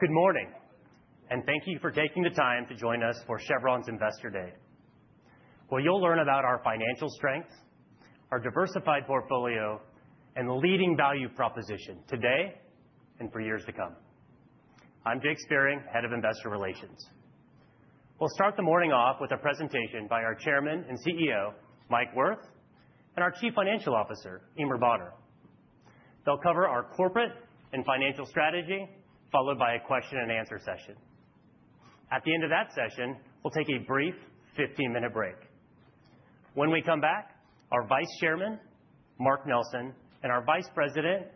Good morning, and thank you for taking the time to join us for Chevron's Investor Day, where you'll learn about our financial strengths, our diversified portfolio, and the leading value proposition today and for years to come. I'm Jake Spiering, Head of Investor Relations. We'll start the morning off with a presentation by our Chairman and CEO, Mike Wirth, and our Chief Financial Officer, Eimear Bonner. They'll cover our corporate and financial strategy, followed by a question-and-answer session. At the end of that session, we'll take a brief 15-minute break. When we come back, our Vice Chairman, Mark Nelson, and our Vice President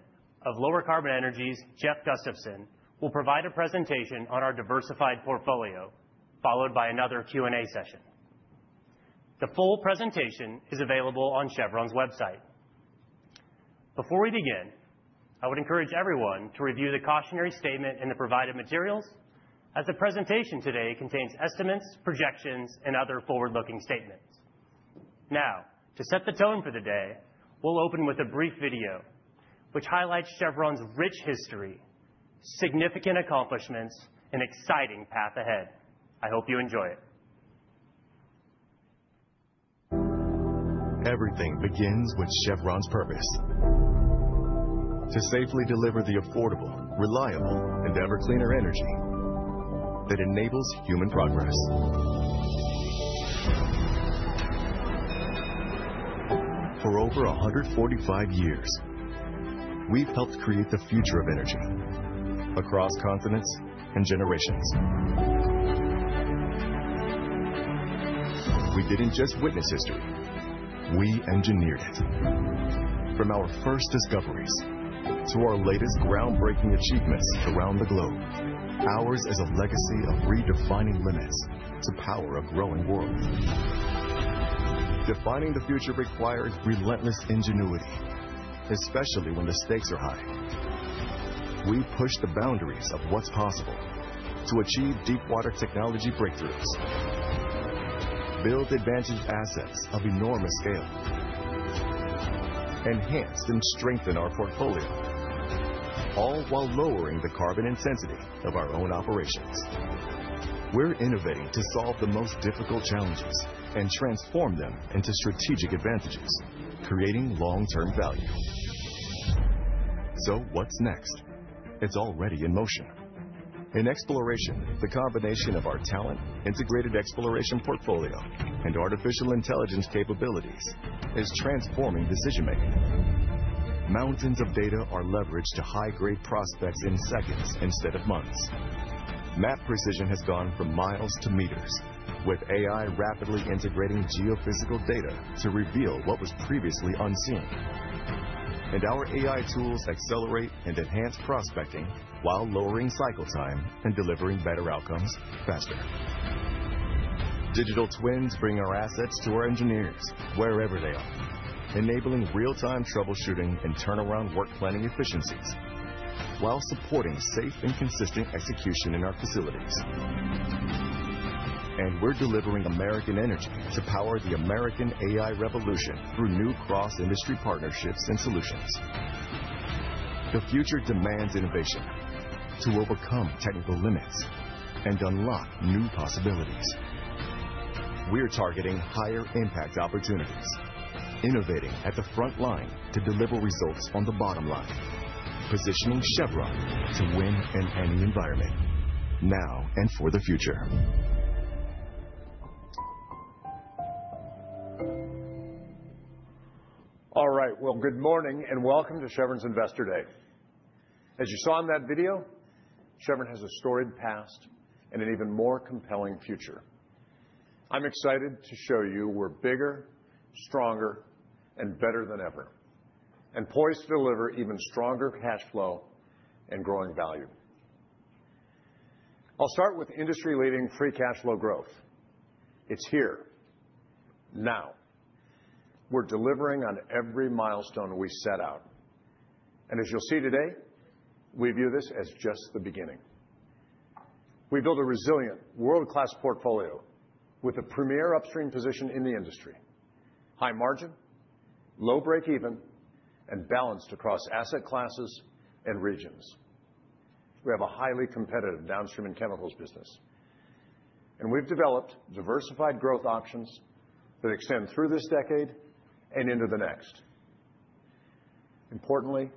of Lower Carbon Energies, Jeff Gustavson, will provide a presentation on our diversified portfolio, followed by another Q&A session. The full presentation is available on Chevron's website. Before we begin, I would encourage everyone to review the cautionary statement in the provided materials, as the presentation today contains estimates, projections, and other forward-looking statements. Now, to set the tone for the day, we'll open with a brief video, which highlights Chevron's rich history, significant accomplishments, and exciting path ahead. I hope you enjoy it. Everything begins with Chevron's purpose: to safely deliver the affordable, reliable, and ever-cleaner energy that enables human progress. For over 145 years, we've helped create the future of energy across continents and generations. We didn't just witness history. We engineered it. From our first discoveries to our latest groundbreaking achievements around the globe, ours is a legacy of redefining limits to the power of a growing world. Defining the future requires relentless ingenuity, especially when the stakes are high. We push the boundaries of what's possible to achieve deepwater technology breakthroughs, build advanced assets of enormous scale, enhance and strengthen our portfolio, all while lowering the carbon intensity of our own operations. We're innovating to solve the most difficult challenges and transform them into strategic advantages, creating long-term value. So what's next? It's already in motion. In exploration, the combination of our talent, integrated exploration portfolio, and artificial intelligence capabilities is transforming decision-making. Mountains of data are leveraged to high-grade prospects in seconds instead of months. Map precision has gone from miles to meters, with AI rapidly integrating geophysical data to reveal what was previously unseen. And our AI tools accelerate and enhance prospecting while lowering cycle time and delivering better outcomes faster. Digital twins bring our assets to our engineers wherever they are, enabling real-time troubleshooting and turnaround work planning efficiencies while supporting safe and consistent execution in our facilities. And we're delivering American energy to power the American AI revolution through new cross-industry partnerships and solutions. The future demands innovation to overcome technical limits and unlock new possibilities. We're targeting higher impact opportunities, innovating at the front line to deliver results on the bottom line, positioning Chevron to win in any environment, now and for the future. All right, well, good morning and welcome to Chevron's Investor Day. As you saw in that video, Chevron has a storied past and an even more compelling future. I'm excited to show you we're bigger, stronger, and better than ever, and poised to deliver even stronger cash flow and growing value. I'll start with industry-leading free cash flow growth. It's here, now. We're delivering on every milestone we set out. And as you'll see today, we view this as just the beginning. We built a resilient, world-class portfolio with a premier Upstream position in the industry: high margin, low-breakeven, and balanced across asset classes and regions. We have a highly competitive Downstream and Chemicals business, and we've developed diversified growth options that extend through this decade and into the next. Importantly,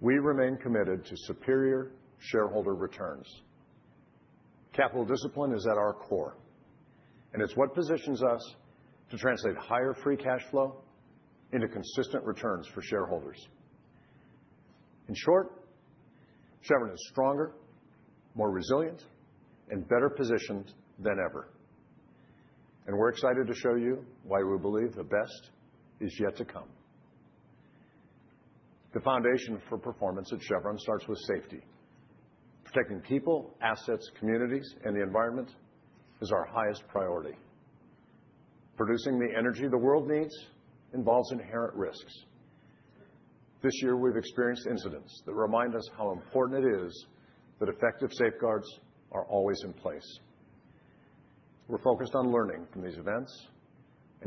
we remain committed to superior shareholder returns. Capital discipline is at our core, and it's what positions us to translate higher free cash flow into consistent returns for shareholders. In short, Chevron is stronger, more resilient, and better positioned than ever. And we're excited to show you why we believe the best is yet to come. The foundation for performance at Chevron starts with safety. Protecting people, assets, communities, and the environment is our highest priority. Producing the energy the world needs involves inherent risks. This year, we've experienced incidents that remind us how important it is that effective safeguards are always in place. We're focused on learning from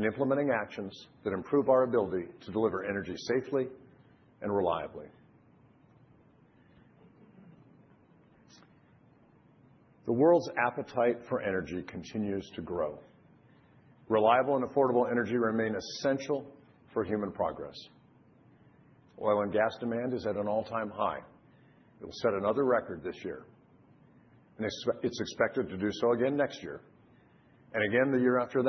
these events and implementing actions that improve our ability to deliver energy safely and reliably. The world's appetite for energy continues to grow. Reliable and affordable energy remain essential for human progress. Oil and gas demand is at an all-time high. It will set another record this year, and it's expected to do so again next year, and again the year after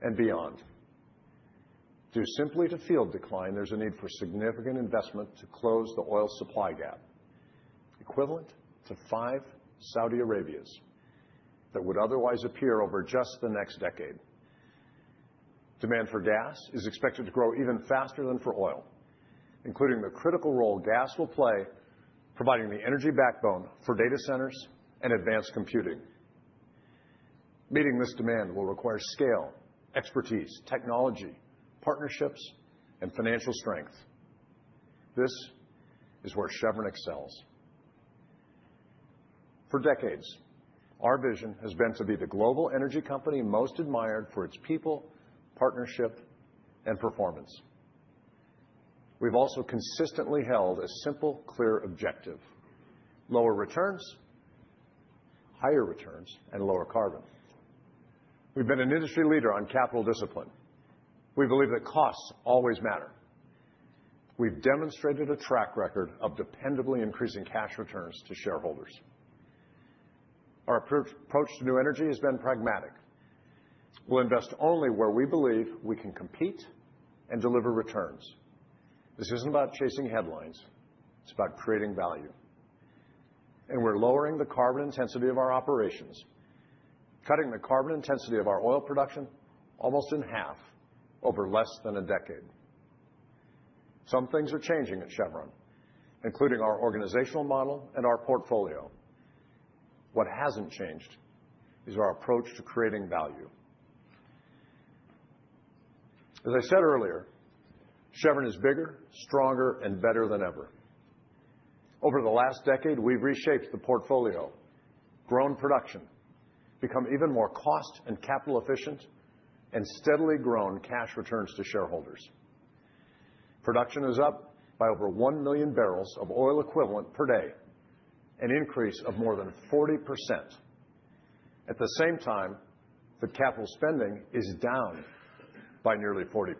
that, and beyond. Due simply to field decline, there's a need for significant investment to close the oil supply gap, equivalent to five Saudi Arabias that would otherwise appear over just the next decade. Demand for gas is expected to grow even faster than for oil, including the critical role gas will play, providing the energy backbone for data centers and advanced computing. Meeting this demand will require scale, expertise, technology, partnerships, and financial strength. This is where Chevron excels. For decades, our vision has been to be the global energy company most admired for its people, partnership, and performance. We've also consistently held a simple, clear objective: Lower Returns, Higher Returns, and Lower Carbon. We've been an industry leader on capital discipline. We believe that costs always matter. We've demonstrated a track record of dependably increasing cash returns to shareholders. Our approach to New Energy has been pragmatic. We'll invest only where we believe we can compete and deliver returns. This isn't about chasing headlines. It's about creating value, and we're lowering the carbon intensity of our operations, cutting the carbon intensity of our oil production almost in half over less than a decade. Some things are changing at Chevron, including our organizational model and our portfolio. What hasn't changed is our approach to creating value. As I said earlier, Chevron is bigger, stronger, and better than ever. Over the last decade, we've reshaped the portfolio, grown production, become even more cost and capital efficient, and steadily grown cash returns to shareholders. Production is up by over one million barrels of oil equivalent per day, an increase of more than 40%. At the same time, the capital spending is down by nearly 40%.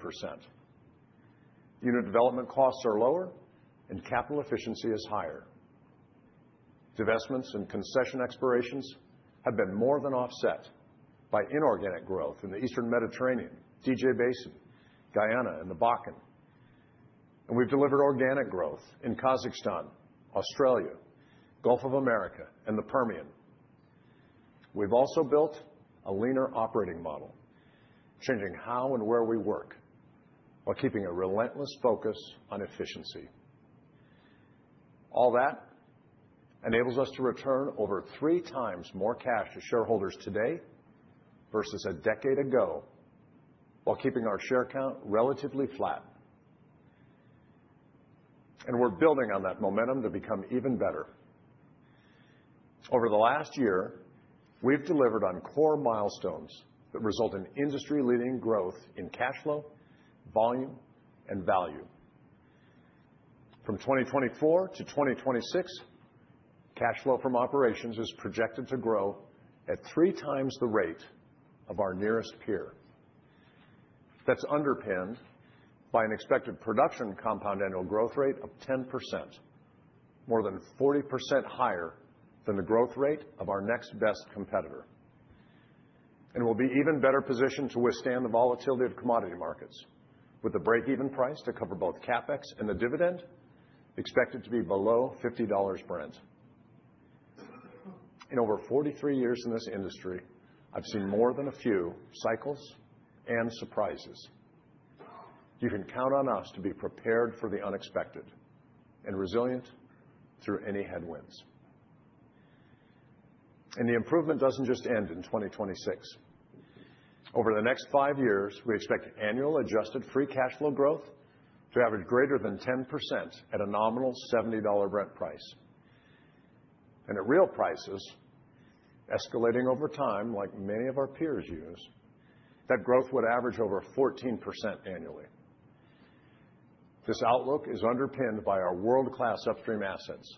Unit development costs are lower, and capital efficiency is higher. Divestments and concession expirations have been more than offset by inorganic growth in the Eastern Mediterranean, DJ Basin, Guyana, and the Bakken. And we've delivered organic growth in Kazakhstan, Australia, Gulf of America, and the Permian. We've also built a leaner operating model, changing how and where we work while keeping a relentless focus on efficiency. All that enables us to return over three times more cash to shareholders today versus a decade ago, while keeping our share count relatively flat. And we're building on that momentum to become even better. Over the last year, we've delivered on core milestones that result in industry-leading growth in cash flow, volume, and value. From 2024 to 2026, cash flow from operations is projected to grow at three times the rate of our nearest peer. That's underpinned by an expected production compound annual growth rate of 10%, more than 40% higher than the growth rate of our next best competitor, and we'll be even better positioned to withstand the volatility of commodity markets, with the break-even price to cover both CapEx and the dividend expected to be below $50 Brent. In over 43 years in this industry, I've seen more than a few cycles and surprises. You can count on us to be prepared for the unexpected and resilient through any headwinds, and the improvement doesn't just end in 2026. Over the next five years, we expect annual adjusted free cash flow growth to average greater than 10% at a nominal $70 Brent price. And at real prices, escalating over time, like many of our peers use, that growth would average over 14% annually. This outlook is underpinned by our world-class Upstream assets,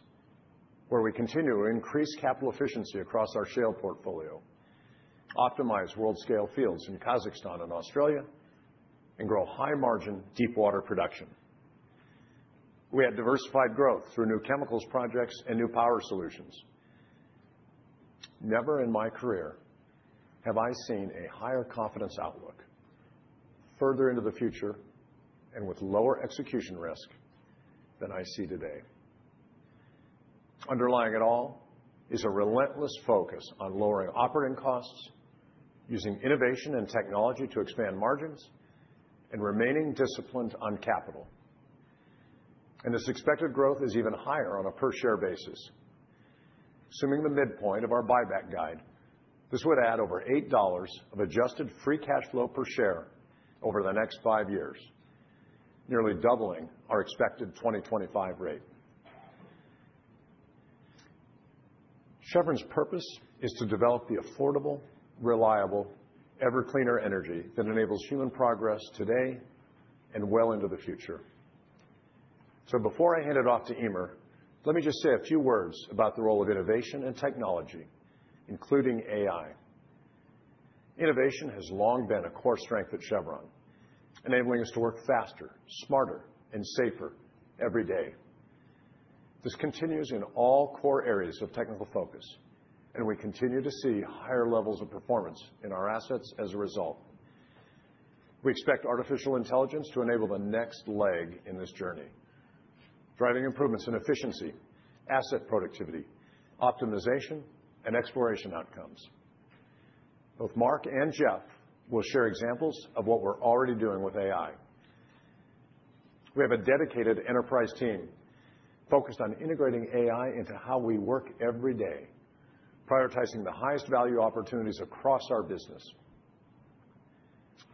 where we continue to increase capital efficiency across our shale portfolio, optimize world-scale fields in Kazakhstan and Australia, and grow high-margin deepwater production. We had diversified growth through new Chemicals projects and new power solutions. Never in my career have I seen a higher confidence outlook further into the future and with lower execution risk than I see today. Underlying it all is a relentless focus on lowering operating costs, using innovation and technology to expand margins, and remaining disciplined on capital. And this expected growth is even higher on a per-share basis. Assuming the midpoint of our buy back guide, this would add over $8 of adjusted free cash flow per share over the next five years, nearly doubling our expected 2025 rate. Chevron's purpose is to develop the affordable, reliable, ever-cleaner energy that enables human progress today and well into the future. So before I hand it off to Eimear, let me just say a few words about the role of innovation and technology, including AI. Innovation has long been a core strength at Chevron, enabling us to work faster, smarter, and safer every day. This continues in all core areas of technical focus, and we continue to see higher levels of performance in our assets as a result. We expect artificial intelligence to enable the next leg in this journey, driving improvements in efficiency, asset productivity, optimization, and exploration outcomes. Both Mark and Jeff will share examples of what we're already doing with AI. We have a dedicated enterprise team focused on integrating AI into how we work every day, prioritizing the highest value opportunities across our business.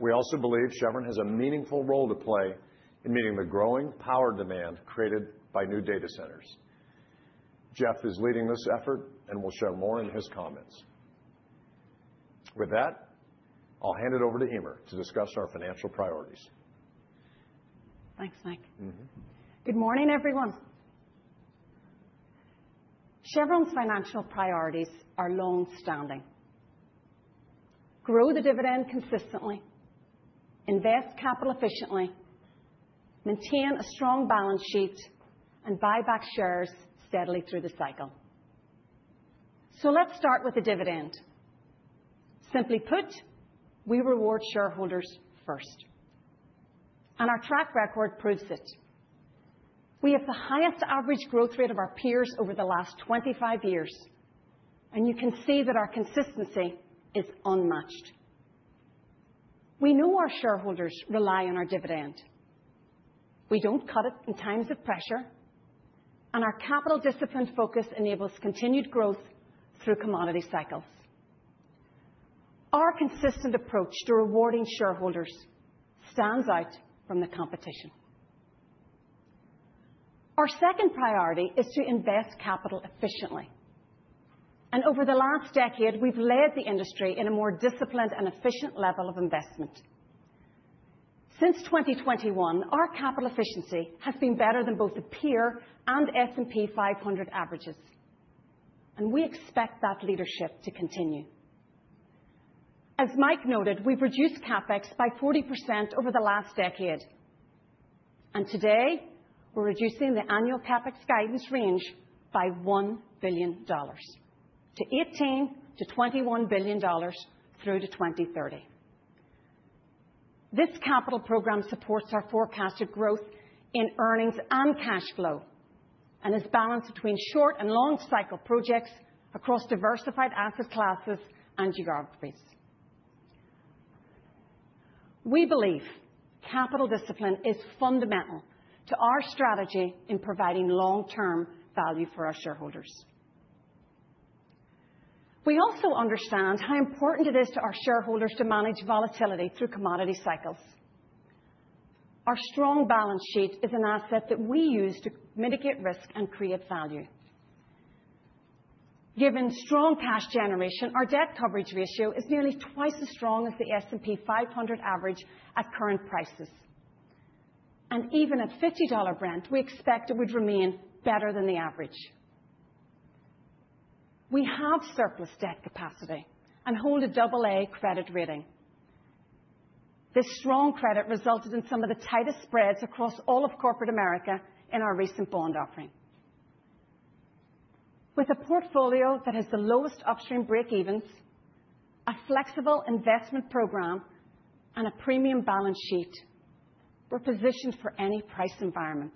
We also believe Chevron has a meaningful role to play in meeting the growing power demand created by new data centers. Jeff is leading this effort and will share more in his comments. With that, I'll hand it over to Eimear to discuss our financial priorities. Thanks, Mike. Good morning, everyone. Chevron's financial priorities are long-standing: grow the dividend consistently, invest capital efficiently, maintain a strong balance sheet, and buyback shares steadily through the cycle. So let's start with the dividend. Simply put, we reward shareholders first. And our track record proves it. We have the highest average growth rate of our peers over the last 25 years, and you can see that our consistency is unmatched. We know our shareholders rely on our dividend. We don't cut it in times of pressure, and our capital discipline focus enables continued growth through commodity cycles. Our consistent approach to rewarding shareholders stands out from the competition. Our second priority is to invest capital efficiently. And over the last decade, we've led the industry in a more disciplined and efficient level of investment. Since 2021, our capital efficiency has been better than both the peer and S&P 500 averages. We expect that leadership to continue. As Mike noted, we've reduced CapEx by 40% over the last decade. Today, we're reducing the annual CapEx guidance range by $1 billion to $18 billion-$21 billion through to 2030. This capital program supports our forecasted growth in earnings and cash flow and is balanced between short and long-cycle projects across diversified asset classes and geographies. We believe capital discipline is fundamental to our strategy in providing long-term value for our shareholders. We also understand how important it is to our shareholders to manage volatility through commodity cycles. Our strong balance sheet is an asset that we use to mitigate risk and create value. Given strong cash generation, our debt coverage ratio is nearly twice as strong as the S&P 500 average at current prices. And even at $50 Brent, we expect it would remain better than the average. We have surplus debt capacity and hold a AA credit rating. This strong credit resulted in some of the tightest spreads across all of corporate America in our recent bond offering. With a portfolio that has the lowest Upstream breakevens, a flexible investment program, and a premium balance sheet, we're positioned for any price environment.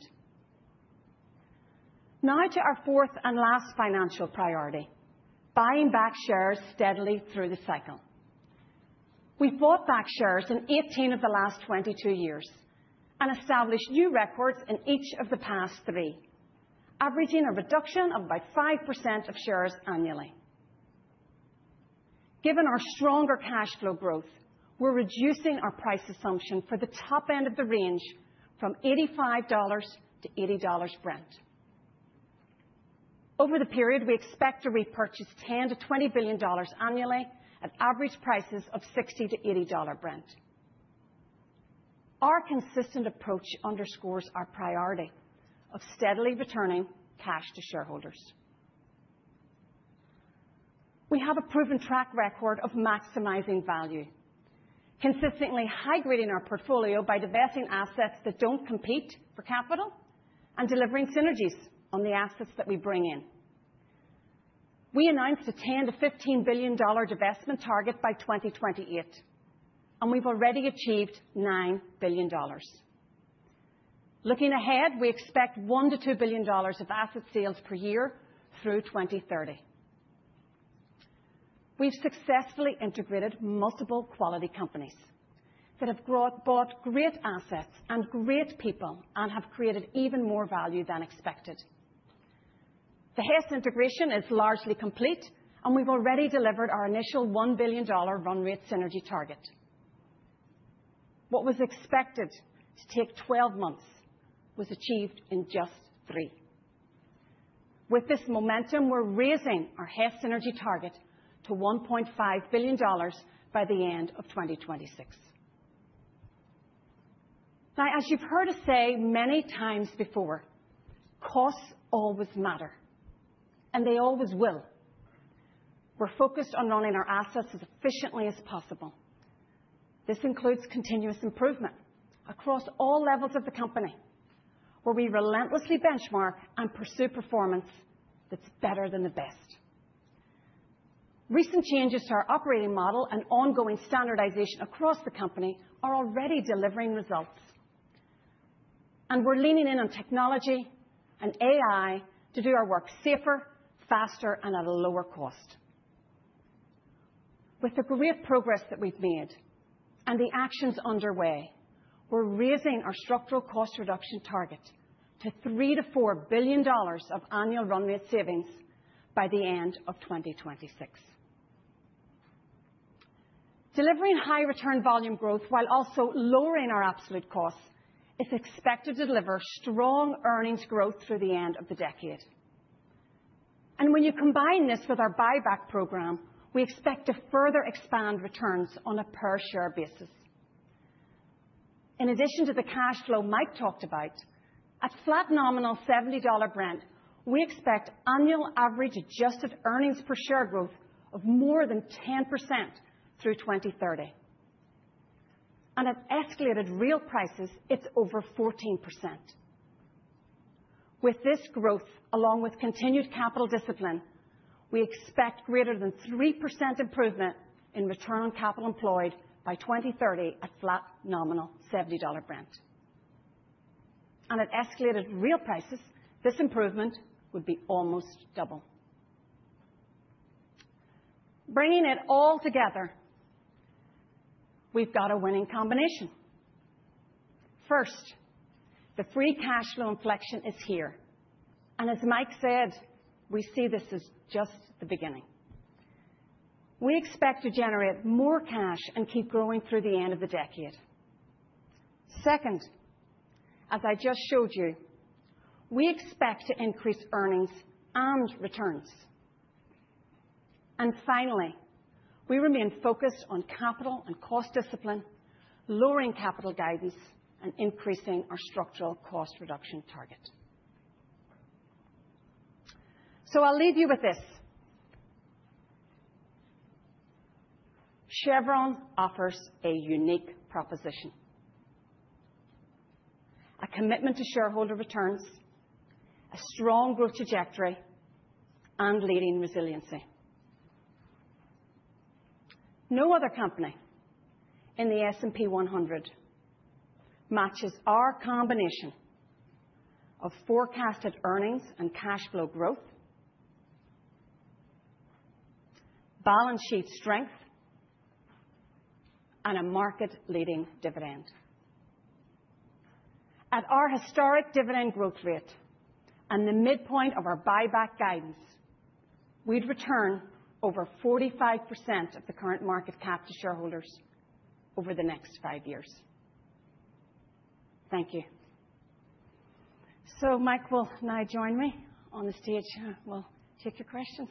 Now to our fourth and last financial priority: buying back shares steadily through the cycle. We've bought back shares in 18 of the last 22 years and established new records in each of the past three, averaging a reduction of about 5% of shares annually. Given our stronger cash flow growth, we're reducing our price assumption for the top end of the range from $85 Brent to $80 Brent. Over the period, we expect to repurchase $10-$20 billion annually at average prices of $60-$80 Brent. Our consistent approach underscores our priority of steadily returning cash to shareholders. We have a proven track record of maximizing value, consistently high-grading our portfolio by divesting assets that don't compete for capital and delivering synergies on the assets that we bring in. We announced a $10 billion-$15 billion divestment target by 2028, and we've already achieved $9 billion. Looking ahead, we expect $1 billion-$2 billion of asset sales per year through 2030. We've successfully integrated multiple quality companies that have brought great assets and great people and have created even more value than expected. The Hess integration is largely complete, and we've already delivered our initial $1 billion run-rate synergy target. What was expected to take 12 months was achieved in just three. With this momentum, we're raising our Hess synergy target to $1.5 billion by the end of 2026. Now, as you've heard us say many times before, costs always matter, and they always will. We're focused on running our assets as efficiently as possible. This includes continuous improvement across all levels of the company, where we relentlessly benchmark and pursue performance that's better than the best. Recent changes to our operating model and ongoing standardization across the company are already delivering results. And we're leaning in on technology and AI to do our work safer, faster, and at a lower cost. With the great progress that we've made and the actions underway, we're raising our structural cost reduction target to $3 billion-$4 billion of annual run-rate savings by the end of 2026. Delivering high return volume growth while also lowering our absolute costs is expected to deliver strong earnings growth through the end of the decade. And when you combine this with our buyback program, we expect to further expand returns on a per-share basis. In addition to the cash flow Mike talked about, at flat nominal $70 Brent, we expect annual average adjusted earnings per share growth of more than 10% through 2030. And at escalated real prices, it's over 14%. With this growth, along with continued capital discipline, we expect greater than 3% improvement in return on capital employed by 2030 at flat nominal $70 Brent. And at escalated real prices, this improvement would be almost double. Bringing it all together, we've got a winning combination. First, the free cash flow inflection is here. And as Mike said, we see this as just the beginning. We expect to generate more cash and keep growing through the end of the decade. Second, as I just showed you, we expect to increase earnings and returns. And finally, we remain focused on capital and cost discipline, lowering capital guidance and increasing our structural cost reduction target. So I'll leave you with this. Chevron offers a unique proposition: a commitment to shareholder returns, a strong growth trajectory, and leading resiliency. No other company in the S&P 100 matches our combination of forecasted earnings and cash flow growth, balance sheet strength, and a market-leading dividend. At our historic dividend growth rate and the midpoint of our buyback guidance, we'd return over 45% of the current market cap to shareholders over the next five years. Thank you. So Mike will now join me on the stage. We'll take your questions.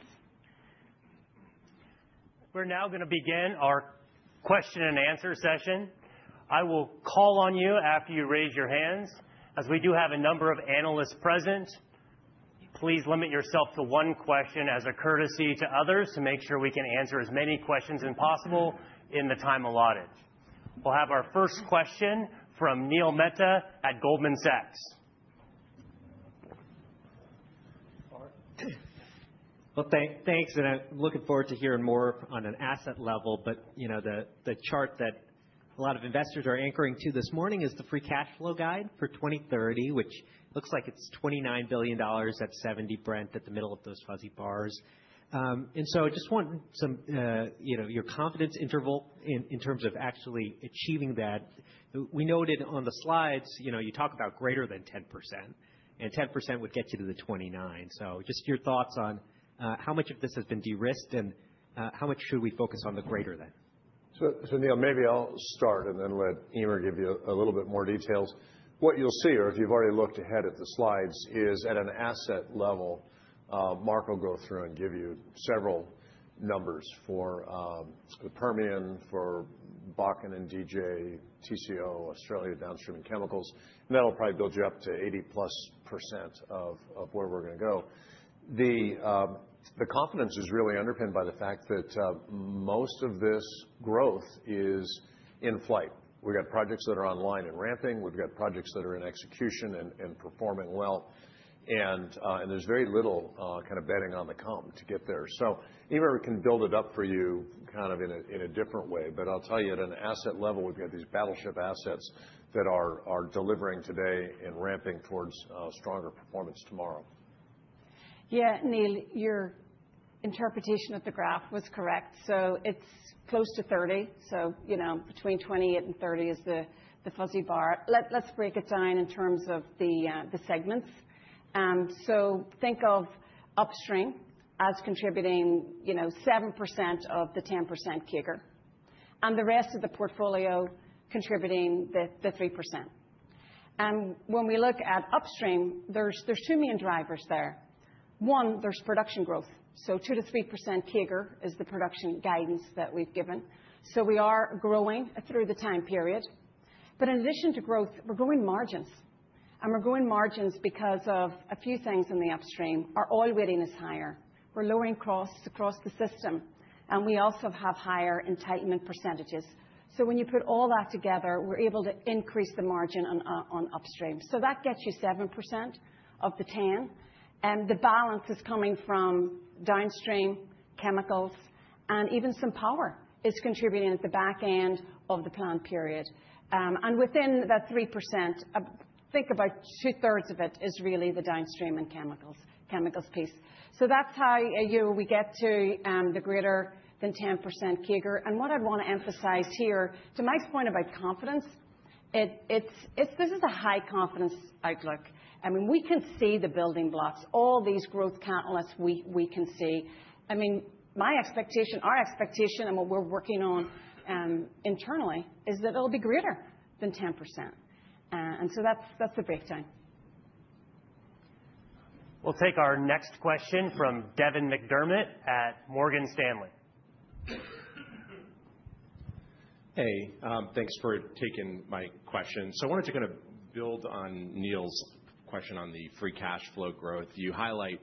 We're now going to begin our question-and-answer session. I will call on you after you raise your hands. As we do have a number of analysts present, please limit yourself to one question as a courtesy to others to make sure we can answer as many questions as possible in the time allotted. We'll have our first question from Neil Mehta at Goldman Sachs. Thanks. And I'm looking forward to hearing more on an asset level. But you know the chart that a lot of investors are anchoring to this morning is the free cash flow guide for 2030, which looks like it's $29 billion at $70 Brent at the middle of those fuzzy bars. And so I just want some of your confidence interval in terms of actually achieving that. You noted on the slides, you talk about greater than 10%, and 10% would get you to the $29 billion. So just your thoughts on how much of this has been de-risked and how much should we focus on the greater than? So Neil, maybe I'll start and then let Eimear give you a little bit more details. What you'll see, or if you've already looked ahead at the slides, is at an asset level, Mark will go through and give you several numbers for the Permian, for Bakken and DJ, TCO, Australia Downstream and Chemicals. And that'll probably build you up to 80+% of where we're going to go. The confidence is really underpinned by the fact that most of this growth is in flight. We've got projects that are online and ramping. We've got projects that are in execution and performing well. And there's very little kind of betting on the come to get there. So Eimear can build it up for you kind of in a different way. But I'll tell you, at an asset level, we've got these battleship assets that are delivering today and ramping towards stronger performance tomorrow. Yeah, Neil, your interpretation of the graph was correct. So it's close to $30 billion. So between $28 billion and $30 billion is the fuzzy bar. Let's break it down in terms of the segments. So think of upstream as contributing 7% of the 10% CAGR and the rest of the portfolio contributing the 3%. And when we look at Upstream, there's two main drivers there. One, there's production growth. So 2% to 3% CAGR is the production guidance that we've given. So we are growing through the time period. But in addition to growth, we're growing margins. And we're growing margins because of a few things in the Upstream. Our oil readiness is higher. We're lowering costs across the system. And we also have higher entitlement percentages. So when you put all that together, we're able to increase the margin on Upstream. So that gets you 7% of the 10%. And the balance is coming from Downstream Chemicals. And even some power is contributing at the back end of the planned period. And within that 3%, think about two-thirds of it is really the Downstream and Chemicals piece. So that's how we get to the greater than 10% CAGR. And what I'd want to emphasize here, to Mike's point about confidence, this is a high confidence outlook. I mean, we can see the building blocks, all these growth catalysts we can see. I mean, my expectation, our expectation, and what we're working on internally is that it'll be greater than 10%. And so that's the breakdown. We'll take our next question from Devin McDermott at Morgan Stanley. Hey, thanks for taking my question. So I wanted to kind of build on Neil's question on the free cash flow growth. You highlight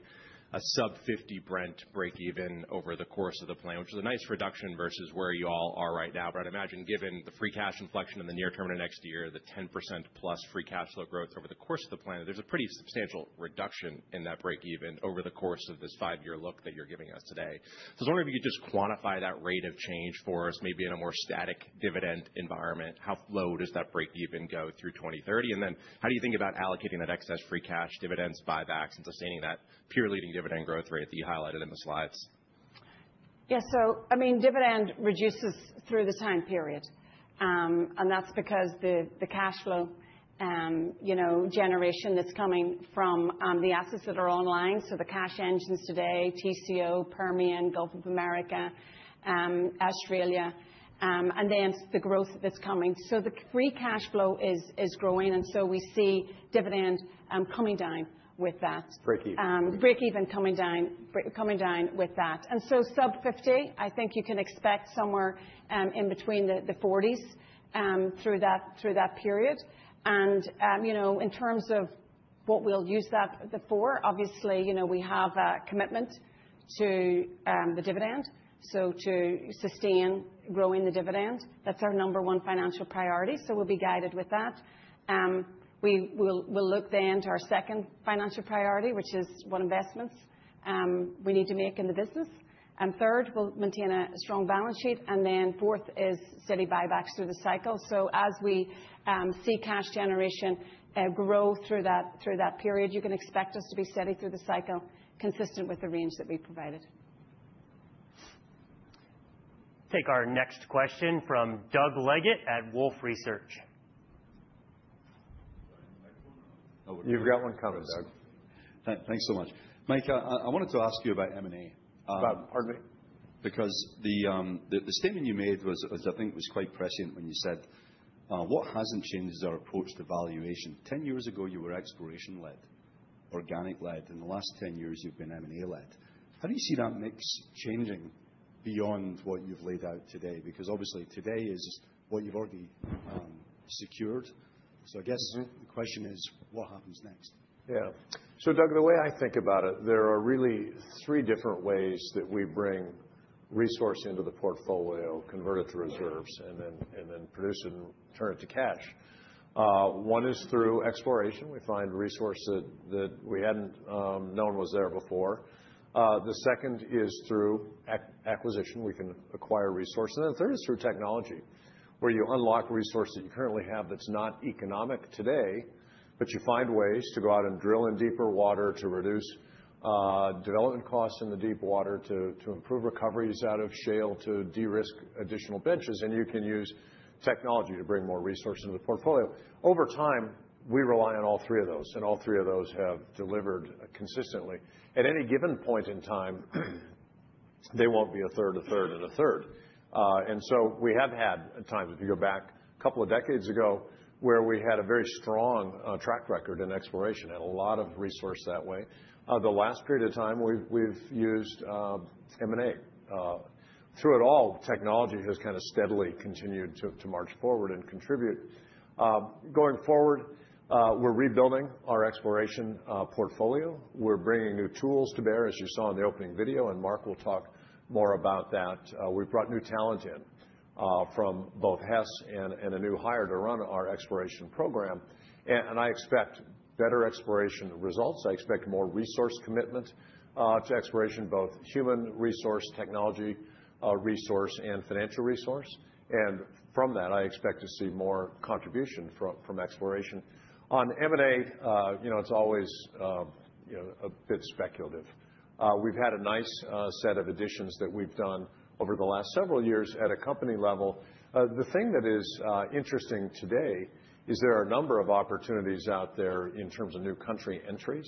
a sub-$50 Brent breakeven over the course of the plan, which is a nice reduction versus where you all are right now. But I'd imagine given the free cash inflection in the near term of next year, the 10% plus free cash flow growth over the course of the plan, there's a pretty substantial reduction in that breakeven over the course of this five-year look that you're giving us today. So I was wondering if you could just quantify that rate of change for us, maybe in a more static dividend environment. How low does that breakeven go through 2030? Then how do you think about allocating that excess free cash, dividends, buybacks, and sustaining that peer-leading dividend growth rate that you highlighted in the slides? Yeah, so I mean, the dividend reduces through the time period. And that's because the cash flow generation that's coming from the assets that are online, so the cash engines today, TCO, Permian, Gulf of America, Australia, and then the growth that's coming. So the free cash flow is growing. And so we see the dividend coming down with that. Breakeven. Breakeven coming down with that. So sub-$50, I think you can expect somewhere in between the $40's through that period. In terms of what we'll use that for, obviously, we have a commitment to the dividend, so to sustain growing the dividend. That's our number one financial priority. We'll be guided with that. We'll look then to our second financial priority, which is what investments we need to make in the business. Third, we'll maintain a strong balance sheet. Fourth is steady buybacks through the cycle. As we see cash generation grow through that period, you can expect us to be steady through the cycle consistent with the range that we provided. Take our next question from Doug Leggett at Wolfe Research. You've got one coming, Doug. Thanks so much. Mike, I wanted to ask you about M&A. Pardon me? Because the statement you made was, I think it was quite prescient when you said, "What hasn't changed is our approach to valuation." 10 years ago, you were exploration-led, organic-led. In the last ten years, you've been M&A-led. How do you see that mix changing beyond what you've laid out today? Because obviously, today is what you've already secured. So I guess the question is, what happens next? Yeah. So Doug, the way I think about it, there are really three different ways that we bring resource into the portfolio, convert it to reserves, and then produce it and turn it to cash. One is through exploration. We find resource that we hadn't known was there before. The second is through acquisition. We can acquire resource. And then third is through technology, where you unlock resource that you currently have that's not economic today, but you find ways to go out and drill in deeper water to reduce development costs in the deepwater, to improve recoveries out of shale, to de-risk additional benches. And you can use technology to bring more resource into the portfolio. Over time, we rely on all three of those. And all three of those have delivered consistently. At any given point in time, they won't be a third, a third, and a third. And so we have had times, if you go back a couple of decades ago, where we had a very strong track record in exploration, had a lot of resource that way. The last period of time, we've used M&A. Through it all, technology has kind of steadily continued to march forward and contribute. Going forward, we're rebuilding our exploration portfolio. We're bringing new tools to bear, as you saw in the opening video. And Mark will talk more about that. We've brought new talent in from both Hess and a new hire to run our exploration program. And I expect better exploration results. I expect more resource commitment to exploration, both human resource, technology resource, and financial resource. And from that, I expect to see more contribution from exploration. On M&A, it's always a bit speculative. We've had a nice set of additions that we've done over the last several years at a company level. The thing that is interesting today is there are a number of opportunities out there in terms of new country entries.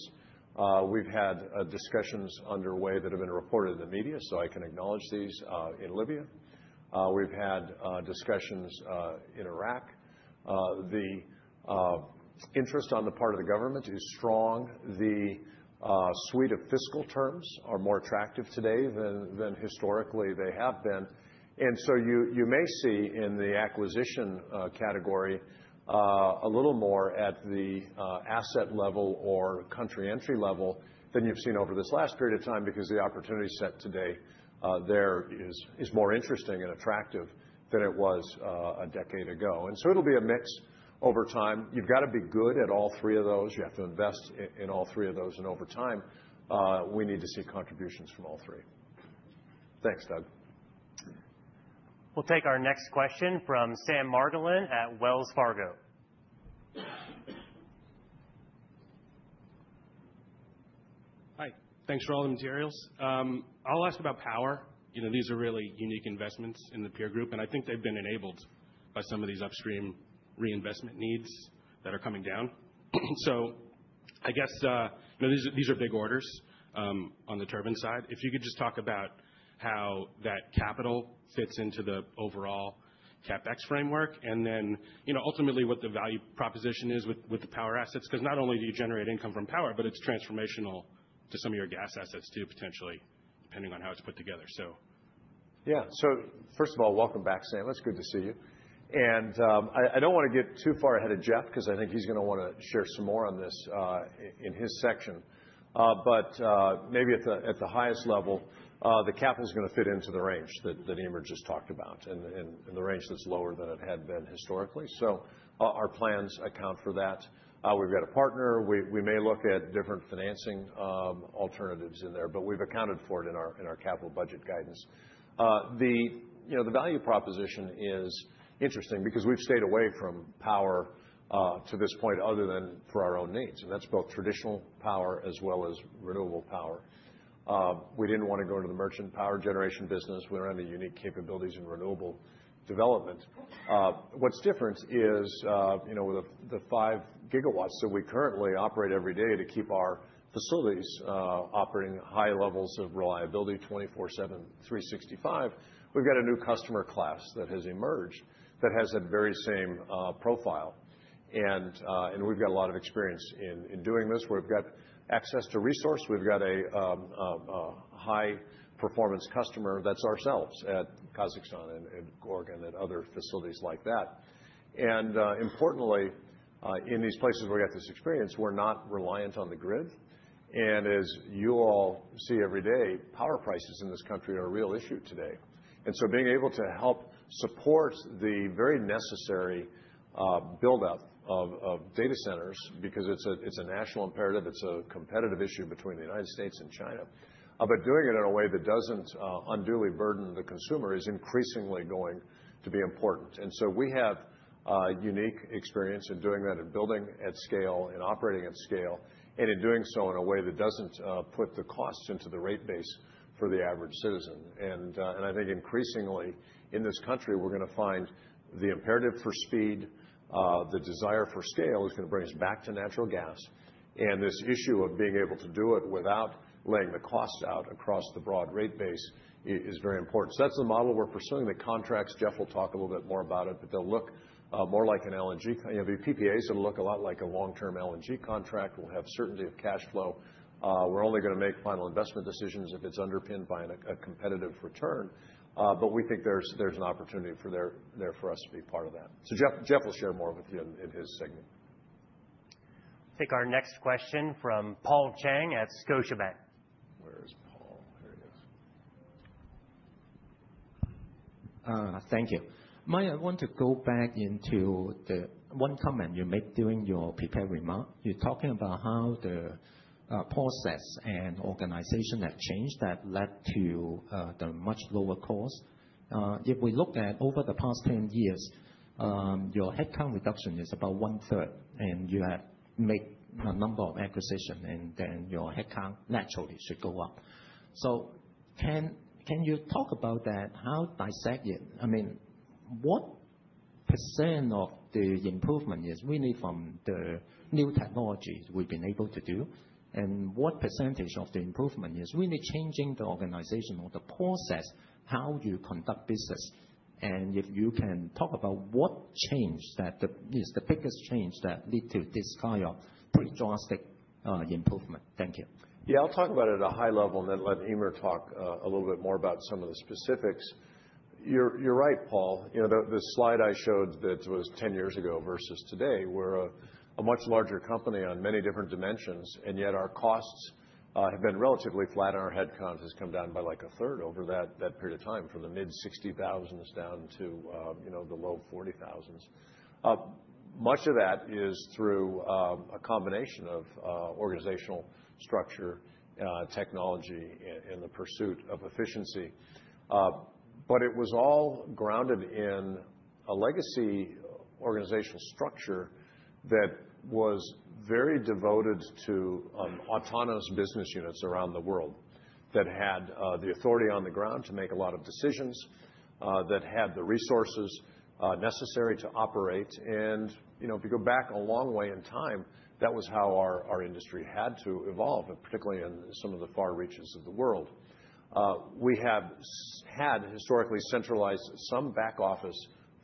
We've had discussions underway that have been reported in the media, so I can acknowledge these in Libya. We've had discussions in Iraq. The interest on the part of the government is strong. The suite of fiscal terms are more attractive today than historically they have been, and so you may see in the acquisition category a little more at the asset level or country entry level than you've seen over this last period of time because the opportunity set today there is more interesting and attractive than it was a decade ago, and so it'll be a mix over time. You've got to be good at all three of those. You have to invest in all three of those. And over time, we need to see contributions from all three. Thanks, Doug. We'll take our next question from Sam Margolin at Wells Fargo. Hi. Thanks for all the materials. I'll ask about power. These are really unique investments in the peer group. And I think they've been enabled by some of these Upstream reinvestment needs that are coming down. So I guess these are big orders on the turbine side. If you could just talk about how that capital fits into the overall CapEx framework and then ultimately what the value proposition is with the power assets, because not only do you generate income from power, but it's transformational to some of your gas assets too, potentially, depending on how it's put together. So. Yeah. So first of all, welcome back, Sam. It's good to see you. And I don't want to get too far ahead of Jeff because I think he's going to want to share some more on this in his section. But maybe at the highest level, the capital is going to fit into the range that Eimear just talked about and the range that's lower than it had been historically. So our plans account for that. We've got a partner. We may look at different financing alternatives in there, but we've accounted for it in our capital budget guidance. The value proposition is interesting because we've stayed away from power to this point other than for our own needs. And that's both traditional power as well as renewable power. We didn't want to go into the merchant power generation business. We don't have any unique capabilities in renewable development. What’s different is, with the five gigawatts that we currently operate every day to keep our facilities operating at high levels of reliability 24/7, 365, we’ve got a new customer class that has emerged that has that very same profile, and we’ve got a lot of experience in doing this. We’ve got access to resource. We’ve got a high-performance customer that’s ourselves at Kazakhstan and Gorgon and other facilities like that, and importantly, in these places where we got this experience, we’re not reliant on the grid, and as you all see every day, power prices in this country are a real issue today. And so being able to help support the very necessary buildup of data centers because it's a national imperative, it's a competitive issue between the United States and China, but doing it in a way that doesn't unduly burden the consumer is increasingly going to be important. And so we have a unique experience in doing that and building at scale and operating at scale and in doing so in a way that doesn't put the costs into the rate base for the average citizen. And I think increasingly in this country, we're going to find the imperative for speed, the desire for scale is going to bring us back to natural gas. And this issue of being able to do it without laying the costs out across the broad rate base is very important. So that's the model we're pursuing. The contracts. Jeff will talk a little bit more about it, but they'll look more like an LNG. The PPAs will look a lot like a long-term LNG contract. We'll have certainty of cash flow. We're only going to make final investment decisions if it's underpinned by a competitive return, but we think there's an opportunity there for us to be part of that, so Jeff will share more with you in his segment. Take our next question from Paul Cheng at Scotiabank. Where is Paul? Here he is. Thank you. May I want to go back into the one comment you made during your prepared remark. You're talking about how the process and organization have changed that led to the much lower cost. If we look at over the past 10 years, your headcount reduction is about 1/3, and you have made a number of acquisitions, and then your headcount naturally should go up, so can you talk about that? How does that yield? I mean, what % of the improvement is really from the new technology we've been able to do, and what % of the improvement is really changing the organization or the process, how you conduct business, and if you can talk about what changed that is the biggest change that led to this kind of pretty drastic improvement. Thank you. Yeah, I'll talk about it at a high level and then let Eimear talk a little bit more about some of the specifics. You're right, Paul. The slide I showed that was ten years ago versus today, we're a much larger company on many different dimensions. And yet our costs have been relatively flat, and our headcount has come down by like a third over that period of time from the mid-60,000s down to below 40,000s. Much of that is through a combination of organizational structure, technology, and the pursuit of efficiency. But it was all grounded in a legacy organizational structure that was very devoted to autonomous business units around the world that had the authority on the ground to make a lot of decisions, that had the resources necessary to operate. If you go back a long way in time, that was how our industry had to evolve, particularly in some of the far reaches of the world. We have had historically centralized some back office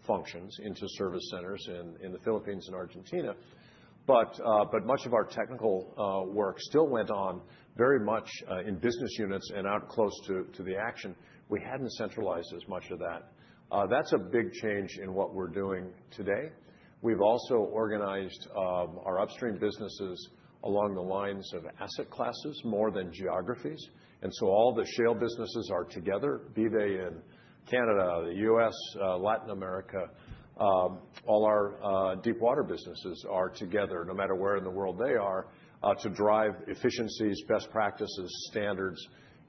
functions into service centers in the Philippines and Argentina. But much of our technical work still went on very much in business units and out close to the action. We hadn't centralized as much of that. That's a big change in what we're doing today. We've also organized our upstream businesses along the lines of asset classes more than geographies. And so all the shale businesses are together, be they in Canada, the U.S., Latin America. All our deepwater businesses are together, no matter where in the world they are, to drive efficiencies, best practices, standards,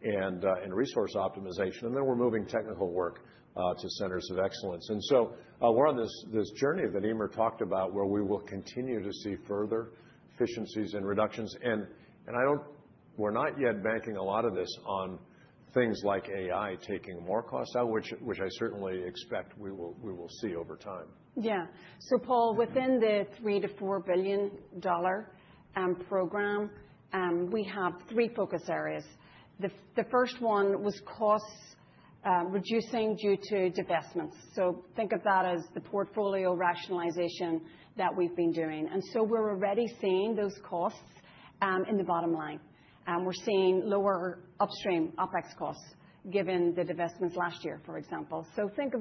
and resource optimization. And then we're moving technical work to centers of excellence. And so we're on this journey that Eimear talked about where we will continue to see further efficiencies and reductions. And we're not yet banking a lot of this on things like AI taking more costs out, which I certainly expect we will see over time. Yeah. So Paul, within the $3 billion-$4 billion program, we have three focus areas. The first one was cost reductions due to divestments. So think of that as the portfolio rationalization that we've been doing. And so we're already seeing those costs in the bottom line. We're seeing lower Upstream OpEx costs given the divestments last year, for example. So think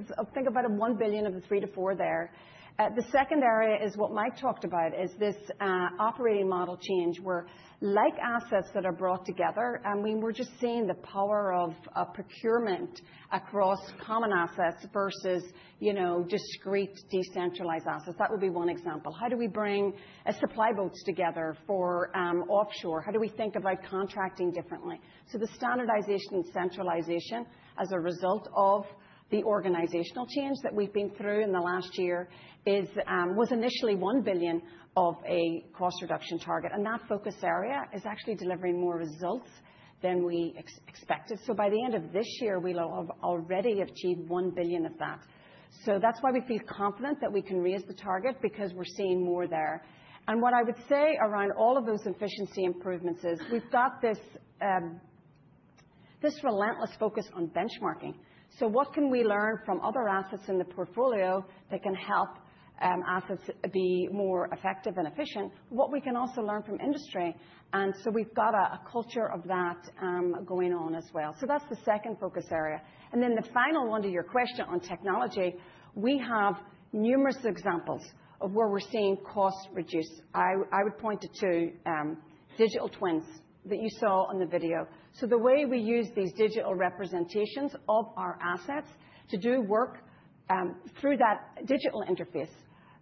about $1 billion of the $3 billion-$4 billion there. The second area is what Mike talked about is this operating model change where, like assets that are brought together, we were just seeing the power of procurement across common assets versus discrete decentralized assets. That would be one example. How do we bring supply boats together for offshore? How do we think about contracting differently? The standardization and centralization as a result of the organizational change that we've been through in the last year was initially $1 billion of a cost reduction target. And that focus area is actually delivering more results than we expected. So by the end of this year, we'll have already achieved $1 billion of that. So that's why we feel confident that we can raise the target because we're seeing more there. And what I would say around all of those efficiency improvements is we've got this relentless focus on benchmarking. So what can we learn from other assets in the portfolio that can help assets be more effective and efficient? What we can also learn from industry. And so we've got a culture of that going on as well. So that's the second focus area. And then the final one to your question on technology, we have numerous examples of where we're seeing costs reduced. I would point to two digital twins that you saw on the video. So the way we use these digital representations of our assets to do work through that digital interface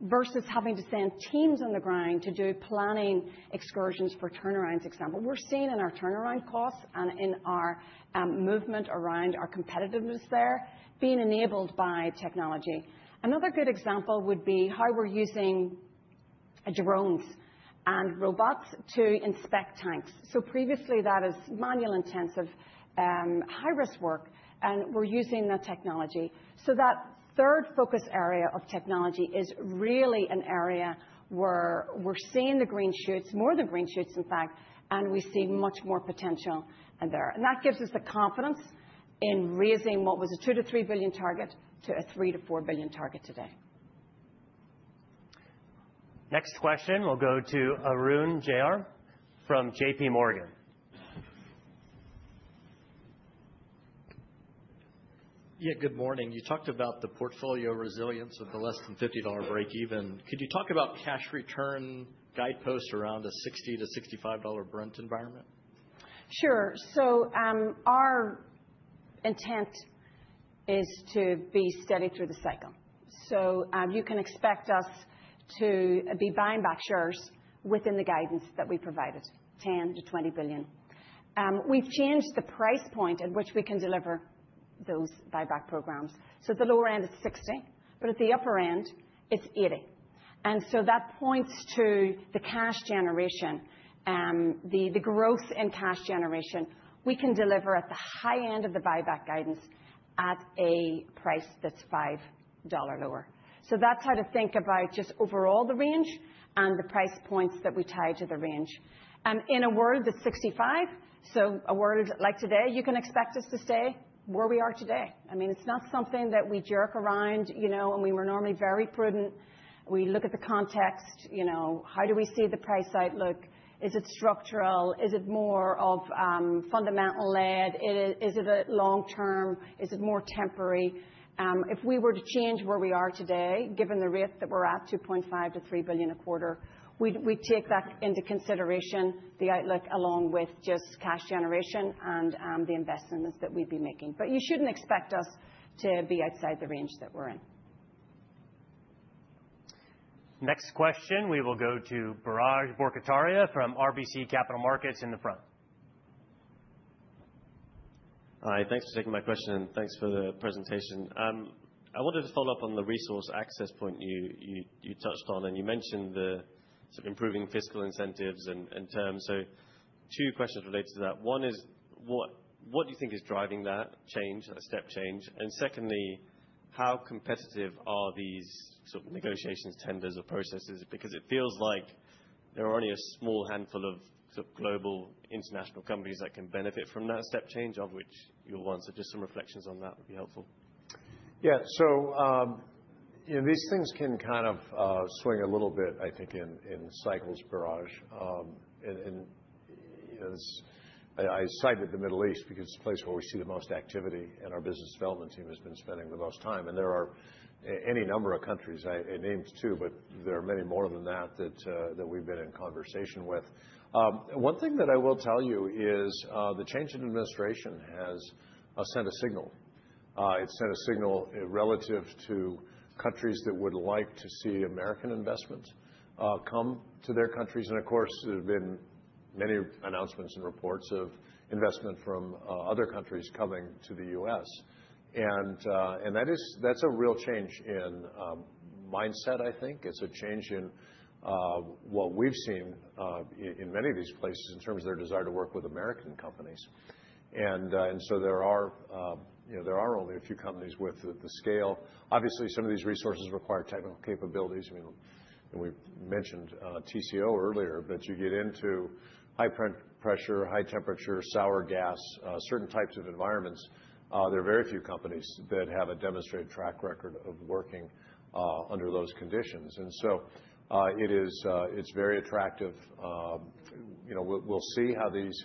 versus having to send teams on the ground to do planning excursions for turnarounds, for example, we're seeing in our turnaround costs and in our movement around our competitiveness there being enabled by technology. Another good example would be how we're using drones and robots to inspect tanks. So previously, that is manual intensive, high-risk work, and we're using that technology. So that third focus area of technology is really an area where we're seeing the green shoots, more than green shoots, in fact, and we see much more potential there. That gives us the confidence in raising what was a $2 billion-$3 billion target to a $3 billion-$4 billion target today. Next question, we'll go to Arun Jayaram from JPMorgan. Yeah, good morning. You talked about the portfolio resilience of the less than $50 breakeven. Could you talk about cash return guideposts around a $60 Brent-$65 Brent environment? Sure. Our intent is to be steady through the cycle. You can expect us to be buying back shares within the guidance that we provided, $10 billion-$20 billion. We've changed the price point at which we can deliver those buyback programs. At the lower end, it's $60 Brent, but at the upper end, it's $80 Brent. That points to the cash generation, the growth in cash generation. We can deliver at the high end of the buyback guidance at a price that's $5 lower. That's how to think about just overall the range and the price points that we tie to the range. In a world that's $65, a world like today, you can expect us to stay where we are today. I mean, it's not something that we jerk around. We were normally very prudent. We look at the context. How do we see the price outlook? Is it structural? Is it more of fundamentals-led? Is it a long-term? Is it more temporary? If we were to change where we are today, given the rate that we're at, $2.5 billion-$3 billion a quarter, we'd take that into consideration, the outlook along with just cash generation and the investments that we'd be making. But you shouldn't expect us to be outside the range that we're in. Next question, we will go to Biraj Borkhataria from RBC Capital Markets in the front. Hi, thanks for taking my question. Thanks for the presentation. I wanted to follow up on the resource access point you touched on, and you mentioned the sort of improving fiscal incentives and terms, so two questions related to that. One is, what do you think is driving that change, that step change? And secondly, how competitive are these sort of negotiations, tenders, or processes? Because it feels like there are only a small handful of global international companies that can benefit from that step change, of which Chevron. So just some reflections on that would be helpful. Yeah. So these things can kind of swing a little bit, I think, in cycles, Biraj. And I cited the Middle East because it's the place where we see the most activity, and our business development team has been spending the most time. And there are any number of countries. I named two, but there are many more than that that we've been in conversation with. One thing that I will tell you is the change in administration has sent a signal. It's sent a signal relative to countries that would like to see American investments come to their countries. And of course, there have been many announcements and reports of investment from other countries coming to the U.S. And that's a real change in mindset, I think. It's a change in what we've seen in many of these places in terms of their desire to work with American companies. And so there are only a few companies with the scale. Obviously, some of these resources require technical capabilities. I mean, we mentioned TCO earlier, but you get into high pressure, high temperature, sour gas, certain types of environments. There are very few companies that have a demonstrated track record of working under those conditions. And so it's very attractive. We'll see how these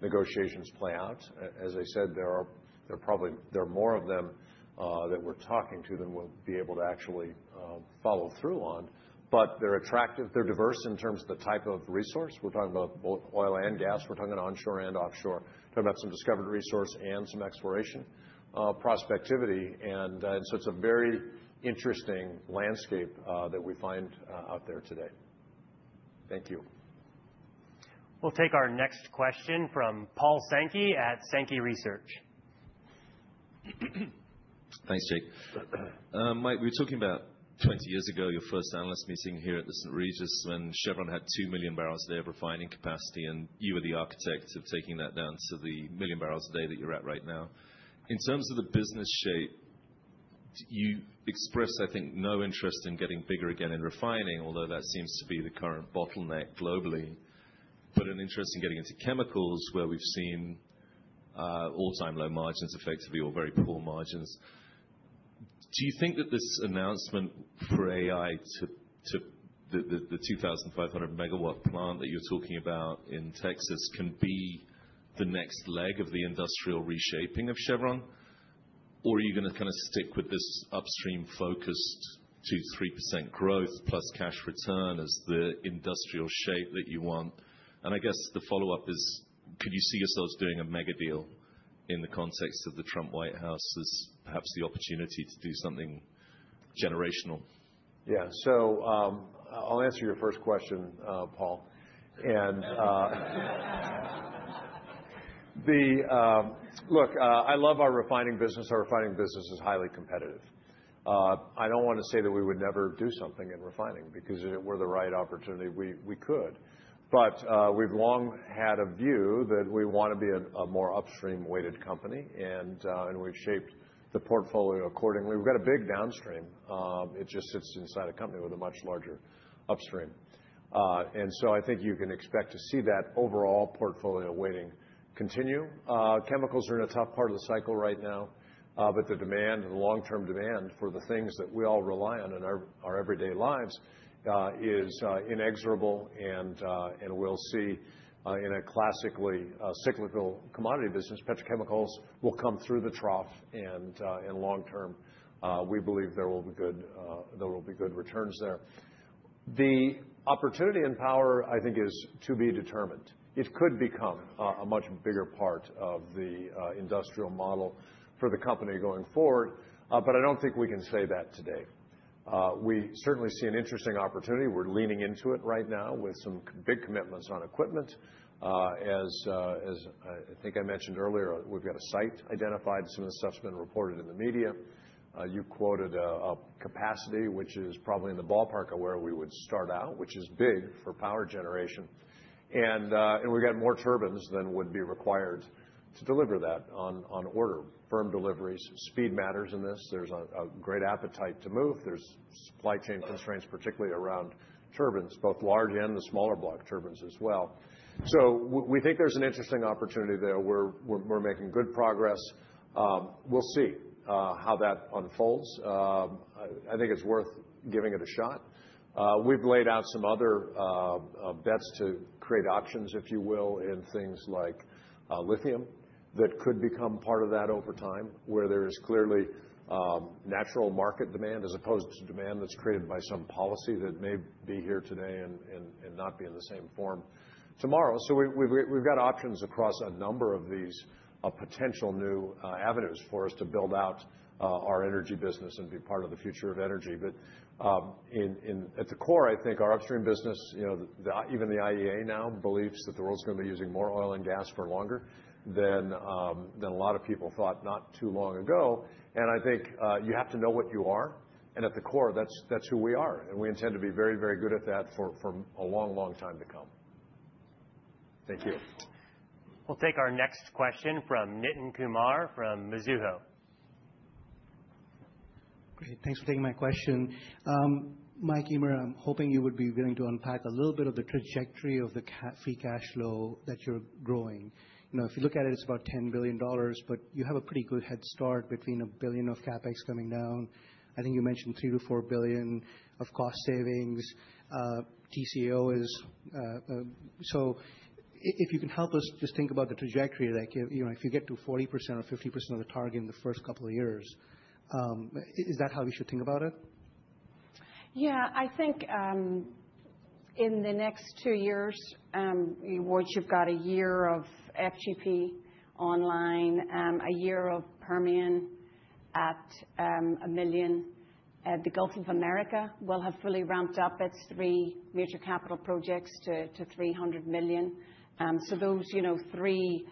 negotiations play out. As I said, there are probably more of them that we're talking to than we'll be able to actually follow through on. But they're attractive. They're diverse in terms of the type of resource. We're talking about oil and gas. We're talking onshore and offshore. We're talking about some discovered resource and some exploration prospectivity. And so it's a very interesting landscape that we find out there today. Thank you. We'll take our next question from Paul Sankey at Sankey Research. Thanks, Jake. Mike, we were talking about 20 years ago, your first analyst meeting here at the St. Regis when Chevron had two million barrels a day of refining capacity, and you were the architect of taking that down to a million barrels a day that you're at right now. In terms of the business shape, you expressed, I think, no interest in getting bigger again in refining, although that seems to be the current bottleneck globally, but an interest in getting into chemicals where we've seen all-time low margins, effectively, or very poor margins. Do you think that this announcement for AI, the 2,500-megawatt plant that you're talking about in Texas, can be the next leg of the industrial reshaping of Chevron? Or are you going to kind of stick with this upstream-focused 2%-3% growth plus cash return as the industrial shape that you want? I guess the follow-up is, could you see yourselves doing a mega deal in the context of the Trump White House as perhaps the opportunity to do something generational? Yeah. So I'll answer your first question, Paul, and look, I love our refining business. Our refining business is highly competitive. I don't want to say that we would never do something in refining because if it were the right opportunity, we could, but we've long had a view that we want to be a more Upstream-weighted company, and we've shaped the portfolio accordingly. We've got a big Downstream. It just sits inside a company with a much larger Upstream, and so I think you can expect to see that overall portfolio weighting continue. Chemicals are in a tough part of the cycle right now, but the demand, the long-term demand for the things that we all rely on in our everyday lives is inexorable, and we'll see in a classically cyclical commodity business, petrochemicals will come through the trough, and long-term, we believe there will be good returns there. The opportunity in power, I think, is to be determined. It could become a much bigger part of the industrial model for the company going forward. But I don't think we can say that today. We certainly see an interesting opportunity. We're leaning into it right now with some big commitments on equipment. As I think I mentioned earlier, we've got a site identified. Some of this stuff's been reported in the media. You quoted a capacity, which is probably in the ballpark of where we would start out, which is big for power generation. And we've got more turbines than would be required to deliver that on order. Firm deliveries, speed matters in this. There's a great appetite to move. There's supply chain constraints, particularly around turbines, both large and the smaller block turbines as well. So we think there's an interesting opportunity there. We're making good progress. We'll see how that unfolds. I think it's worth giving it a shot. We've laid out some other bets to create options, if you will, in things like lithium that could become part of that over time, where there is clearly natural market demand as opposed to demand that's created by some policy that may be here today and not be in the same form tomorrow. So we've got options across a number of these potential new avenues for us to build out our energy business and be part of the future of energy. But at the core, I think our Upstream business, even the IEA now believes that the world's going to be using more oil and gas for longer than a lot of people thought not too long ago. And I think you have to know what you are. And at the core, that's who we are. We intend to be very, very good at that for a long, long time to come. Thank you. We'll take our next question from Nitin Kumar from Mizuho. Great. Thanks for taking my question. Mike, Eimear, I'm hoping you would be willing to unpack a little bit of the trajectory of the free cash flow that you're growing. If you look at it, it's about $10 billion, but you have a pretty good head start between $1 billion of CapEx coming down. I think you mentioned $3 billion-$4 billion of cost savings. TCO. So if you can help us just think about the trajectory, like if you get to 40% or 50% of the target in the first couple of years, is that how we should think about it? Yeah. I think in the next two years, what you've got a year of FGP online, a year of Permian at a million. The Gulf of America will have fully ramped up its three major capital projects to 300 million. So those three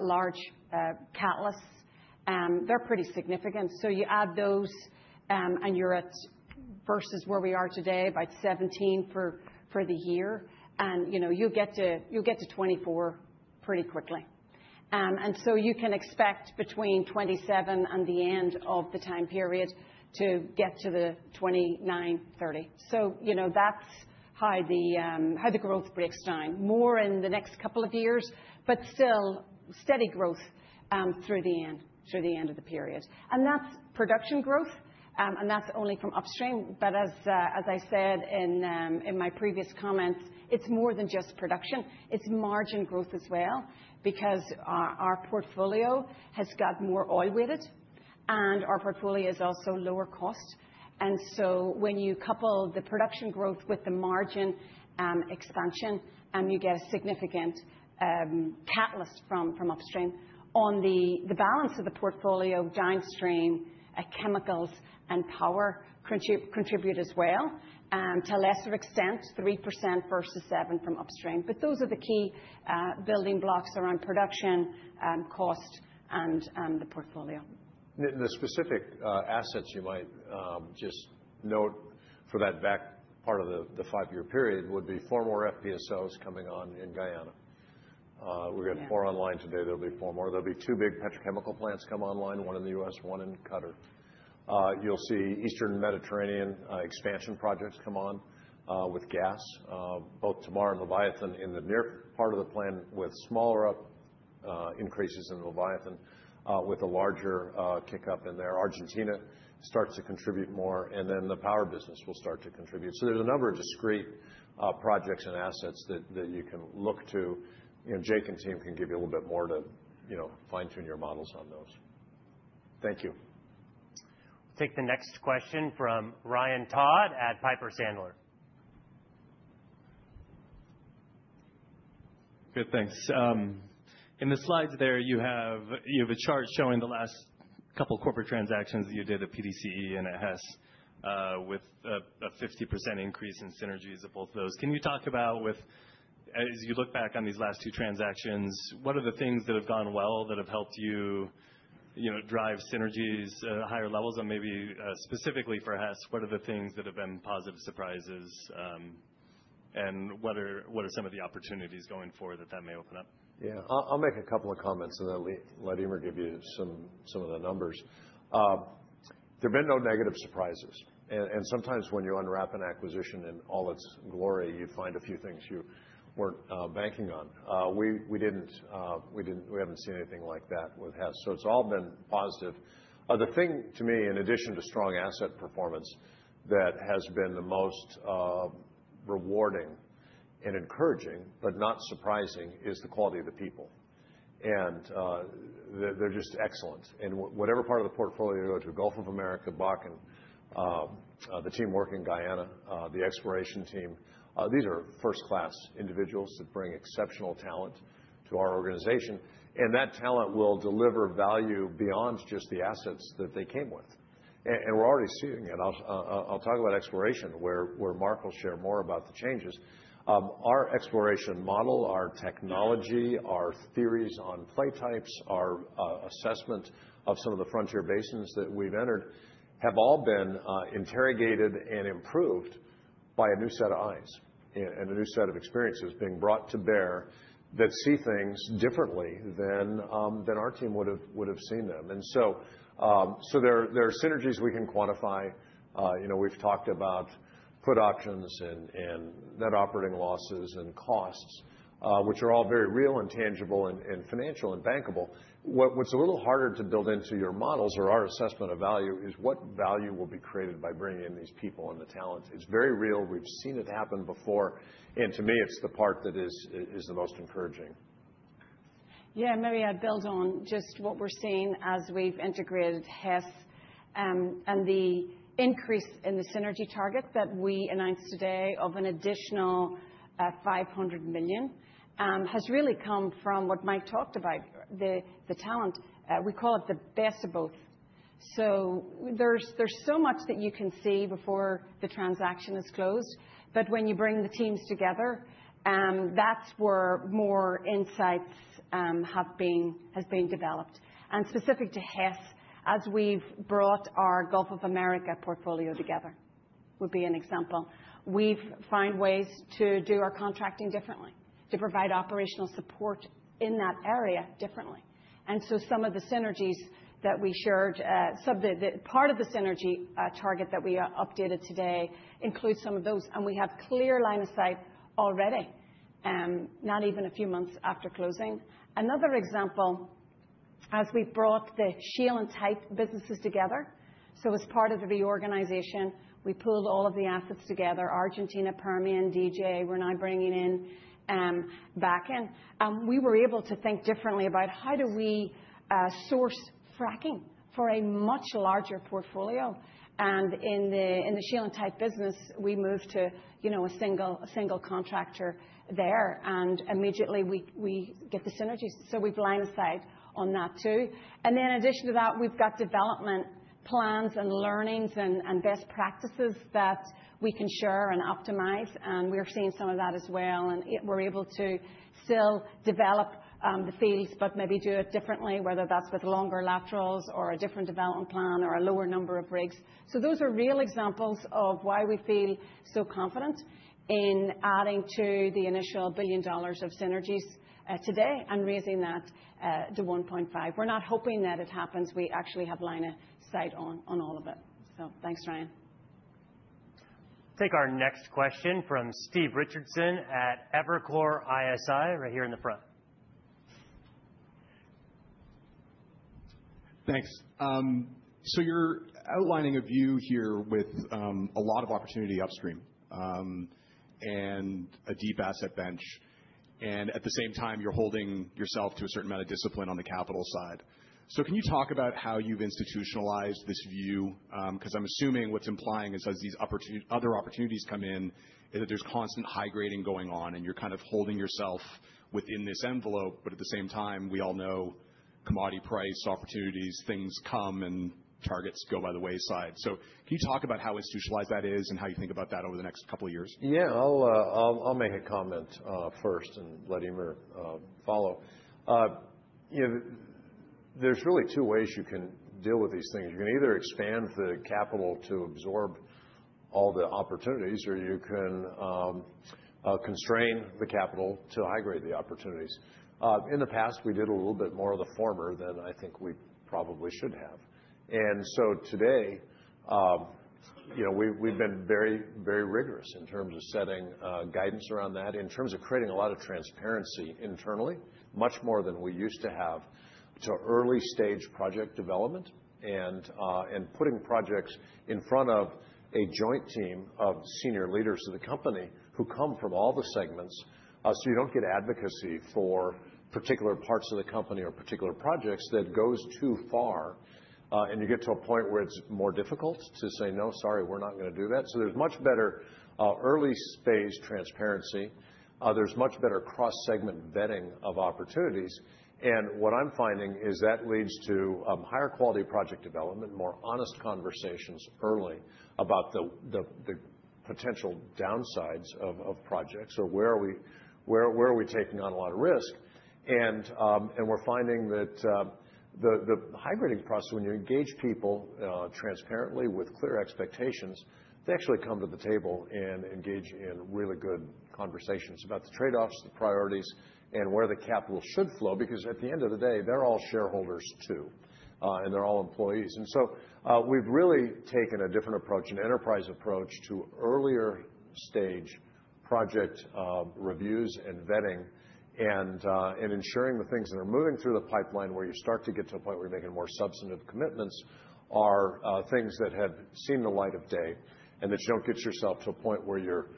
large catalysts, they're pretty significant. So you add those, and you're at versus where we are today, about $17 billion for the year. And you'll get to $24 billion pretty quickly. And so you can expect between 2027 and the end of the time period to get to the $29 billion to $30 billion. So that's how the growth breaks down, more in the next couple of years, but still steady growth through the end of the period. And that's production growth, and that's only from Upstream. But as I said in my previous comments, it's more than just production. It's margin growth as well because our portfolio has got more oil with it, and our portfolio is also lower cost. And so when you couple the production growth with the margin expansion, you get a significant catalyst from Upstream. On the balance of the portfolio downstream, chemicals and power contribute as well. To a lesser extent, 3% versus 7% from Upstream. But those are the key building blocks around production, cost, and the portfolio. The specific assets you might just note for that back part of the five-year period would be four more FPSOs coming on in Guyana. We've got four online today. There'll be four more. There'll be two big petrochemical plants come online, one in the U.S., one in Qatar. You'll see Eastern Mediterranean expansion projects come on with gas, both Tamar and Leviathan in the near part of the plan with smaller increases in Leviathan with a larger kick-up in there. Argentina starts to contribute more, and then the Power business will start to contribute. So there's a number of discrete projects and assets that you can look to. Jake and team can give you a little bit more to fine-tune your models on those. Thank you. We'll take the next question from Ryan Todd at Piper Sandler. Good. Thanks. In the slides there, you have a chart showing the last couple of corporate transactions that you did at PDCE and Hess with a 50% increase in synergies of both of those. Can you talk about, as you look back on these last two transactions, what are the things that have gone well that have helped you drive synergies at higher levels? And maybe specifically for Hess, what are the things that have been positive surprises? And what are some of the opportunities going forward that that may open up? Yeah. I'll make a couple of comments, and then let Eimear give you some of the numbers. There have been no negative surprises. And sometimes when you unwrap an acquisition in all its glory, you find a few things you weren't banking on. We haven't seen anything like that with Hess. So it's all been positive. The thing to me, in addition to strong asset performance, that has been the most rewarding and encouraging, but not surprising, is the quality of the people. And they're just excellent. And whatever part of the portfolio you go to, Gulf of America, Bakken, the team working Guyana, the exploration team, these are first-class individuals that bring exceptional talent to our organization. And that talent will deliver value beyond just the assets that they came with. And we're already seeing it. I'll talk about exploration, where Mark will share more about the changes. Our exploration model, our technology, our theories on play types, our assessment of some of the frontier basins that we've entered have all been interrogated and improved by a new set of eyes and a new set of experiences being brought to bear that see things differently than our team would have seen them. And so there are synergies we can quantify. We've talked about put options and net operating losses and costs, which are all very real and tangible and financial and bankable. What's a little harder to build into your models or our assessment of value is what value will be created by bringing in these people and the talent. It's very real. We've seen it happen before. And to me, it's the part that is the most encouraging. Yeah. Maybe I'll build on just what we're seeing as we've integrated Hess and the increase in the synergy target that we announced today of an additional $500 million has really come from what Mike talked about, the talent. We call it the best of both. So there's so much that you can see before the transaction is closed. But when you bring the teams together, that's where more insights have been developed. And specific to Hess, as we've brought our Gulf of America portfolio together would be an example, we've found ways to do our contracting differently, to provide operational support in that area differently. And so some of the synergies that we shared, part of the synergy target that we updated today includes some of those. And we have clear line of sight already, not even a few months after closing. Another example, as we brought the shale and tight businesses together, so as part of the reorganization, we pulled all of the assets together. Argentina, Permian, DJ, we're now bringing in Bakken. We were able to think differently about how do we source fracking for a much larger portfolio. And in the shale and tight business, we moved to a single contractor there. And immediately, we get the synergies. So we've realized that too. And in addition to that, we've got development plans and learnings and best practices that we can share and optimize. And we're seeing some of that as well. And we're able to still develop the fields, but maybe do it differently, whether that's with longer laterals or a different development plan or a lower number of rigs. Those are real examples of why we feel so confident in adding to the initial $1 billion of synergies today and raising that to $1.5 billion. We're not hoping that it happens. We actually have a line of sight on all of it. Thanks, Ryan. We'll take our next question from Stephen Richardson at Evercore ISI right here in the front. Thanks. So you're outlining a view here with a lot of opportunity Upstream and a deep asset bench. And at the same time, you're holding yourself to a certain amount of discipline on the capital side. So can you talk about how you've institutionalized this view? Because I'm assuming what's implying is as these other opportunities come in, that there's constant high grading going on, and you're kind of holding yourself within this envelope. But at the same time, we all know commodity price opportunities, things come, and targets go by the wayside. So can you talk about how institutionalized that is and how you think about that over the next couple of years? Yeah. I'll make a comment first and let Eimear follow. There's really two ways you can deal with these things. You can either expand the capital to absorb all the opportunities, or you can constrain the capital to high grade the opportunities. In the past, we did a little bit more of the former than I think we probably should have. And so today, we've been very, very rigorous in terms of setting guidance around that, in terms of creating a lot of transparency internally, much more than we used to have to early-stage project development and putting projects in front of a joint team of senior leaders of the company who come from all the segments. So you don't get advocacy for particular parts of the company or particular projects that goes too far. You get to a point where it's more difficult to say, "No, sorry, we're not going to do that." So there's much better early-phase transparency. There's much better cross-segment vetting of opportunities. And what I'm finding is that leads to higher quality project development, more honest conversations early about the potential downsides of projects or where are we taking on a lot of risk. And we're finding that the high grading process, when you engage people transparently with clear expectations, they actually come to the table and engage in really good conversations about the trade-offs, the priorities, and where the capital should flow. Because at the end of the day, they're all shareholders too, and they're all employees. And so we've really taken a different approach, an enterprise approach to earlier-stage project reviews and vetting and ensuring the things that are moving through the pipeline, where you start to get to a point where you're making more substantive commitments, are things that have seen the light of day and that you don't get yourself to a point where you're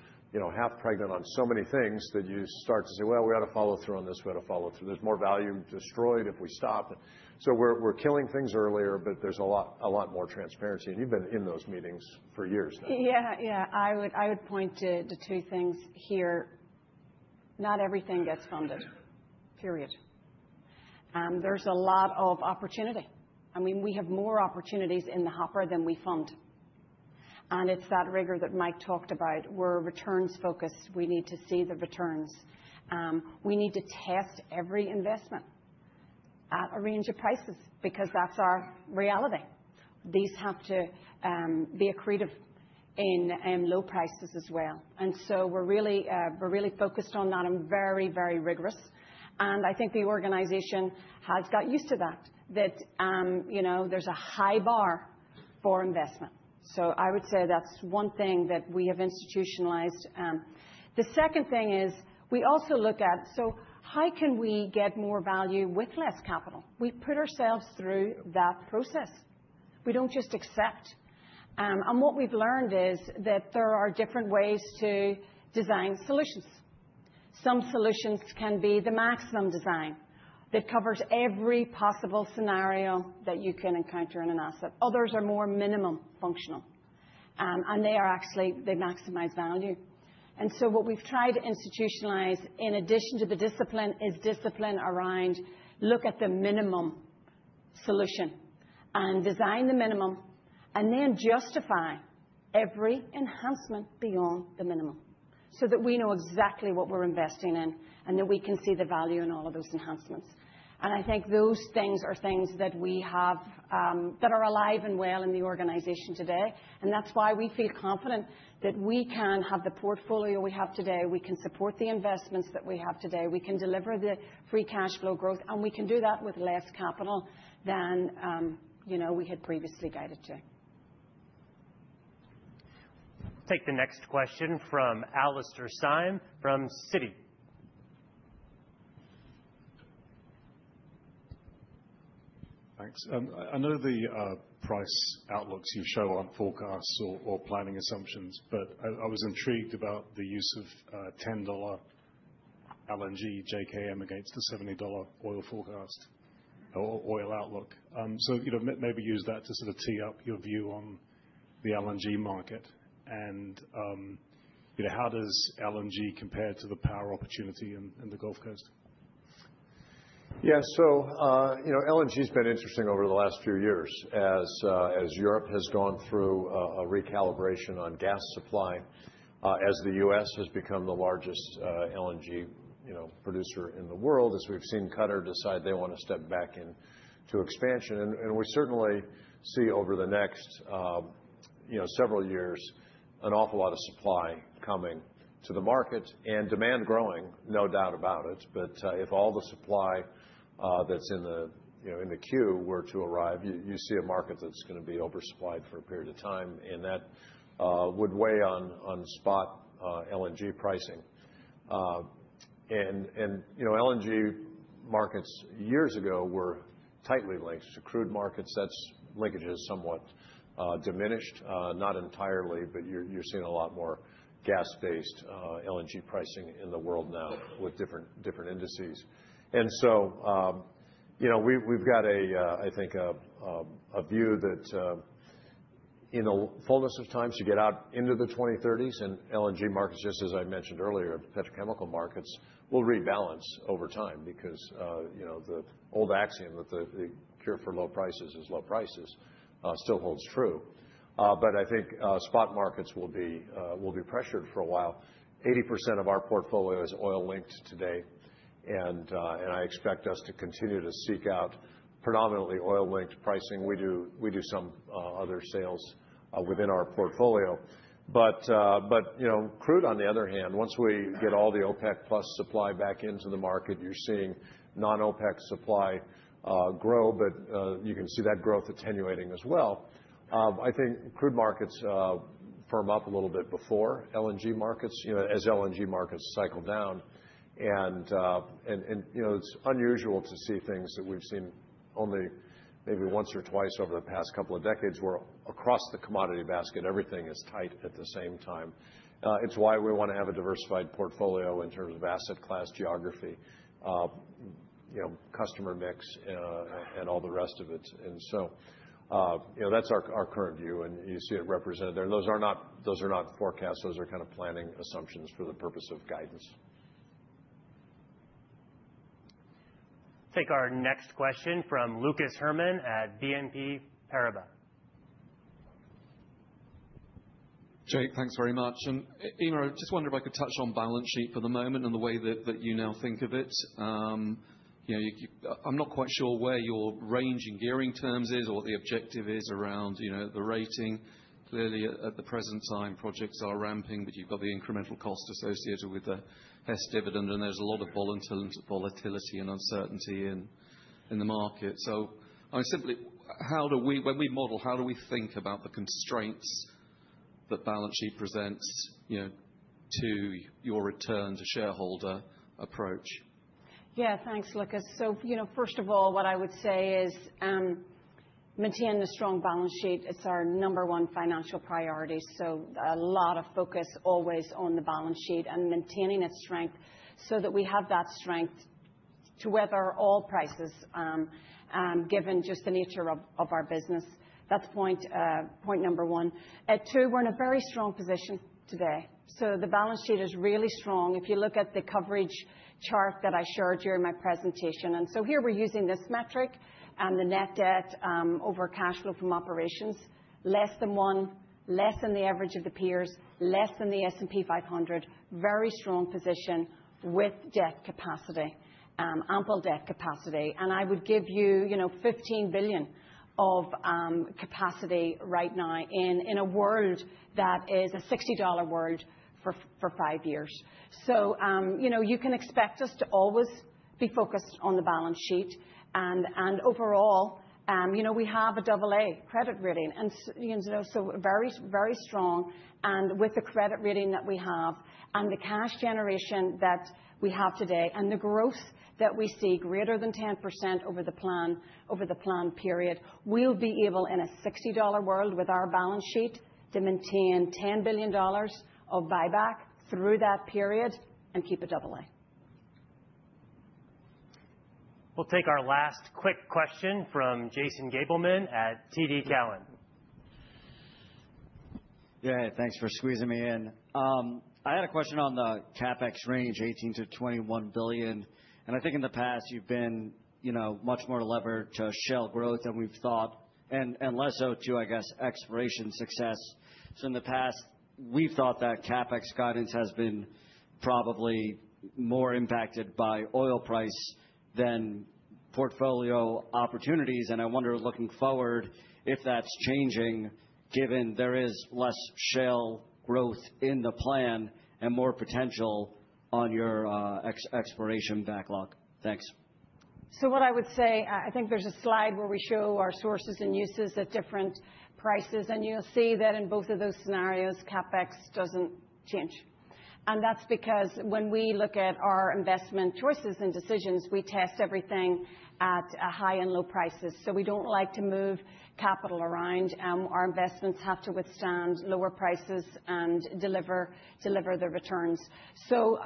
half pregnant on so many things that you start to say, "Well, we ought to follow through on this. We ought to follow through. There's more value destroyed if we stop." So we're killing things earlier, but there's a lot more transparency. And you've been in those meetings for years now. Yeah. Yeah. I would point to two things here. Not everything gets funded, period. There's a lot of opportunity. I mean, we have more opportunities in the hopper than we fund, and it's that rigor that Mike talked about. We're returns-focused. We need to see the returns. We need to test every investment at a range of prices because that's our reality. These have to be accretive in low prices as well, and so we're really focused on that and very, very rigorous. I think the organization has got used to that, that there's a high bar for investment, so I would say that's one thing that we have institutionalized. The second thing is we also look at, so how can we get more value with less capital? We put ourselves through that process. We don't just accept. What we've learned is that there are different ways to design solutions. Some solutions can be the maximum design that covers every possible scenario that you can encounter in an asset. Others are more minimum functional, and they actually maximize value. So what we've tried to institutionalize in addition to the discipline is discipline around look at the minimum solution and design the minimum, and then justify every enhancement beyond the minimum so that we know exactly what we're investing in and that we can see the value in all of those enhancements. I think those things are things that we have that are alive and well in the organization today. That's why we feel confident that we can have the portfolio we have today. We can support the investments that we have today. We can deliver the free cash flow growth. We can do that with less capital than we had previously guided to. We'll take the next question from Alastair Syme from Citi. Thanks. I know the price outlooks you show aren't forecasts or planning assumptions, but I was intrigued about the use of $10 LNG JKM against the $70 oil forecast or oil outlook. So maybe use that to sort of tee up your view on the LNG market. And how does LNG compare to the power opportunity in the Gulf Coast? Yeah. So LNG has been interesting over the last few years as Europe has gone through a recalibration on gas supply, as the U.S. has become the largest LNG producer in the world, as we've seen Qatar decide they want to step back into expansion. And we certainly see over the next several years an awful lot of supply coming to the market and demand growing, no doubt about it. But if all the supply that's in the queue were to arrive, you see a market that's going to be oversupplied for a period of time. And that would weigh on spot LNG pricing. And LNG markets years ago were tightly linked to crude markets. That linkage has somewhat diminished, not entirely, but you're seeing a lot more gas-based LNG pricing in the world now with different indices. And so we've got, I think, a view that in the fullness of time to get out into the 2030s and LNG markets, just as I mentioned earlier, petrochemical markets will rebalance over time because the old axiom that the cure for low prices is low prices still holds true. But I think spot markets will be pressured for a while. 80% of our portfolio is oil-linked today. And I expect us to continue to seek out predominantly oil-linked pricing. We do some other sales within our portfolio. But crude, on the other hand, once we get all the OPEC+ supply back into the market, you're seeing non-OPEC supply grow. But you can see that growth attenuating as well. I think crude markets firm up a little bit before LNG markets as LNG markets cycle down. It's unusual to see things that we've seen only maybe once or twice over the past couple of decades where across the commodity basket, everything is tight at the same time. It's why we want to have a diversified portfolio in terms of asset class geography, customer mix, and all the rest of it. That's our current view. You see it represented there. Those are not forecasts. Those are kind of planning assumptions for the purpose of guidance. We'll take our next question from Lucas Herrmann at BNP Paribas. Jake, thanks very much. And Eimear, I just wonder if I could touch on balance sheet for the moment and the way that you now think of it. I'm not quite sure where your range in gearing terms is or what the objective is around the rating. Clearly, at the present time, projects are ramping, but you've got the incremental cost associated with the Hess dividend. And there's a lot of volatility and uncertainty in the market. So I mean, simply, when we model, how do we think about the constraints that balance sheet presents to your return to shareholder approach? Yeah. Thanks, Lucas. So first of all, what I would say is maintaining a strong balance sheet. It's our number one financial priority. So a lot of focus always on the balance sheet and maintaining its strength so that we have that strength to weather all prices given just the nature of our business. That's point number one. At two, we're in a very strong position today. So the balance sheet is really strong. If you look at the coverage chart that I showed you in my presentation. And so here we're using this metric and the net debt over cash flow from operations, less than one, less than the average of the peers, less than the S&P 500, very strong position with debt capacity, ample debt capacity. And I would give you $15 billion of capacity right now in a world that is a $60 Brent world for five years. So you can expect us to always be focused on the balance sheet. And overall, we have a double-A credit rating. And so very, very strong. And with the credit rating that we have and the cash generation that we have today and the growth that we see greater than 10% over the planned period, we'll be able in a $60 Brent world with our balance sheet to maintain $10 billion of buyback through that period and keep a double-A. We'll take our last quick question from Jason Gabelman at TD Cowen. Yeah. Thanks for squeezing me in. I had a question on the CapEx range, $18 billion-$21 billion. And I think in the past, you've been much more levered to shale growth than we've thought and less so to, I guess, exploration success. So in the past, we've thought that CapEx guidance has been probably more impacted by oil price than portfolio opportunities. And I wonder, looking forward, if that's changing given there is less shale growth in the plan and more potential on your exploration backlog. Thanks. So what I would say, I think there's a slide where we show our sources and uses at different prices. And you'll see that in both of those scenarios, CapEx doesn't change. And that's because when we look at our investment choices and decisions, we test everything at high and low prices. So we don't like to move capital around. Our investments have to withstand lower prices and deliver the returns. So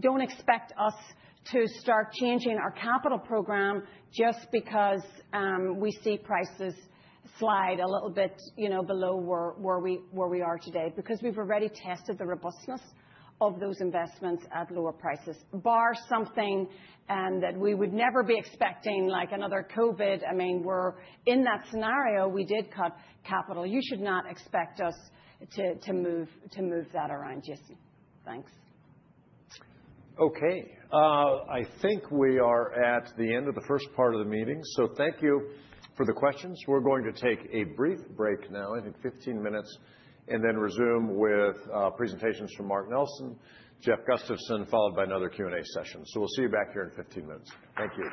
don't expect us to start changing our capital program just because we see prices slide a little bit below where we are today because we've already tested the robustness of those investments at lower prices, bar something that we would never be expecting like another COVID. I mean, we're in that scenario. We did cut capital. You should not expect us to move that around. Jason, thanks. Okay. I think we are at the end of the first part of the meeting. So thank you for the questions. We're going to take a brief break now, I think 15 minutes, and then resume with presentations from Mark Nelson, Jeff Gustavson, followed by another Q&A session. So we'll see you back here in 15 minutes. Thank you.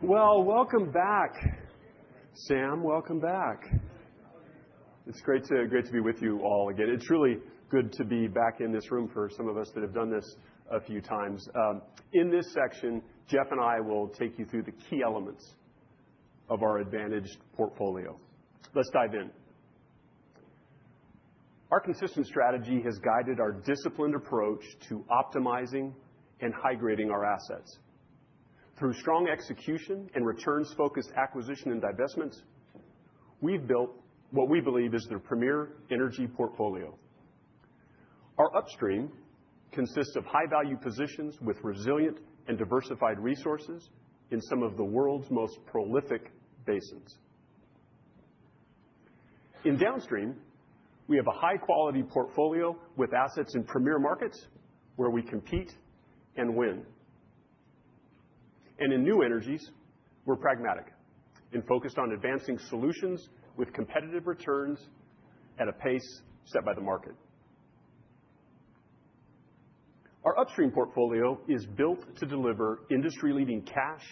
Well, welcome back, Sam. Welcome back. It's great to be with you all again. It's really good to be back in this room for some of us that have done this a few times. In this section, Jeff and I will take you through the key elements of our advantaged portfolio. Let's dive in. Our consistent strategy has guided our disciplined approach to optimizing and high grading our assets. Through strong execution and returns-focused acquisition and divestments, we've built what we believe is the premier energy portfolio. Our Upstream consists of high-value positions with resilient and diversified resources in some of the world's most prolific basins. In Downstream, we have a high-quality portfolio with assets in premier markets where we compete and win. And in New Energies, we're pragmatic and focused on advancing solutions with competitive returns at a pace set by the market. Our Upstream portfolio is built to deliver industry-leading cash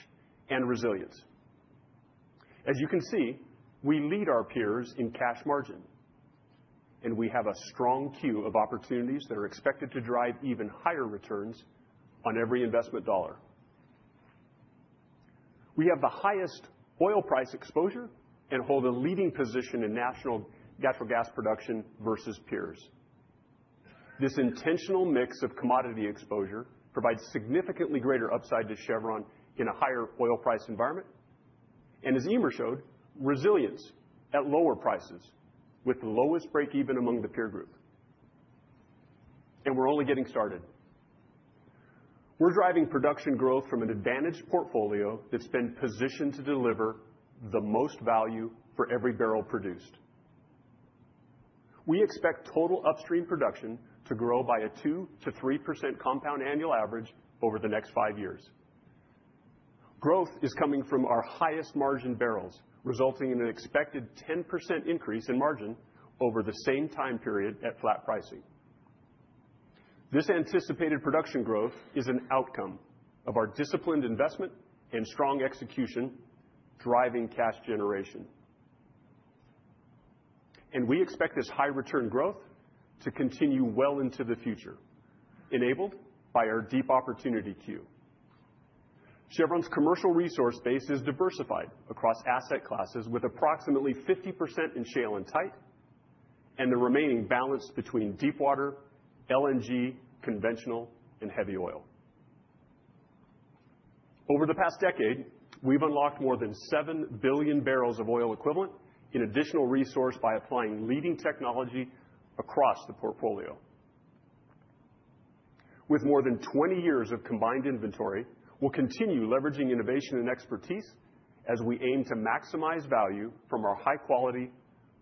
and resilience. As you can see, we lead our peers in cash margin, and we have a strong queue of opportunities that are expected to drive even higher returns on every investment dollar. We have the highest oil price exposure and hold a leading position in national natural gas production versus peers. This intentional mix of commodity exposure provides significantly greater upside to Chevron in a higher oil price environment and, as Eimear showed, resilience at lower prices with the lowest break-even among the peer group. And we're only getting started. We're driving production growth from an advantaged portfolio that's been positioned to deliver the most value for every barrel produced. We expect total upstream production to grow by a 2%-3% compound annual average over the next five years. Growth is coming from our highest margin barrels, resulting in an expected 10% increase in margin over the same time period at flat pricing. This anticipated production growth is an outcome of our disciplined investment and strong execution driving cash generation. And we expect this high-return growth to continue well into the future, enabled by our deep opportunity queue. Chevron's commercial resource base is diversified across asset classes with approximately 50% in shale and tight, and the remaining balanced between deepwater, LNG, conventional, and heavy oil. Over the past decade, we've unlocked more than 7 billion barrels of oil equivalent in additional resource by applying leading technology across the portfolio. With more than 20 years of combined inventory, we'll continue leveraging innovation and expertise as we aim to maximize value from our high-quality,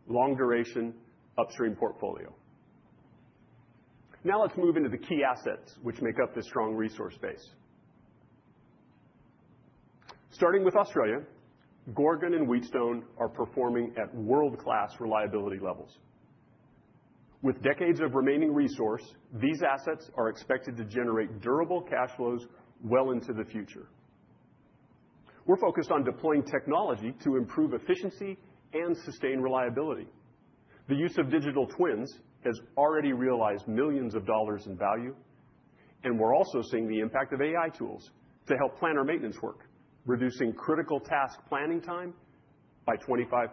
long-duration Upstream portfolio. Now let's move into the key assets which make up this strong resource base. Starting with Australia, Gorgon and Wheatstone are performing at world-class reliability levels. With decades of remaining resource, these assets are expected to generate durable cash flows well into the future. We're focused on deploying technology to improve efficiency and sustain reliability. The use of digital twins has already realized millions of dollars in value, and we're also seeing the impact of AI tools to help plan our maintenance work, reducing critical task planning time by 25%.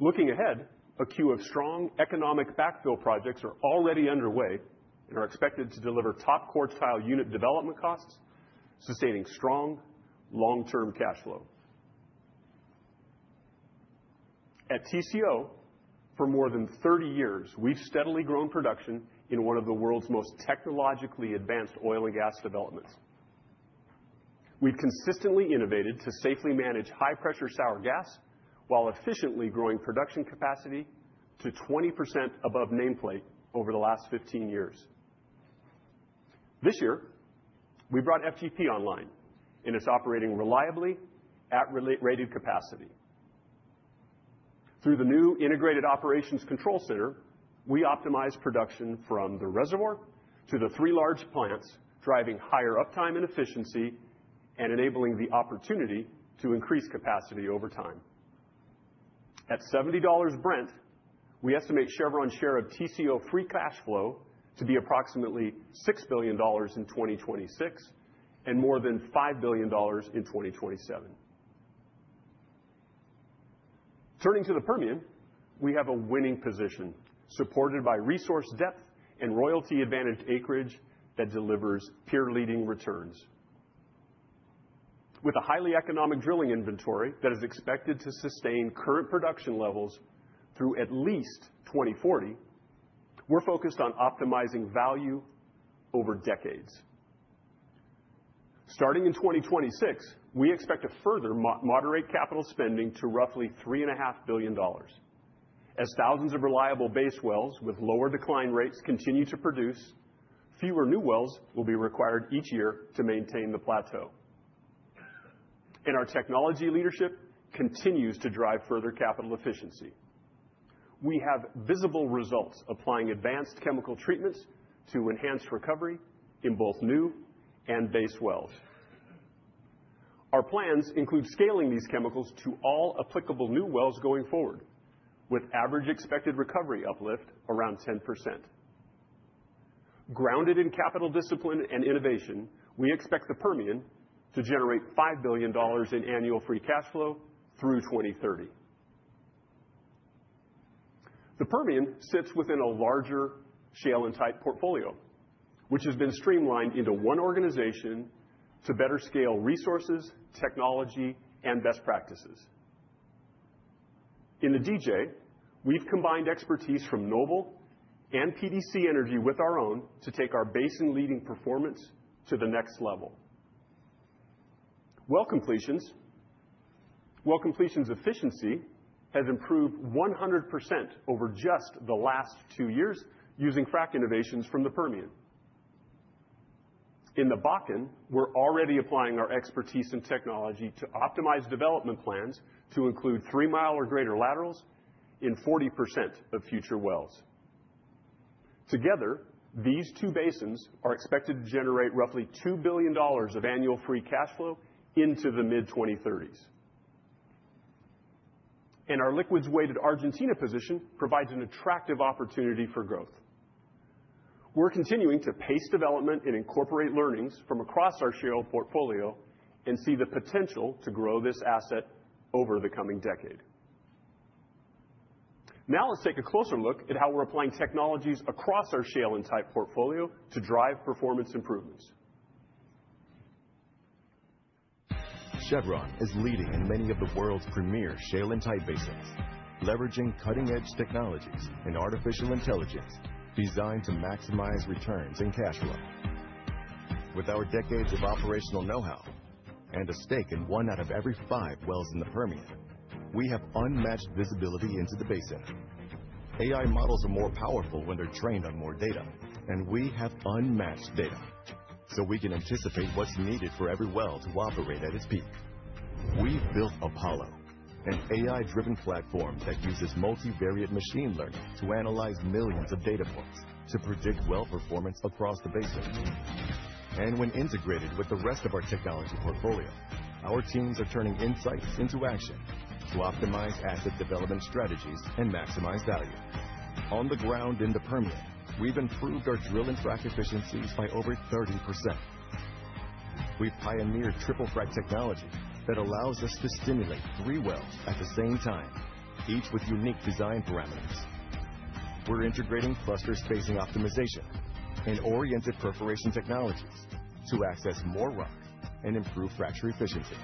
Looking ahead, a queue of strong economic backfill projects are already underway and are expected to deliver top quartile unit development costs, sustaining strong long-term cash flow. At TCO, for more than 30 years, we've steadily grown production in one of the world's most technologically advanced oil and gas developments. We've consistently innovated to safely manage high-pressure sour gas while efficiently growing production capacity to 20% above nameplate over the last 15 years. This year, we brought FGP online and is operating reliably at rated capacity. Through the new Integrated Operations Control Center, we optimize production from the reservoir to the three large plants, driving higher uptime and efficiency and enabling the opportunity to increase capacity over time. At $70 Brent, we estimate Chevron's share of TCO free cash flow to be approximately $6 billion in 2026 and more than $5 billion in 2027. Turning to the Permian, we have a winning position supported by resource depth and royalty-advantaged acreage that delivers peer-leading returns. With a highly economic drilling inventory that is expected to sustain current production levels through at least 2040, we're focused on optimizing value over decades. Starting in 2026, we expect to further moderate capital spending to roughly $3.5 billion. As thousands of reliable base wells with lower decline rates continue to produce, fewer new wells will be required each year to maintain the plateau. Our technology leadership continues to drive further capital efficiency. We have visible results applying advanced chemical treatments to enhance recovery in both new and base wells. Our plans include scaling these chemicals to all applicable new wells going forward, with average expected recovery uplift around 10%. Grounded in capital discipline and innovation, we expect the Permian to generate $5 billion in annual free cash flow through 2030. The Permian sits within a larger shale and tight portfolio, which has been streamlined into one organization to better scale resources, technology, and best practices. In the DJ, we've combined expertise from Noble and PDC Energy with our own to take our basin-leading performance to the next level. Well completions' efficiency has improved 100% over just the last two years using frac innovations from the Permian. In the Bakken, we're already applying our expertise and technology to optimize development plans to include three-mile or greater laterals in 40% of future wells. Together, these two basins are expected to generate roughly $2 billion of annual free cash flow into the mid-2030s. And our liquids-weighted Argentina position provides an attractive opportunity for growth. We're continuing to pace development and incorporate learnings from across our shale portfolio and see the potential to grow this asset over the coming decade. Now let's take a closer look at how we're applying technologies across our shale and tight portfolio to drive performance improvements. Chevron is leading in many of the world's premier shale and tight basins, leveraging cutting-edge technologies and artificial intelligence designed to maximize returns and cash flow. With our decades of operational know-how and a stake in one out of every five wells in the Permian, we have unmatched visibility into the basin. AI models are more powerful when they're trained on more data, and we have unmatched data so we can anticipate what's needed for every well to operate at its peak. We've built Apollo, an AI-driven platform that uses multivariate machine learning to analyze millions of data points to predict well performance across the basin. And when integrated with the rest of our technology portfolio, our teams are turning insights into action to optimize asset development strategies and maximize value. On the ground in the Permian, we've improved our drill and frac efficiencies by over 30%. We've pioneered triple frac technology that allows us to stimulate three wells at the same time, each with unique design parameters. We're integrating cluster spacing optimization and oriented perforation technologies to access more rock and improve fracture efficiency.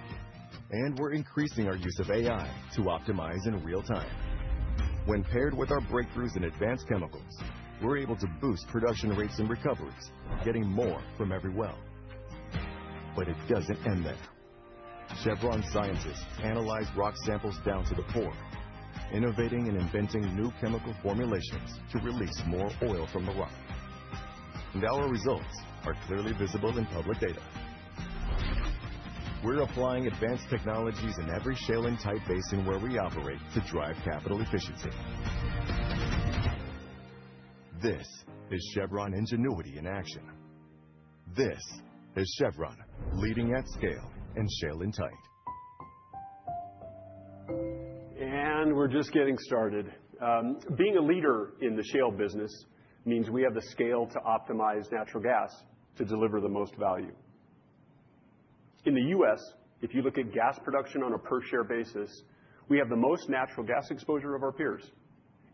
And we're increasing our use of AI to optimize in real time. When paired with our breakthroughs in advanced chemicals, we're able to boost production rates and recoveries, getting more from every well. But it doesn't end there. Chevron scientists analyze rock samples down to the core, innovating and inventing new chemical formulations to release more oil from the rock. And our results are clearly visible in public data. We're applying advanced technologies in every shale and tight basin where we operate to drive capital efficiency. This is Chevron Ingenuity in action. This is Chevron leading at scale in shale and tight. And we're just getting started. Being a leader in the shale business means we have the scale to optimize natural gas to deliver the most value. In the U.S., if you look at gas production on a per-share basis, we have the most natural gas exposure of our peers,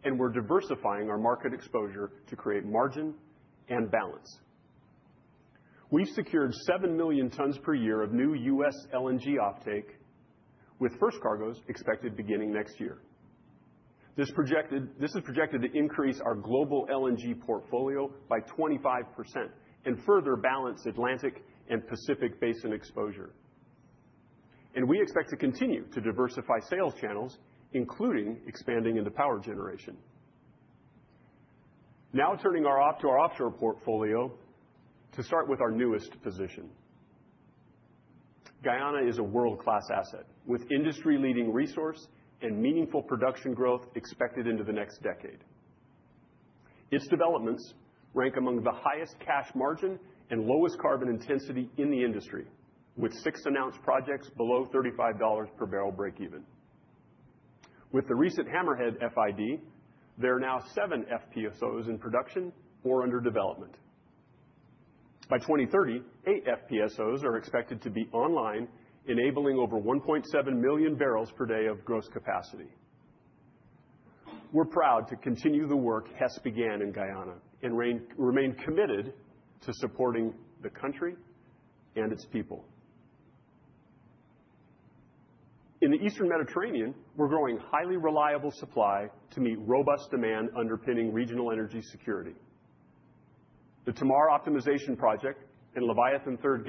and we're diversifying our market exposure to create margin and balance. We've secured 7 million tons per year of new U.S. LNG offtake, with first cargoes expected beginning next year. This is projected to increase our global LNG portfolio by 25% and further balance Atlantic and Pacific basin exposure, and we expect to continue to diversify sales channels, including expanding into power generation. Now turning to our offshore portfolio to start with our newest position. Guyana is a world-class asset with industry-leading resource and meaningful production growth expected into the next decade. Its developments rank among the highest cash margin and lowest carbon intensity in the industry, with six announced projects below $35 per barrel breakeven. With the recent Hammerhead FID, there are now seven FPSOs in production or under development. By 2030, eight FPSOs are expected to be online, enabling over 1.7 million barrels per day of gross capacity. We're proud to continue the work Hess began in Guyana and remain committed to supporting the country and its people. In the Eastern Mediterranean, we're growing highly reliable supply to meet robust demand underpinning regional energy security. The Tamar optimization project and Leviathan third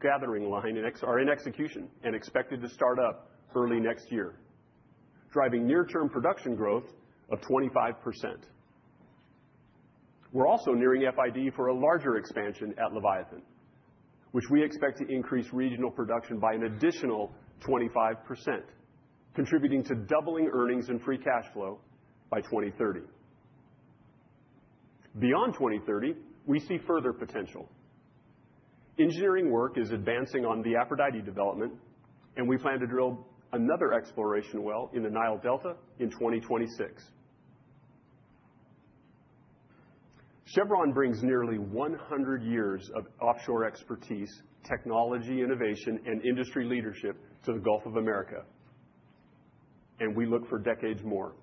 gathering line are in execution and expected to start up early next year, driving near-term production growth of 25%. We're also nearing FID for a larger expansion at Leviathan, which we expect to increase regional production by an additional 25%, contributing to doubling earnings and free cash flow by 2030. Beyond 2030, we see further potential. Engineering work is advancing on the Aphrodite development, and we plan to drill another exploration well in the Nile Delta in 2026. Chevron brings nearly 100 years of offshore expertise, technology innovation, and industry leadership to the Gulf of America, and we look for decades more.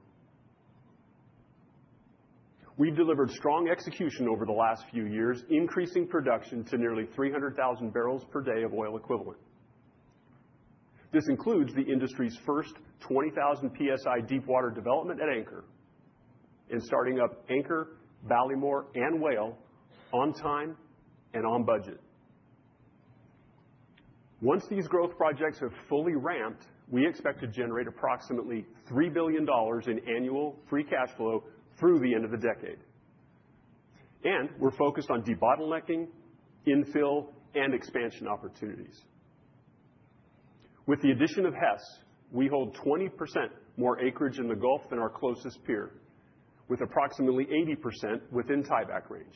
We've delivered strong execution over the last few years, increasing production to nearly 300,000 barrels per day of oil equivalent. This includes the industry's first 20,000 PSI deepwater development at Anchor and starting up Anchor, Ballymore, and Whale on time and on budget. Once these growth projects have fully ramped, we expect to generate approximately $3 billion in annual free cash flow through the end of the decade. And we're focused on debottlenecking, infill, and expansion opportunities. With the addition of Hess, we hold 20% more acreage in the Gulf than our closest peer, with approximately 80% within tieback range.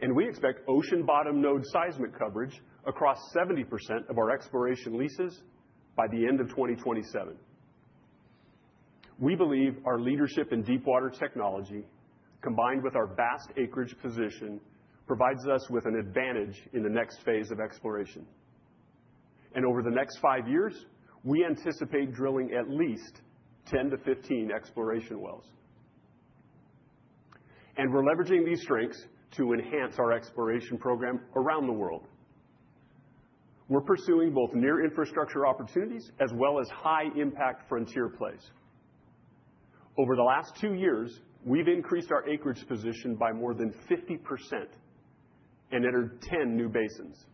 And we expect ocean-bottom node seismic coverage across 70% of our exploration leases by the end of 2027. We believe our leadership in deepwater technology, combined with our vast acreage position, provides us with an advantage in the next phase of exploration. And over the next five years, we anticipate drilling at least 10 to 15 exploration wells. And we're leveraging these strengths to enhance our exploration program around the world. We're pursuing both near-infrastructure opportunities as well as high-impact frontier plays. Over the last two years, we've increased our acreage position by more than 50% and entered 10 new basins.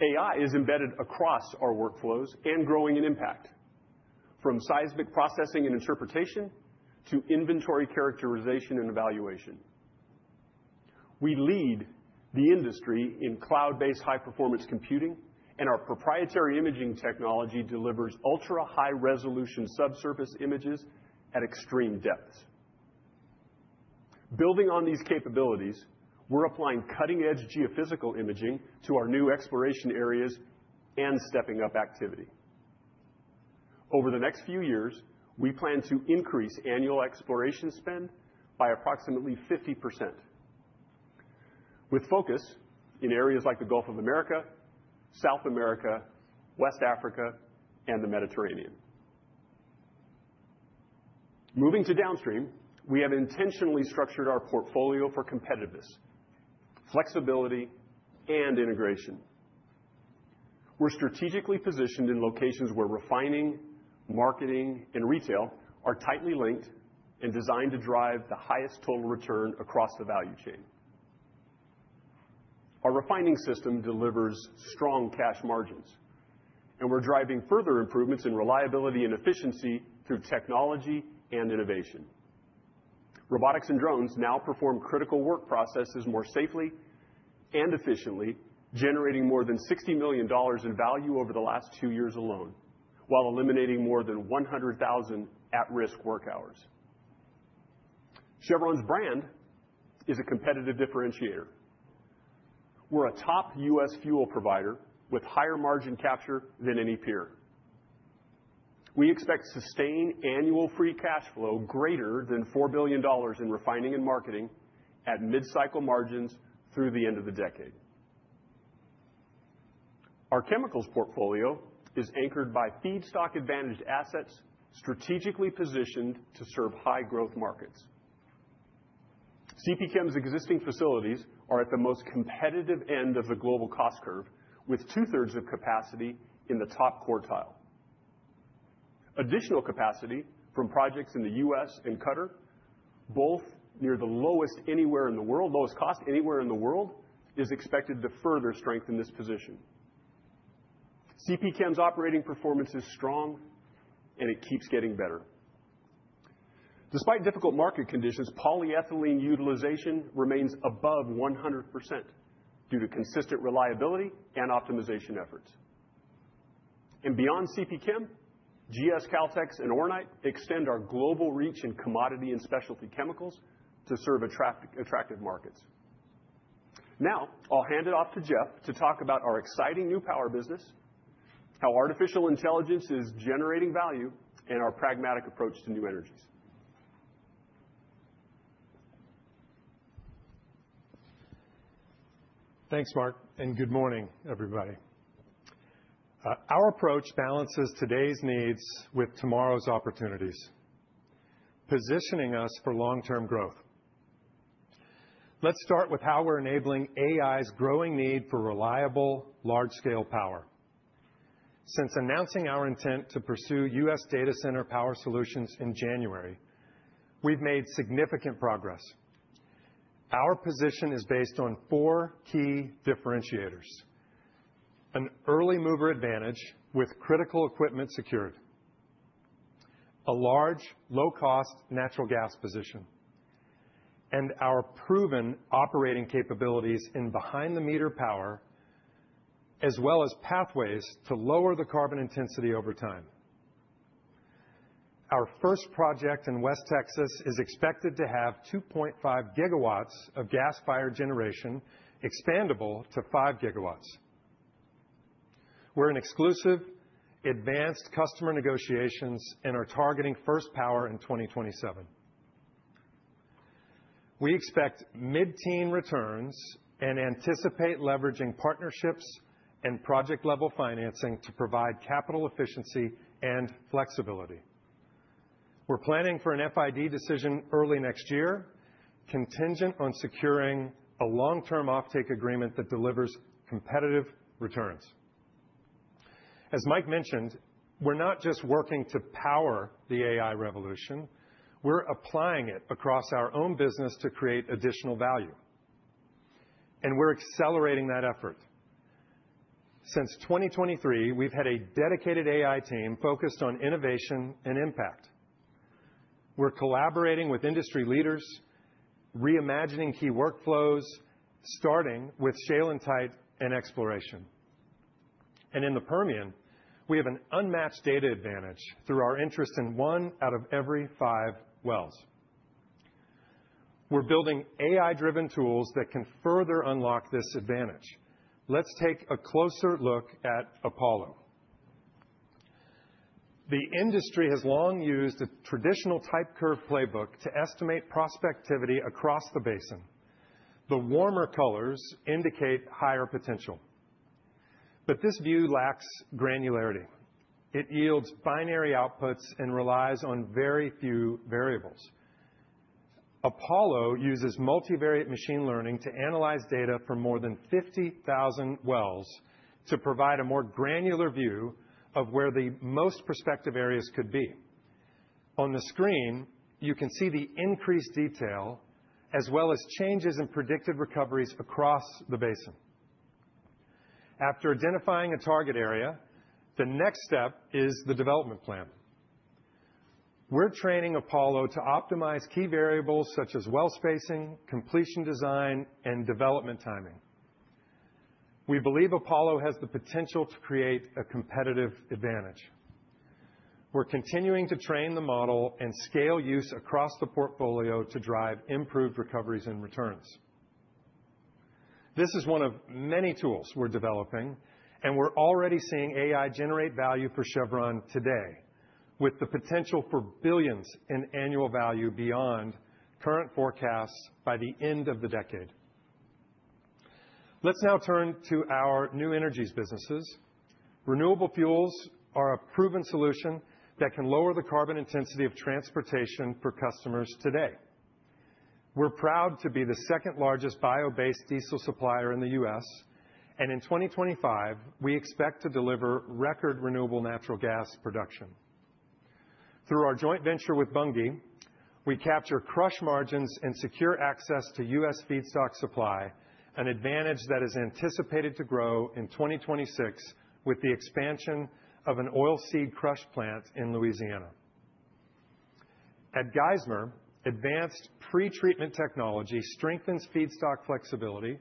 AI is embedded across our workflows and growing in impact, from seismic processing and interpretation to inventory characterization and evaluation. We lead the industry in cloud-based high-performance computing, and our proprietary imaging technology delivers ultra-high-resolution subsurface images at extreme depths. Building on these capabilities, we're applying cutting-edge geophysical imaging to our new exploration areas and stepping up activity. Over the next few years, we plan to increase annual exploration spend by approximately 50%, with focus in areas like the Gulf of America, South America, West Africa, and the Mediterranean. Moving to Downstream, we have intentionally structured our portfolio for competitiveness, flexibility, and integration. We're strategically positioned in locations where refining, marketing, and retail are tightly linked and designed to drive the highest total return across the value chain. Our refining system delivers strong cash margins, and we're driving further improvements in reliability and efficiency through technology and innovation. Robotics and drones now perform critical work processes more safely and efficiently, generating more than $60 million in value over the last two years alone, while eliminating more than 100,000 at-risk work hours. Chevron's brand is a competitive differentiator. We're a top U.S. fuel provider with higher margin capture than any peer. We expect sustained annual free cash flow greater than $4 billion in refining and marketing at mid-cycle margins through the end of the decade. Our chemicals portfolio is anchored by feedstock-advantaged assets strategically positioned to serve high-growth markets. CPChem's existing facilities are at the most competitive end of the global cost curve, with 2/3 of capacity in the top quartile. Additional capacity from projects in the U.S. and Qatar, both near the lowest cost anywhere in the world, is expected to further strengthen this position. CPChem's operating performance is strong, and it keeps getting better. Despite difficult market conditions, polyethylene utilization remains above 100% due to consistent reliability and optimization efforts. And beyond CPChem, GS Caltex and Oronite extend our global reach in commodity and specialty chemicals to serve attractive markets. Now I'll hand it off to Jeff to talk about our exciting new power business, how artificial intelligence is generating value, and our pragmatic approach to new energies. Thanks, Mark, and good morning, everybody. Our approach balances today's needs with tomorrow's opportunities, positioning us for long-term growth. Let's start with how we're enabling AI's growing need for reliable, large-scale power. Since announcing our intent to pursue U.S. data center power solutions in January, we've made significant progress. Our position is based on four key differentiators: an early mover advantage with critical equipment secured, a large, low-cost natural gas position, and our proven operating capabilities in behind-the-meter power, as well as pathways to lower the carbon intensity over time. Our first project in West Texas is expected to have 2.5 GW of gas-fired generation expandable to 5 GW. We're in exclusive, advanced customer negotiations and are targeting first power in 2027. We expect mid-teen returns and anticipate leveraging partnerships and project-level financing to provide capital efficiency and flexibility. We're planning for an FID decision early next year, contingent on securing a long-term offtake agreement that delivers competitive returns. As Mike mentioned, we're not just working to power the AI revolution. We're applying it across our own business to create additional value, and we're accelerating that effort. Since 2023, we've had a dedicated AI team focused on innovation and impact. We're collaborating with industry leaders, reimagining key workflows, starting with shale and tight and exploration, and in the Permian, we have an unmatched data advantage through our interest in one out of every five wells. We're building AI-driven tools that can further unlock this advantage. Let's take a closer look at APOLO. The industry has long used a traditional type curve playbook to estimate prospectivity across the basin. The warmer colors indicate higher potential. But this view lacks granularity. It yields binary outputs and relies on very few variables. APOLO uses multivariate machine learning to analyze data from more than 50,000 wells to provide a more granular view of where the most prospective areas could be. On the screen, you can see the increased detail as well as changes in predicted recoveries across the basin. After identifying a target area, the next step is the development plan. We're training APOLO to optimize key variables such as well spacing, completion design, and development timing. We believe APOLO has the potential to create a competitive advantage. We're continuing to train the model and scale use across the portfolio to drive improved recoveries and returns. This is one of many tools we're developing, and we're already seeing AI generate value for Chevron today, with the potential for billions in annual value beyond current forecasts by the end of the decade. Let's now turn to our New Energies businesses. Renewable fuels are a proven solution that can lower the carbon intensity of transportation for customers today. We're proud to be the second-largest bio-based diesel supplier in the U.S., and in 2025, we expect to deliver record renewable natural gas production. Through our joint venture with Bunge, we capture crush margins and secure access to U.S. feedstock supply, an advantage that is anticipated to grow in 2026 with the expansion of an oilseed crush plant in Louisiana. At Geismar, advanced pre-treatment technology strengthens feedstock flexibility,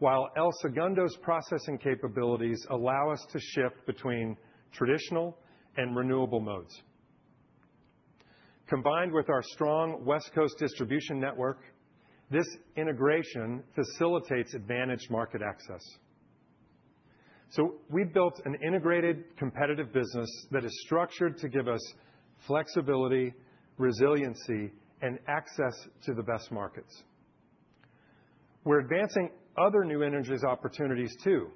while El Segundo's processing capabilities allow us to shift between traditional and renewable modes. Combined with our strong West Coast distribution network, this integration facilitates advantaged market access. So we've built an integrated, competitive business that is structured to give us flexibility, resiliency, and access to the best markets. We're advancing other New Energies opportunities too,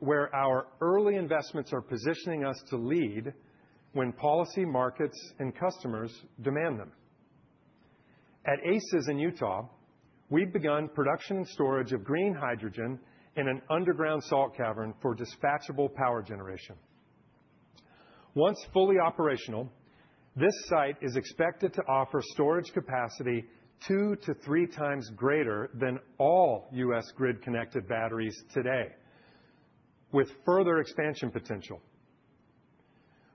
where our early investments are positioning us to lead when policy, markets, and customers demand them. At ACES in Utah, we've begun production and storage of green hydrogen in an underground salt cavern for dispatchable power generation. Once fully operational, this site is expected to offer storage capacity 2x to 3x greater than all U.S. grid-connected batteries today, with further expansion potential.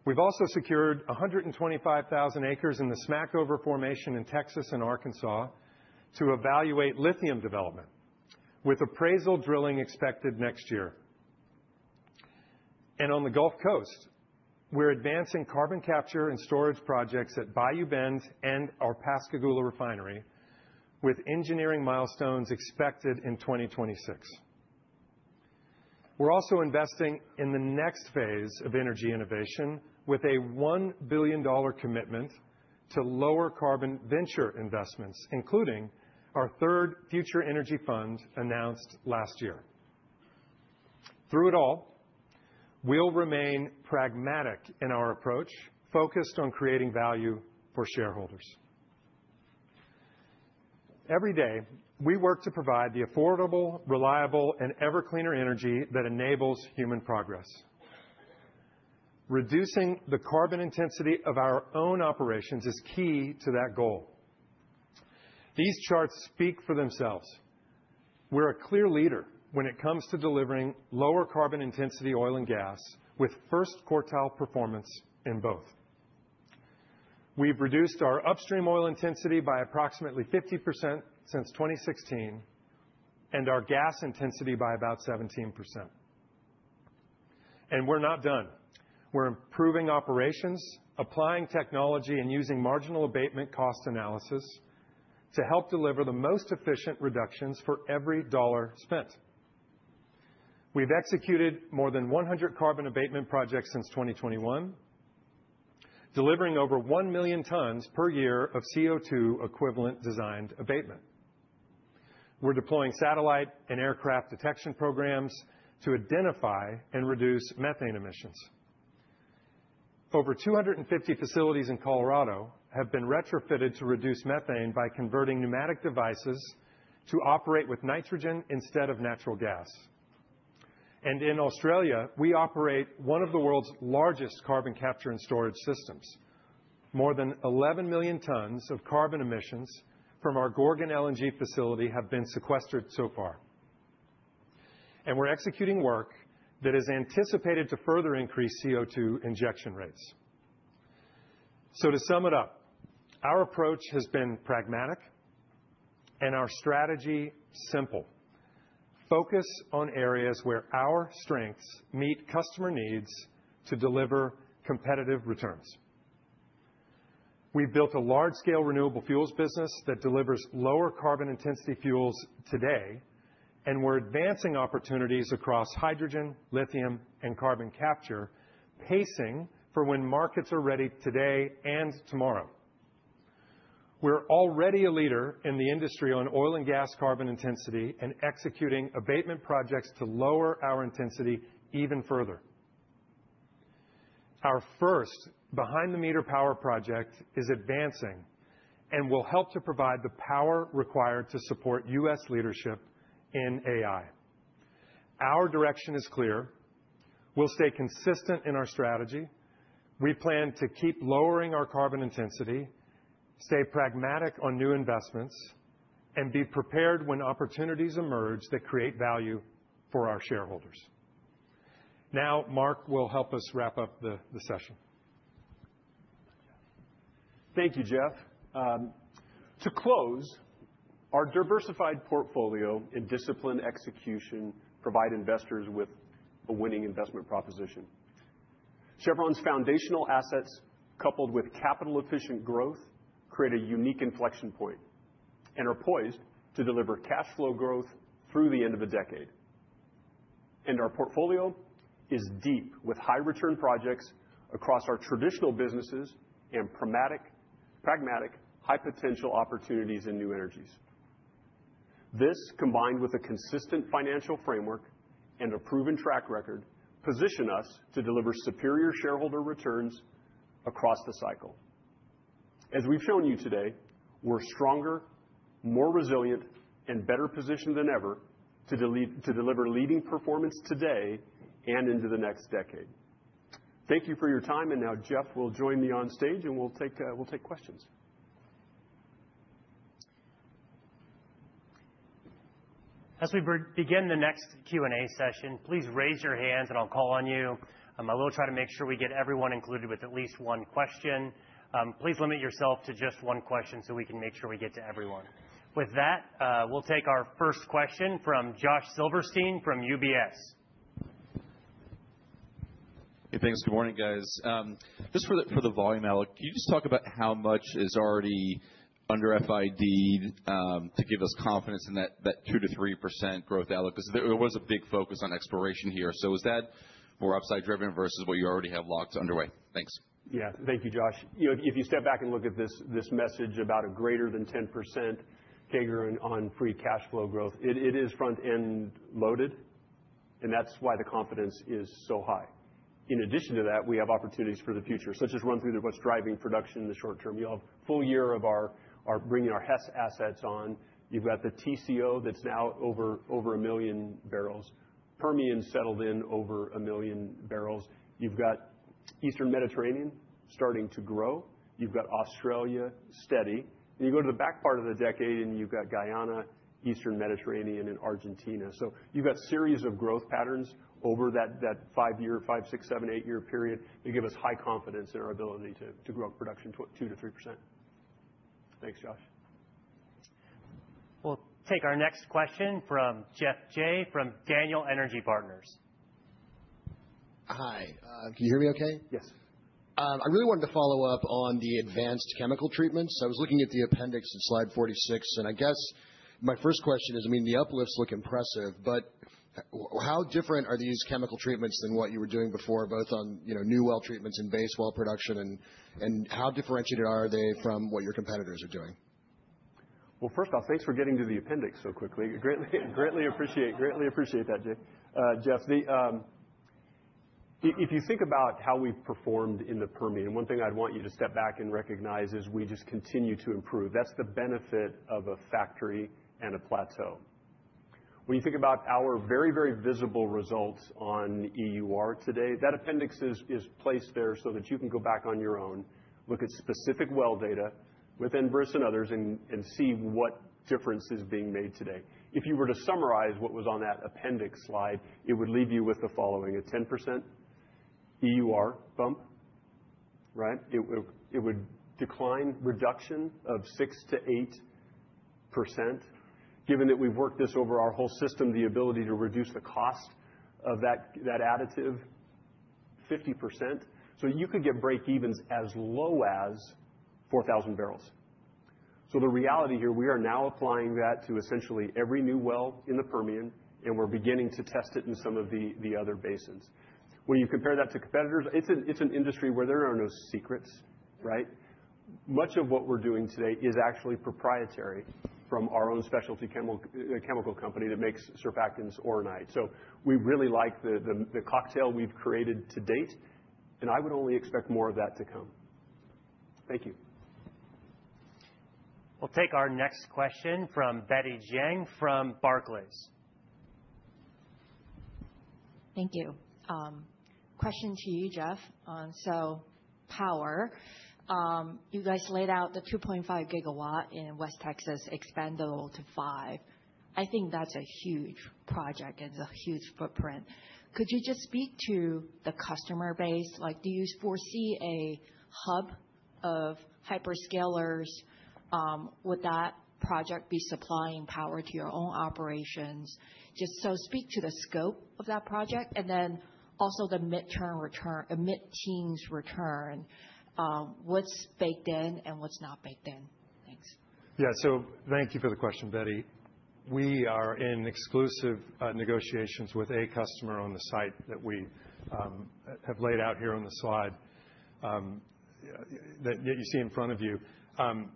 We've also secured 125,000 acres in the Smackover Formation in Texas and Arkansas to evaluate lithium development, with appraisal drilling expected next year. On the Gulf Coast, we're advancing carbon capture and storage projects at Bayou Bend and our Pascagoula refinery, with engineering milestones expected in 2026. We're also investing in the next phase of energy innovation with a $1 billion commitment to lower carbon venture investments, including our third Future Energy Fund announced last year. Through it all, we'll remain pragmatic in our approach, focused on creating value for shareholders. Every day, we work to provide the affordable, reliable, and ever-cleaner energy that enables human progress. Reducing the carbon intensity of our own operations is key to that goal. These charts speak for themselves. We're a clear leader when it comes to delivering lower carbon intensity oil and gas with first quartile performance in both. We've reduced our Upstream oil intensity by approximately 50% since 2016 and our gas intensity by about 17%. We're not done. We're improving operations, applying technology, and using marginal abatement cost analysis to help deliver the most efficient reductions for every dollar spent. We've executed more than 100 carbon abatement projects since 2021, delivering over 1 million tons per year of CO2-equivalent designed abatement. We're deploying satellite and aircraft detection programs to identify and reduce methane emissions. Over 250 facilities in Colorado have been retrofitted to reduce methane by converting pneumatic devices to operate with nitrogen instead of natural gas. And in Australia, we operate one of the world's largest carbon capture and storage systems. More than 11 million tons of carbon emissions from our Gorgon LNG facility have been sequestered so far. And we're executing work that is anticipated to further increase CO2 injection rates. So to sum it up, our approach has been pragmatic and our strategy simple. Focus on areas where our strengths meet customer needs to deliver competitive returns. We've built a large-scale renewable fuels business that delivers lower carbon intensity fuels today, and we're advancing opportunities across hydrogen, lithium, and carbon capture, pacing for when markets are ready today and tomorrow. We're already a leader in the industry on oil and gas carbon intensity and executing abatement projects to lower our intensity even further. Our first behind-the-meter power project is advancing and will help to provide the power required to support U.S. leadership in AI. Our direction is clear. We'll stay consistent in our strategy. We plan to keep lowering our carbon intensity, stay pragmatic on new investments, and be prepared when opportunities emerge that create value for our shareholders. Now, Mark will help us wrap up the session. Thank you, Jeff. To close, our diversified portfolio and discipline execution provide investors with a winning investment proposition. Chevron's foundational assets, coupled with capital-efficient growth, create a unique inflection point and are poised to deliver cash flow growth through the end of the decade. And our portfolio is deep with high-return projects across our traditional businesses and pragmatic, high-potential opportunities in New Energies. This, combined with a consistent financial framework and a proven track record, positions us to deliver superior shareholder returns across the cycle. As we've shown you today, we're stronger, more resilient, and better positioned than ever to deliver leading performance today and into the next decade. Thank you for your time. And now, Jeff will join me on stage, and we'll take questions. As we begin the next Q&A session, please raise your hands, and I'll call on you. I will try to make sure we get everyone included with at least one question. Please limit yourself to just one question so we can make sure we get to everyone. With that, we'll take our first question from Josh Silverstein from UBS. Hey, thanks. Good morning, guys. Just for the volume outlook, can you just talk about how much is already under FID to give us confidence in that 2%-3% growth outlook? Because there was a big focus on exploration here. So is that more upside-driven versus what you already have locked underway? Thanks. Yeah, thank you, Josh. If you step back and look at this message about a greater than 10% CAGR on free cash flow growth, it is front-end loaded, and that's why the confidence is so high. In addition to that, we have opportunities for the future, such as run through what's driving production in the short term. You'll have full year of our bringing our Hess assets on. You've got the TCO that's now over a million barrels. Permian settled in over a million barrels. You've got Eastern Mediterranean starting to grow. You've got Australia steady. And you go to the back part of the decade, and you've got Guyana, Eastern Mediterranean, and Argentina. So you've got a series of growth patterns over that five-year, five, six, seven, eight-year period to give us high confidence in our ability to grow production 2% to 3%. Thanks, Josh. We'll take our next question from Geoff Jay from Daniel Energy Partners. Hi. Can you hear me okay? Yes. I really wanted to follow up on the advanced chemical treatments. I was looking at the appendix of slide 46, and I guess my first question is, I mean, the uplifts look impressive, but how different are these chemical treatments than what you were doing before, both on new well treatments and base well production, and how differentiated are they from what your competitors are doing? Well, first off, thanks for getting to the appendix so quickly. Greatly appreciate that, Jeff. If you think about how we've performed in the Permian, one thing I'd want you to step back and recognize is we just continue to improve. That's the benefit of a factory and a plateau. When you think about our very, very visible results on EUR today, that appendix is placed there so that you can go back on your own, look at specific well data with Enverus and others, and see what difference is being made today. If you were to summarize what was on that appendix slide, it would leave you with the following: a 10% EUR bump, right? It would decline reduction of 6% to 8%, given that we've worked this over our whole system, the ability to reduce the cost of that additive 50%. So you could get break-evens as low as 4,000 barrels. So the reality here, we are now applying that to essentially every new well in the Permian, and we're beginning to test it in some of the other basins. When you compare that to competitors, it's an industry where there are no secrets, right? Much of what we're doing today is actually proprietary from our own specialty chemical company that makes surfactants Oronite. So we really like the cocktail we've created to date, and I would only expect more of that to come. Thank you. We'll take our next question from Betty Jiang from Barclays. Thank you. Question to you, Jeff. So power. You guys laid out the 2.5 GW in West Texas expandable to five. I think that's a huge project and a huge footprint. Could you just speak to the customer base? Do you foresee a hub of hyperscalers? Would that project be supplying power to your own operations? Just so speak to the scope of that project and then also the mid-term return, the mid-teens return. What's baked in and what's not baked in? Thanks. Yeah, so thank you for the question, Betty. We are in exclusive negotiations with a customer on the site that we have laid out here on the slide that you see in front of you.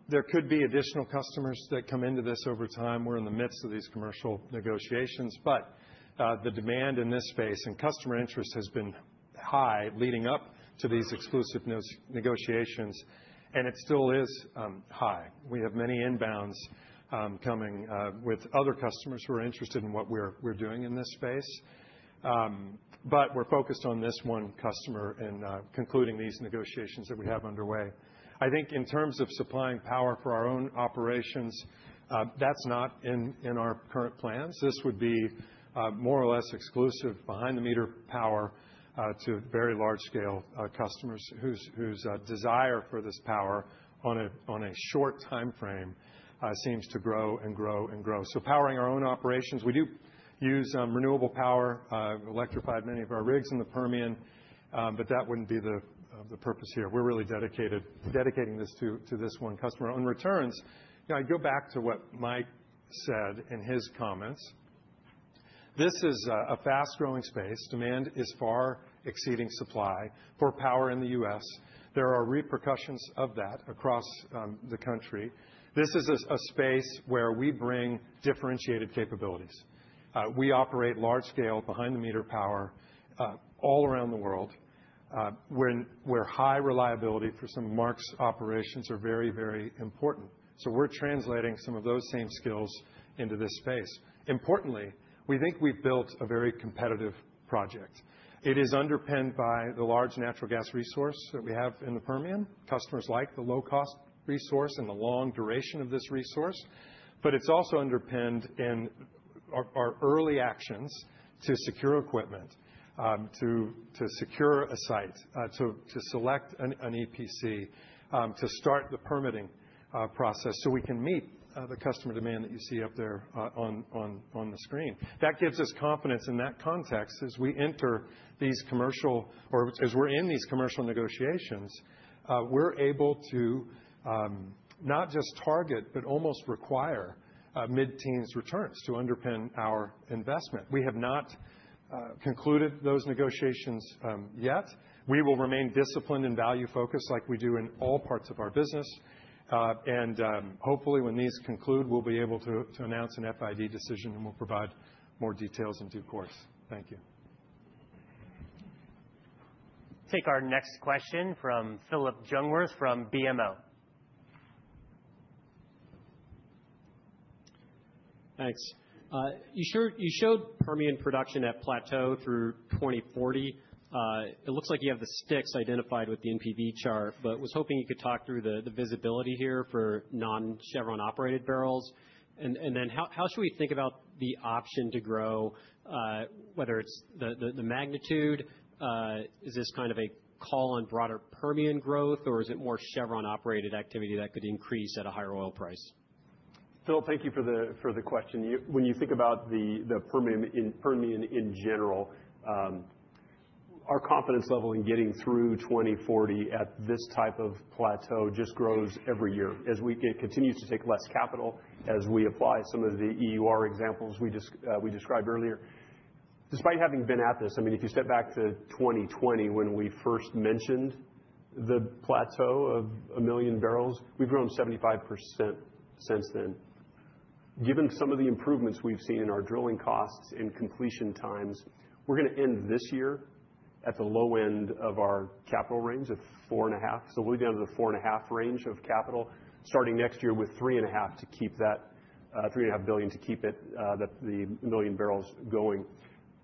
There could be additional customers that come into this over time. We're in the midst of these commercial negotiations, but the demand in this space and customer interest has been high leading up to these exclusive negotiations, and it still is high. We have many inbounds coming with other customers who are interested in what we're doing in this space, but we're focused on this one customer and concluding these negotiations that we have underway. I think in terms of supplying power for our own operations, that's not in our current plans. This would be more or less exclusive behind-the-meter power to very large-scale customers whose desire for this power on a short time frame seems to grow and grow and grow, so powering our own operations, we do use renewable power, electrified many of our rigs in the Permian, but that wouldn't be the purpose here. We're really dedicating this to this one customer. On returns, I go back to what Mike said in his comments. This is a fast-growing space. Demand is far exceeding supply for power in the U.S. There are repercussions of that across the country. This is a space where we bring differentiated capabilities. We operate large-scale behind-the-meter power all around the world where high reliability for some of Mark's operations are very, very important. So we're translating some of those same skills into this space. Importantly, we think we've built a very competitive project. It is underpinned by the large natural gas resource that we have in the Permian. Customers like the low-cost resource and the long duration of this resource, but it's also underpinned in our early actions to secure equipment, to secure a site, to select an EPC, to start the permitting process so we can meet the customer demand that you see up there on the screen. That gives us confidence in that context as we enter these commercial, or as we're in these commercial negotiations, we're able to not just target, but almost require mid-teens returns to underpin our investment. We have not concluded those negotiations yet. We will remain disciplined and value-focused like we do in all parts of our business. Hopefully, when these conclude, we'll be able to announce an FID decision, and we'll provide more details in due course. Thank you. We'll take our next question from Phillip Jungwirth from BMO. Thanks. You showed Permian production at plateau through 2040. It looks like you have the sticks identified with the NPV chart, but was hoping you could talk through the visibility here for non-Chevron-operated barrels. And then how should we think about the option to grow, whether it's the magnitude? Is this kind of a call on broader Permian growth, or is it more Chevron-operated activity that could increase at a higher oil price? Phil, thank you for the question. When you think about the Permian in general, our confidence level in getting through 2040 at this type of plateau just grows every year as we continue to take less capital as we apply some of the EUR examples we described earlier. Despite having been at this, I mean, if you step back to 2020 when we first mentioned the plateau of a million barrels, we've grown 75% since then. Given some of the improvements we've seen in our drilling costs and completion times, we're going to end this year at the low end of our capital range of $4.5 billion, so we'll be down to the $4.5 billion range of capital starting next year with $3.5 billion to keep that 1 million barrels going.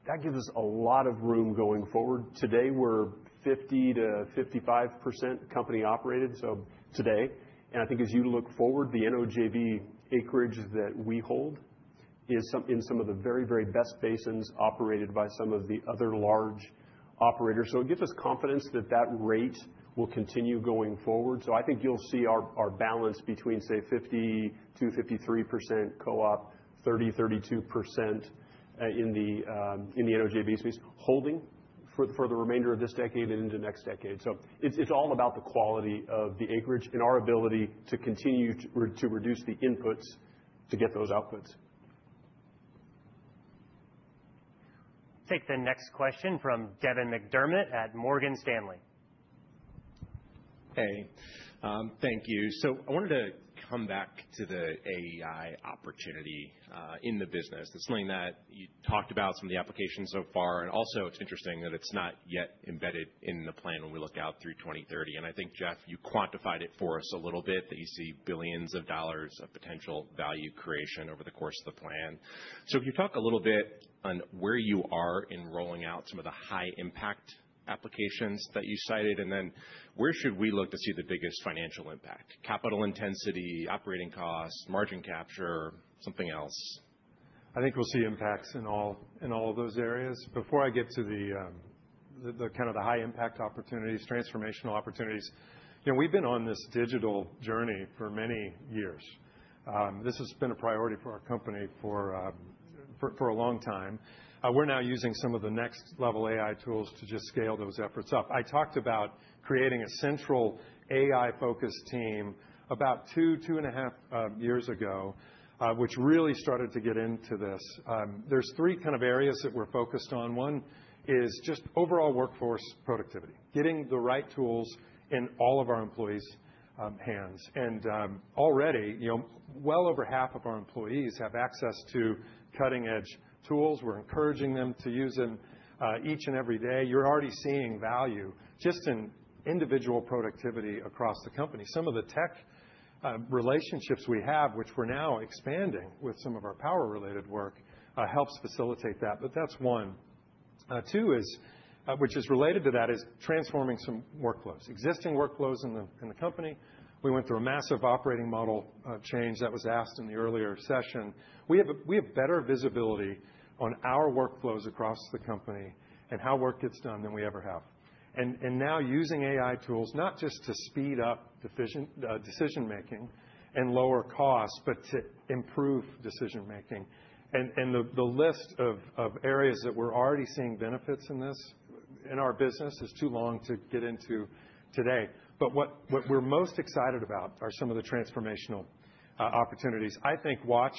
That gives us a lot of room going forward. Today, we're 50%-55% company-operated, so today, and I think as you look forward, the NOJV acreage that we hold is in some of the very, very best basins operated by some of the other large operators, so it gives us confidence that that rate will continue going forward. So I think you'll see our balance between, say, 50%-53% Co-op, 30%-32% in the NOJV space holding for the remainder of this decade and into next decade. So it's all about the quality of the acreage and our ability to continue to reduce the inputs to get those outputs. We'll take the next question from Devin McDermott at Morgan Stanley. Hey, thank you. So I wanted to come back to the AI opportunity in the business. It's something that you talked about, some of the applications so far, and also it's interesting that it's not yet embedded in the plan when we look out through 2030. And I think, Jeff, you quantified it for us a little bit that you see billions of dollars of potential value creation over the course of the plan. So can you talk a little bit on where you are in rolling out some of the high-impact applications that you cited, and then where should we look to see the biggest financial impact? Capital intensity, operating costs, margin capture, something else? I think we'll see impacts in all of those areas. Before I get to the kind of the high-impact opportunities, transformational opportunities, we've been on this digital journey for many years. This has been a priority for our company for a long time. We're now using some of the next-level AI tools to just scale those efforts up. I talked about creating a central AI-focused team about two, two and a half years ago, which really started to get into this. There's three kind of areas that we're focused on. One is just overall workforce productivity, getting the right tools in all of our employees' hands. Already, well over half of our employees have access to cutting-edge tools. We're encouraging them to use them each and every day. You're already seeing value just in individual productivity across the company. Some of the tech relationships we have, which we're now expanding with some of our power-related work, helps facilitate that. But that's one. Two is, which is related to that, is transforming some workflows, existing workflows in the company. We went through a massive operating model change that was asked in the earlier session. We have better visibility on our workflows across the company and how work gets done than we ever have. And now using AI tools, not just to speed up decision-making and lower costs, but to improve decision-making. And the list of areas that we're already seeing benefits in this in our business is too long to get into today. But what we're most excited about are some of the transformational opportunities. I think watch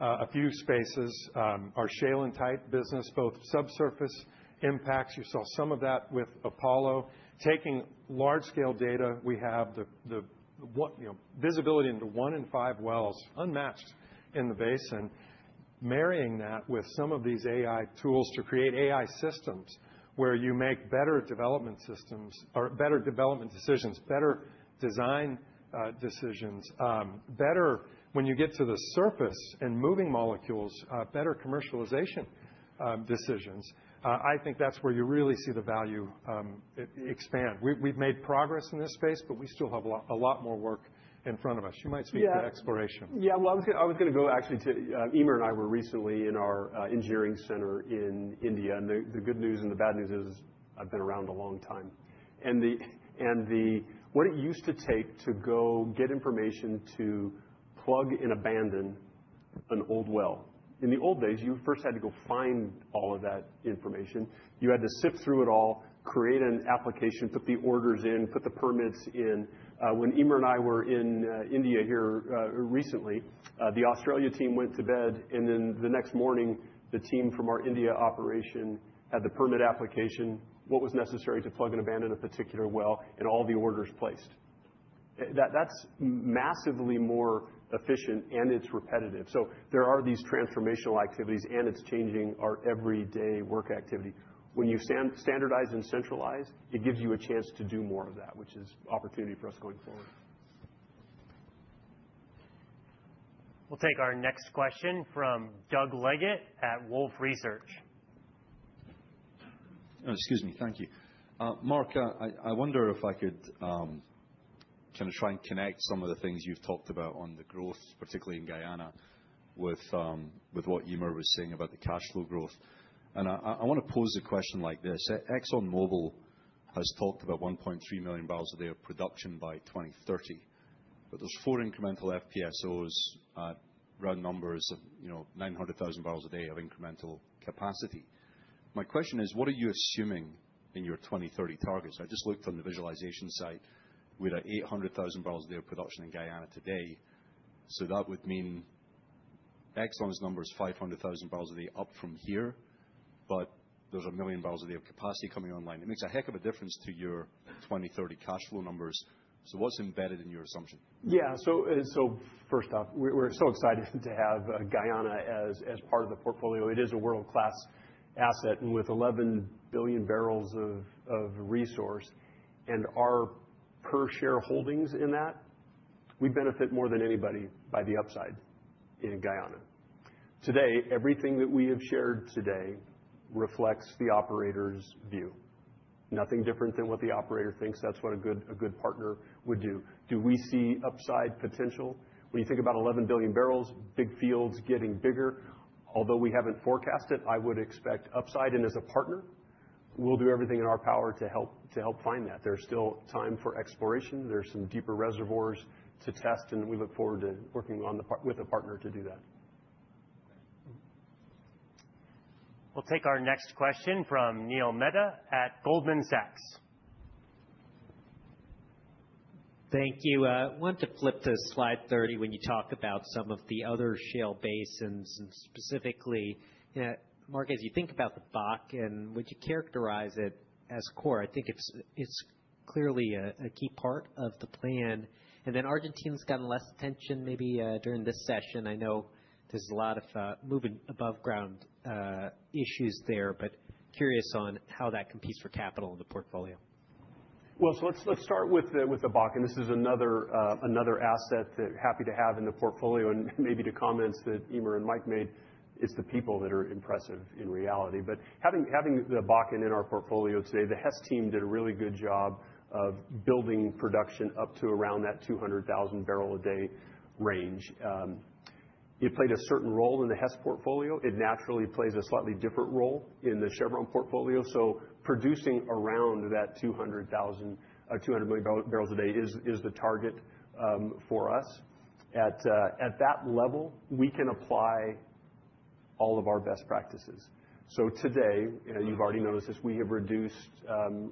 a few spaces, our shale and tight business, both subsurface impacts. You saw some of that with APOLO. Taking large-scale data, we have the visibility into one in five wells unmatched in the basin, marrying that with some of these AI tools to create AI systems where you make better development systems or better development decisions, better design decisions, better when you get to the surface and moving molecules, better commercialization decisions. I think that's where you really see the value expand. We've made progress in this space, but we still have a lot more work in front of us. You might speak to exploration. Yeah, well, I was going to go actually to Eimear and I were recently in our engineering center in India. The good news and the bad news is I've been around a long time. What it used to take to go get information to plug and abandon an old well. In the old days, you first had to go find all of that information. You had to sift through it all, create an application, put the orders in, put the permits in. When Eimear and I were in India very recently, the Australia team went to bed, and then the next morning, the team from our India operation had the permit application, what was necessary to plug and abandon a particular well, and all the orders placed. That's massively more efficient, and it's repetitive. There are these transformational activities, and it's changing our everyday work activity. When you standardize and centralize, it gives you a chance to do more of that, which is opportunity for us going forward. We'll take our next question from Doug Leggett at Wolfe Research. Excuse me. Thank you. Mark, I wonder if I could kind of try and connect some of the things you've talked about on the growth, particularly in Guyana, with what Eimear was saying about the cash flow growth. And I want to pose a question like this. ExxonMobil has talked about 1.3 million barrels a day of production by 2030, but there's four incremental FPSOs at round numbers of 900,000 barrels a day of incremental capacity. My question is, what are you assuming in your 2030 targets? I just looked on the visualization site. We had an 800,000 barrels a day of production in Guyana today. So that would mean Exxon's number is 500,000 barrels a day up from here, but there's a million barrels a day of capacity coming online. It makes a heck of a difference to your 2030 cash flow numbers. So what's embedded in your assumption? Yeah, so first off, we're so excited to have Guyana as part of the portfolio. It is a world-class asset. And with 11 billion barrels of resource and our per-share holdings in that, we benefit more than anybody by the upside in Guyana. Today, everything that we have shared today reflects the operator's view. Nothing different than what the operator thinks, that's what a good partner would do. Do we see upside potential? When you think about 11 billion barrels, big fields getting bigger, although we haven't forecast it, I would expect upside. As a partner, we'll do everything in our power to help find that. There's still time for exploration. There's some deeper reservoirs to test, and we look forward to working with a partner to do that. We'll take our next question from Neil Mehta at Goldman Sachs. Thank you. I want to flip to slide 30 when you talk about some of the other shale basins, and specifically, Mark, as you think about the Bakken, and would you characterize it as core? I think it's clearly a key part of the plan. And then Argentina's gotten less attention maybe during this session. I know there's a lot of moving above-ground issues there, but curious on how that competes for capital in the portfolio. Well, so let's start with the Bakken, and this is another asset that I'm happy to have in the portfolio. Maybe to comments that Eimear and Mike made, it's the people that are impressive in reality. But having the Bakken in our portfolio today, the Hess team did a really good job of building production up to around that 200,000 barrel a day range. It played a certain role in the Hess portfolio. It naturally plays a slightly different role in the Chevron portfolio. So producing around that 200,000, 200 million barrels a day is the target for us. At that level, we can apply all of our best practices. So today, you've already noticed this, we have reduced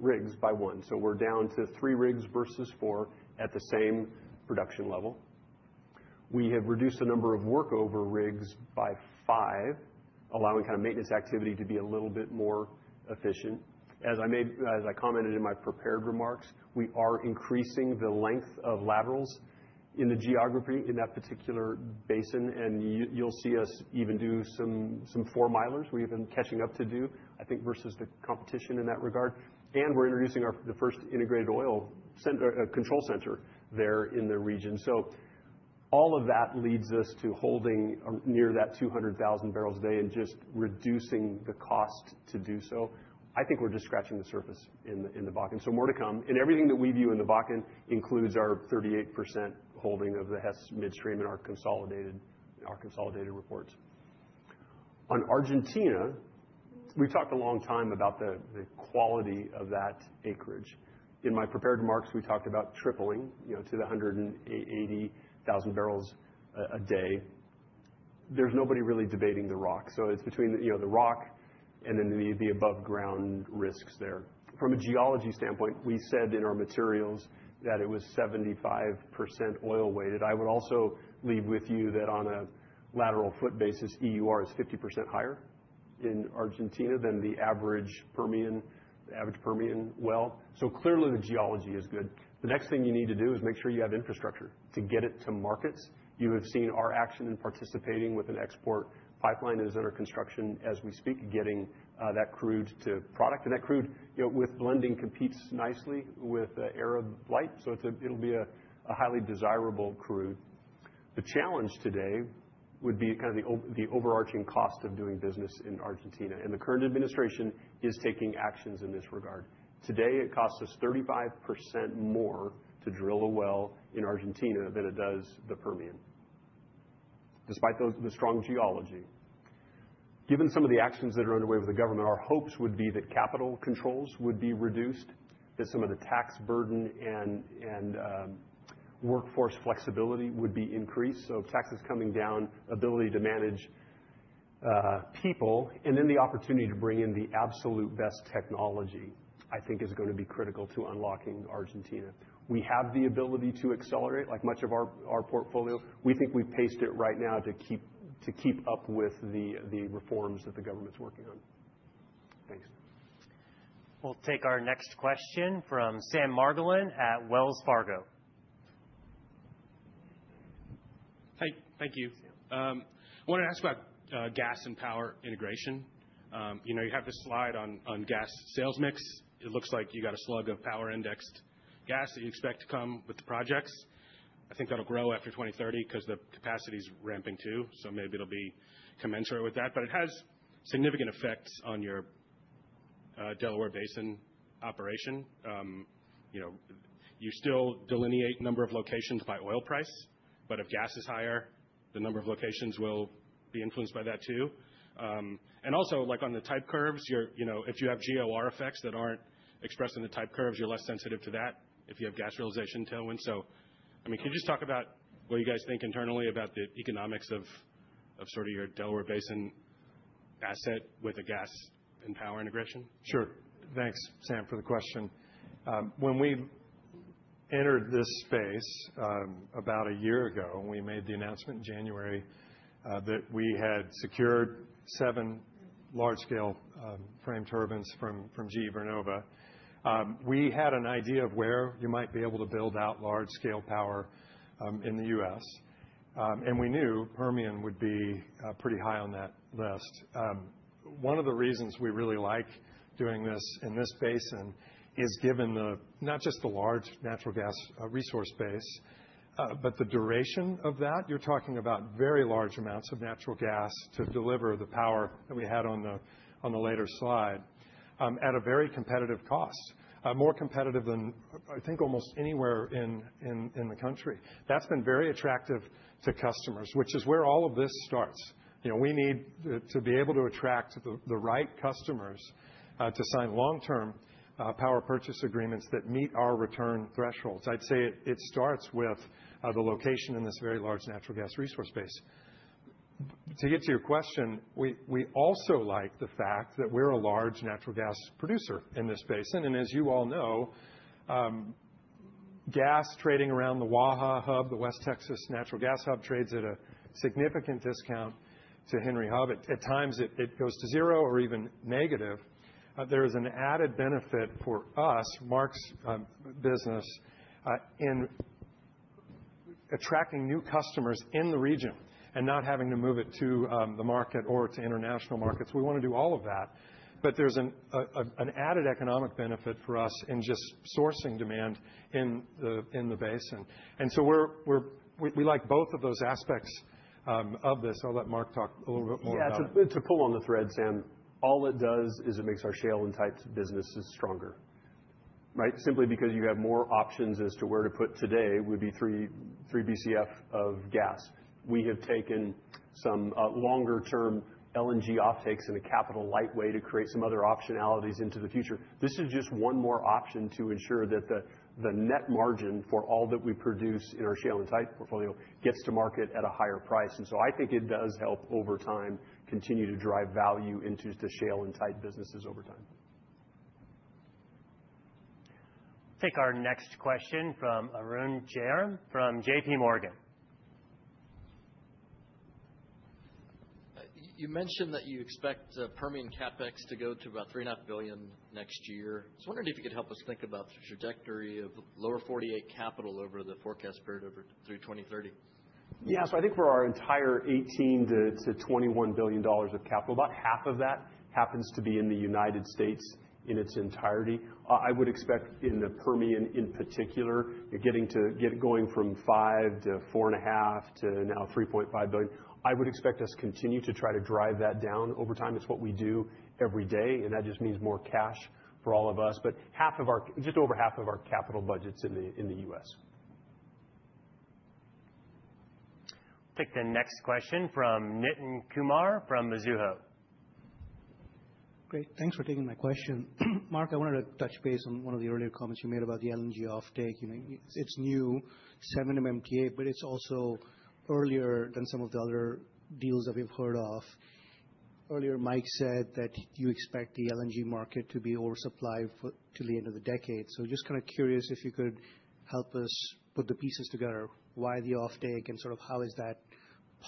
rigs by one. So we're down to three rigs versus four at the same production level. We have reduced the number of workover rigs by five, allowing kind of maintenance activity to be a little bit more efficient. As I commented in my prepared remarks, we are increasing the length of laterals in the geography in that particular basin, and you'll see us even do some four-milers we've been catching up to do, I think, versus the competition in that regard, and we're introducing the first Integrated Oil Control Center there in the region, so all of that leads us to holding near that 200,000 barrels a day and just reducing the cost to do so. I think we're just scratching the surface in the Bakken, and so more to come, and everything that we view in the Bakken includes our 38% holding of the Hess Midstream in our consolidated reports. On Argentina, we've talked a long time about the quality of that acreage. In my prepared remarks, we talked about tripling to the 180,000 barrels a day. There's nobody really debating the rock. It's between the rock and then the above-ground risks there. From a geology standpoint, we said in our materials that it was 75% oil-weighted. I would also leave with you that on a lateral foot basis, EUR is 50% higher in Argentina than the average Permian well. Clearly, the geology is good. The next thing you need to do is make sure you have infrastructure to get it to markets. You have seen our action in participating with an export pipeline that is under construction as we speak, getting that crude to product. And that crude, with blending, competes nicely with Arab Light, so it'll be a highly desirable crude. The challenge today would be kind of the overarching cost of doing business in Argentina. And the current administration is taking actions in this regard. Today, it costs us 35% more to drill a well in Argentina than it does the Permian, despite the strong geology. Given some of the actions that are underway with the government, our hopes would be that capital controls would be reduced, that some of the tax burden and workforce flexibility would be increased. So taxes coming down, ability to manage people, and then the opportunity to bring in the absolute best technology, I think, is going to be critical to unlocking Argentina. We have the ability to accelerate, like much of our portfolio. We think we've paced it right now to keep up with the reforms that the government's working on. Thanks. We'll take our next question from Sam Margolin at Wells Fargo. Hey, thank you. I wanted to ask about gas and power integration. You have this slide on gas sales mix. It looks like you got a slug of power-indexed gas that you expect to come with the projects. I think that'll grow after 2030 because the capacity is ramping too, so maybe it'll be commensurate with that. But it has significant effects on your Delaware Basin operation. You still delineate number of locations by oil price, but if gas is higher, the number of locations will be influenced by that too. And also, like on the type curves, if you have GOR effects that aren't expressed in the type curves, you're less sensitive to that if you have gas realization tailwinds. So, I mean, can you just talk about what you guys think internally about the economics of sort of your Delaware Basin asset with a gas and power integration? Sure. Thanks, Sam, for the question. When we entered this space about a year ago, we made the announcement in January that we had secured seven large-scale frame turbines from GE Vernova. We had an idea of where you might be able to build out large-scale power in the U.S. And we knew Permian would be pretty high on that list. One of the reasons we really like doing this in this basin is given not just the large natural gas resource base, but the duration of that. You're talking about very large amounts of natural gas to deliver the power that we had on the later slide at a very competitive cost, more competitive than, I think, almost anywhere in the country. That's been very attractive to customers, which is where all of this starts. We need to be able to attract the right customers to sign long-term power purchase agreements that meet our return thresholds. I'd say it starts with the location in this very large natural gas resource base. To get to your question, we also like the fact that we're a large natural gas producer in this basin, and as you all know, gas trading around the Waha Hub, the West Texas Natural Gas Hub, trades at a significant discount to Henry Hub. At times, it goes to zero or even negative. There is an added benefit for us, Mark's business, in attracting new customers in the region and not having to move it to the market or to international markets. We want to do all of that, but there's an added economic benefit for us in just sourcing demand in the basin. We like both of those aspects of this. I'll let Mark talk a little bit more about it. Yeah, to pull on the thread, Sam, all it does is it makes our shale and tight businesses stronger, right? Simply because you have more options as to where to put today would be three BCF of gas. We have taken some longer-term LNG offtakes and a capital lightweight to create some other optionalities into the future. This is just one more option to ensure that the net margin for all that we produce in our shale and tight portfolio gets to market at a higher price. And so I think it does help over time continue to drive value into the shale and tight businesses over time. We'll take our next question from Arun Jayaram, from JPMorgan. You mentioned that you expect Permian CapEx to go to about $3.5 billion next year. I was wondering if you could help us think about the trajectory of Lower 48 capital over the forecast period through 2030. Yeah, so I think for our entire $18 billion-$21 billion of capital, about half of that happens to be in the United States in its entirety. I would expect in the Permian in particular, you're going from $5 billion to $4.5 billion to now $3.5 billion. I would expect us to continue to try to drive that down over time. It's what we do every day, and that just means more cash for all of us, but just over half of our capital budgets in the U.S. We'll take the next question from Nitin Kumar from Mizuho. Great. Thanks for taking my question. Mark, I wanted to touch base on one of the earlier comments you made about the LNG offtake. It's new, seven MMTPA, but it's also earlier than some of the other deals that we've heard of. Earlier, Mike said that you expect the LNG market to be oversupplied to the end of the decade. So just kind of curious if you could help us put the pieces together. Why the offtake and sort of how is that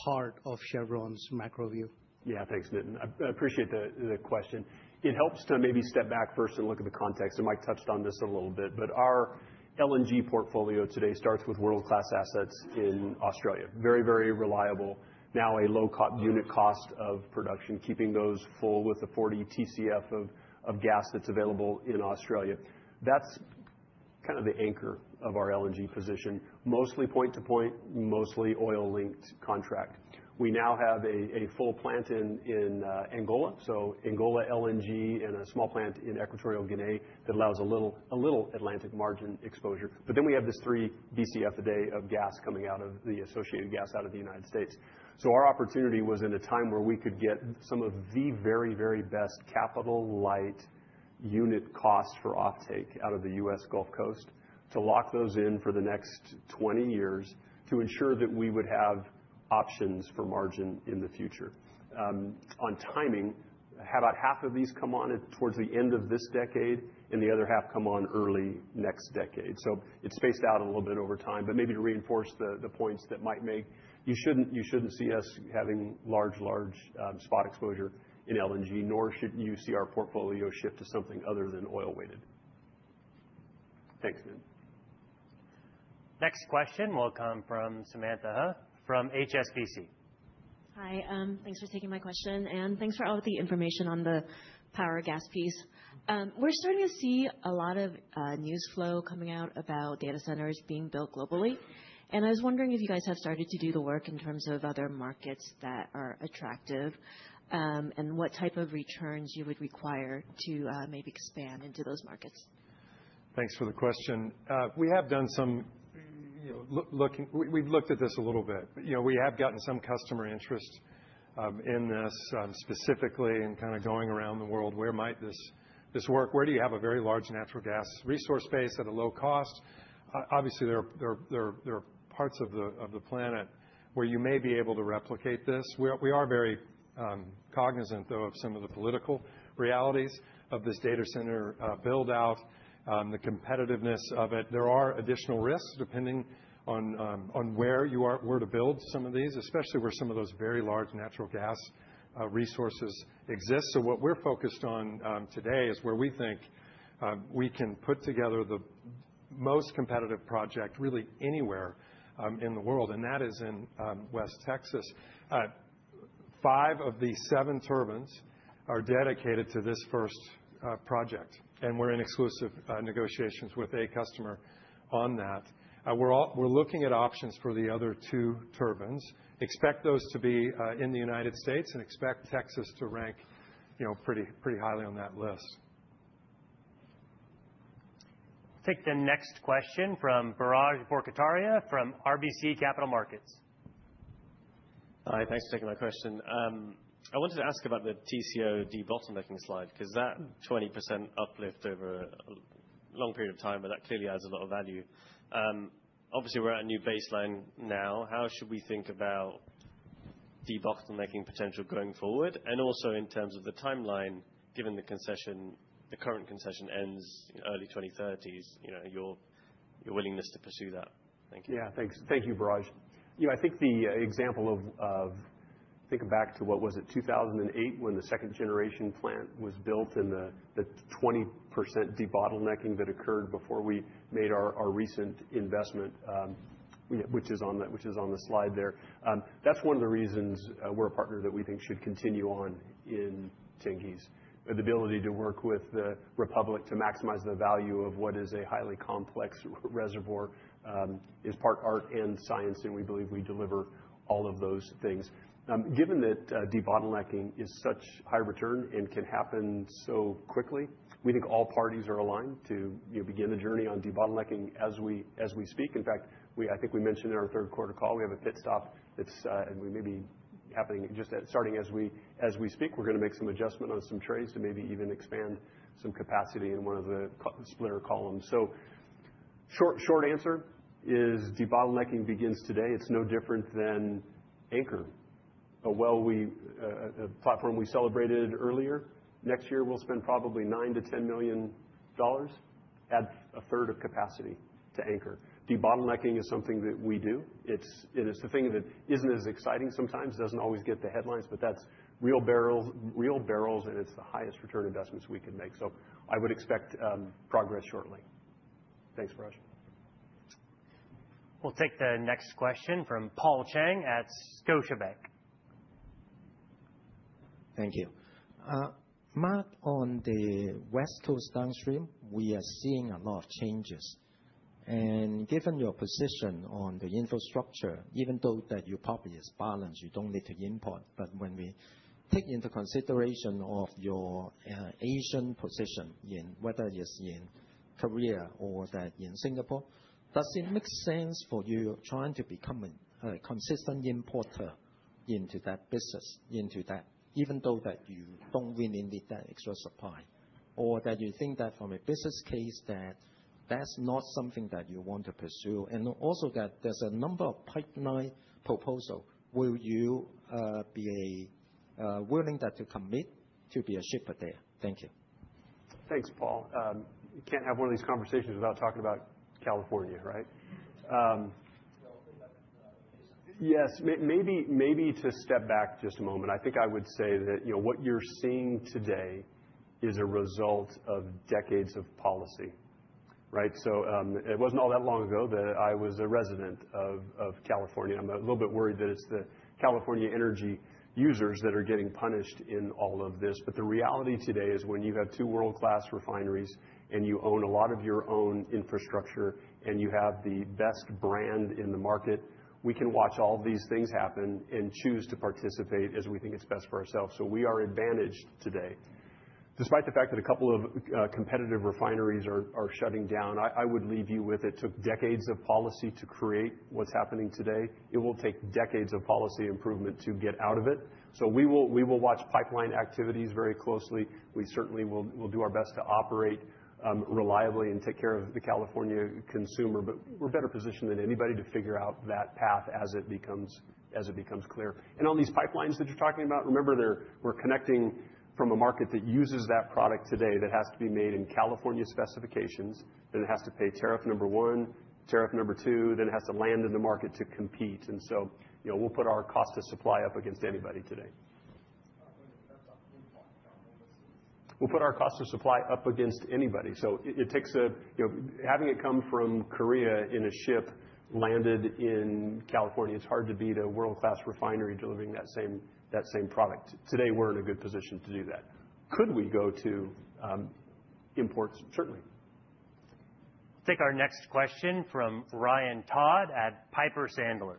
part of Chevron's macro view? Yeah, thanks, Nitin. I appreciate the question. It helps to maybe step back first and look at the context. And Mike touched on this a little bit, but our LNG portfolio today starts with world-class assets in Australia, very, very reliable, now a low unit cost of production, keeping those full with the 40 TCF of gas that's available in Australia. That's kind of the anchor of our LNG position, mostly point-to-point, mostly oil-linked contract. We now have a full plant in Angola, so Angola LNG and a small plant in Equatorial Guinea that allows a little Atlantic margin exposure. But then we have this three BCF a day of gas coming out of the associated gas out of the United States. So our opportunity was in a time where we could get some of the very, very best capital light unit costs for offtake out of the U.S. Gulf Coast to lock those in for the next 20 years to ensure that we would have options for margin in the future. On timing, about half of these come on towards the end of this decade and the other half come on early next decade. So it's spaced out a little bit over time, but maybe to reinforce the points that might make you shouldn't see us having large, large spot exposure in LNG, nor should you see our portfolio shift to something other than oil-weighted. Thanks, Nitin. Next question will come from Samantha Hoh from HSBC. Hi, thanks for taking my question, and thanks for all the information on the power gas piece. We're starting to see a lot of news flow coming out about data centers being built globally, and I was wondering if you guys have started to do the work in terms of other markets that are attractive and what type of returns you would require to maybe expand into those markets. Thanks for the question. We have done some looking. We've looked at this a little bit. We have gotten some customer interest in this specifically and kind of going around the world. Where might this work? Where do you have a very large natural gas resource base at a low cost? Obviously, there are parts of the planet where you may be able to replicate this. We are very cognizant, though, of some of the political realities of this data center build-out, the competitiveness of it. There are additional risks depending on where you are to build some of these, especially where some of those very large natural gas resources exist. So what we're focused on today is where we think we can put together the most competitive project really anywhere in the world, and that is in West Texas. Five of the seven turbines are dedicated to this first project, and we're in exclusive negotiations with a customer on that. We're looking at options for the other two turbines. Expect those to be in the United States and expect Texas to rank pretty highly on that list. We'll take the next question from Biraj Borkhataria from RBC Capital Markets. Hi, thanks for taking my question. I wanted to ask about the TCO debottlenecking slide because that 20% uplift over a long period of time, but that clearly adds a lot of value. Obviously, we're at a new baseline now. How should we think about debottlenecking potential going forward? And also in terms of the timeline, given the concession, the current concession ends in the early 2030s, your willingness to pursue that. Thank you. Yeah, thanks. Thank you, Biraj. I think the example of thinking back to what was it, 2008, when the Second-Generation Plant was built and the 20% debottlenecking that occurred before we made our recent investment, which is on the slide there. That's one of the reasons we're a partner that we think should continue on in Tengiz, the ability to work with the Republic to maximize the value of what is a highly complex reservoir is part art and science, and we believe we deliver all of those things. Given that debottlenecking is such high return and can happen so quickly, we think all parties are aligned to begin the journey on debottlenecking as we speak. In fact, I think we mentioned in our third quarter call, we have a pit stop that's maybe happening just starting as we speak. We're going to make some adjustments on some trays to maybe even expand some capacity in one of the splitter columns. So the short answer is debottlenecking begins today. It's no different than Anchor, a platform we celebrated earlier. Next year, we'll spend probably $9 million-$10 million at a third of capacity to Anchor. Debottlenecking is something that we do. It's the thing that isn't as exciting sometimes. It doesn't always get the headlines, but that's real barrels, and it's the highest return investments we can make. So I would expect progress shortly. Thanks, Biraj. We'll take the next question from Paul Cheng at Scotiabank. Thank you. Mark, on the West Coast Downstream, we are seeing a lot of changes. And given your position on the infrastructure, even though that your property is balanced, you don't need to import. But when we take into consideration your Asian position, whether it's in Korea or that in Singapore, does it make sense for you trying to become a consistent importer into that business, even though that you don't really need that extra supply, or that you think that from a business case that that's not something that you want to pursue? And also that there's a number of pipeline proposals. Will you be willing to commit to be a shipper there? Thank you. Thanks, Paul. You can't have one of these conversations without talking about California, right? Yes, maybe to step back just a moment. I think I would say that what you're seeing today is a result of decades of policy, right? So it wasn't all that long ago that I was a resident of California. I'm a little bit worried that it's the California energy users that are getting punished in all of this. But the reality today is when you have two world-class refineries and you own a lot of your own infrastructure and you have the best brand in the market, we can watch all of these things happen and choose to participate as we think it's best for ourselves. So we are advantaged today. Despite the fact that a couple of competitive refineries are shutting down, I would leave you with it. It took decades of policy to create what's happening today. It will take decades of policy improvement to get out of it. So we will watch pipeline activities very closely. We certainly will do our best to operate reliably and take care of the California consumer, but we're better positioned than anybody to figure out that path as it becomes clear, and on these pipelines that you're talking about, remember we're connecting from a market that uses that product today that has to be made in California specifications, then it has to pay tariff number one, tariff number two, then it has to land in the market to compete, and so we'll put our cost of supply up against anybody today. We'll put our cost of supply up against anybody, so it takes having it come from Korea in a ship landed in California, it's hard to beat a world-class refinery delivering that same product. Today, we're in a good position to do that. Could we go to imports? Certainly. We'll take our next question from Ryan Todd at Piper Sandler.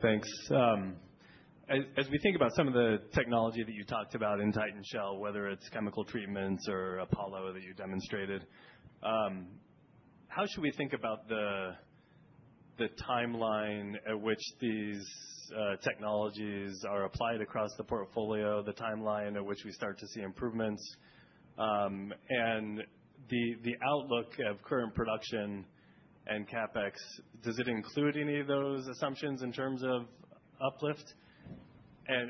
Thanks. As we think about some of the technology that you talked about in tight shale, whether it's chemical treatments or APOLO that you demonstrated, how should we think about the timeline at which these technologies are applied across the portfolio, the timeline at which we start to see improvements, and the outlook of current production and CapEx? Does it include any of those assumptions in terms of uplift?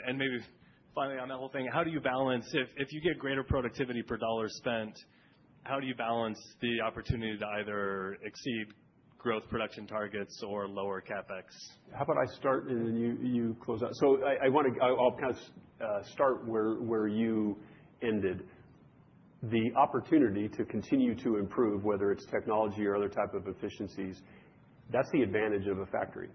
And maybe finally on that whole thing, how do you balance if you get greater productivity per dollar spent, how do you balance the opportunity to either exceed growth production targets or lower CapEx? How about I start and then you close out? So I'll kind of start where you ended. The opportunity to continue to improve, whether it's technology or other type of efficiencies, that's the advantage of a factory.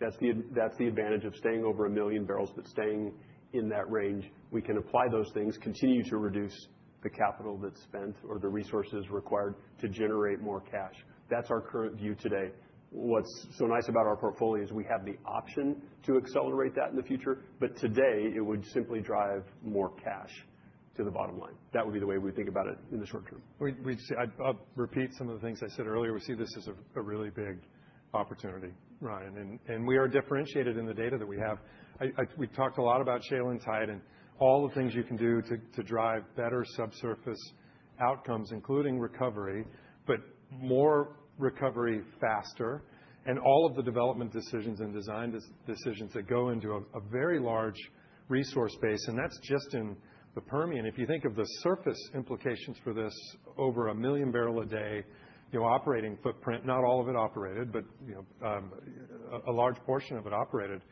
That's the advantage of staying over a million barrels but staying in that range. We can apply those things, continue to reduce the capital that's spent or the resources required to generate more cash. That's our current view today. What's so nice about our portfolio is we have the option to accelerate that in the future, but today it would simply drive more cash to the bottom line. That would be the way we would think about it in the short term. I'll repeat some of the things I said earlier. We see this as a really big opportunity, Ryan, and we are differentiated in the data that we have. We've talked a lot about shale and tight and all the things you can do to drive better subsurface outcomes, including recovery, but more recovery faster and all of the development decisions and design decisions that go into a very large resource base, and that's just in the Permian. If you think of the surface implications for this over a million barrels a day operating footprint, not all of it operated, but a large portion of it operated.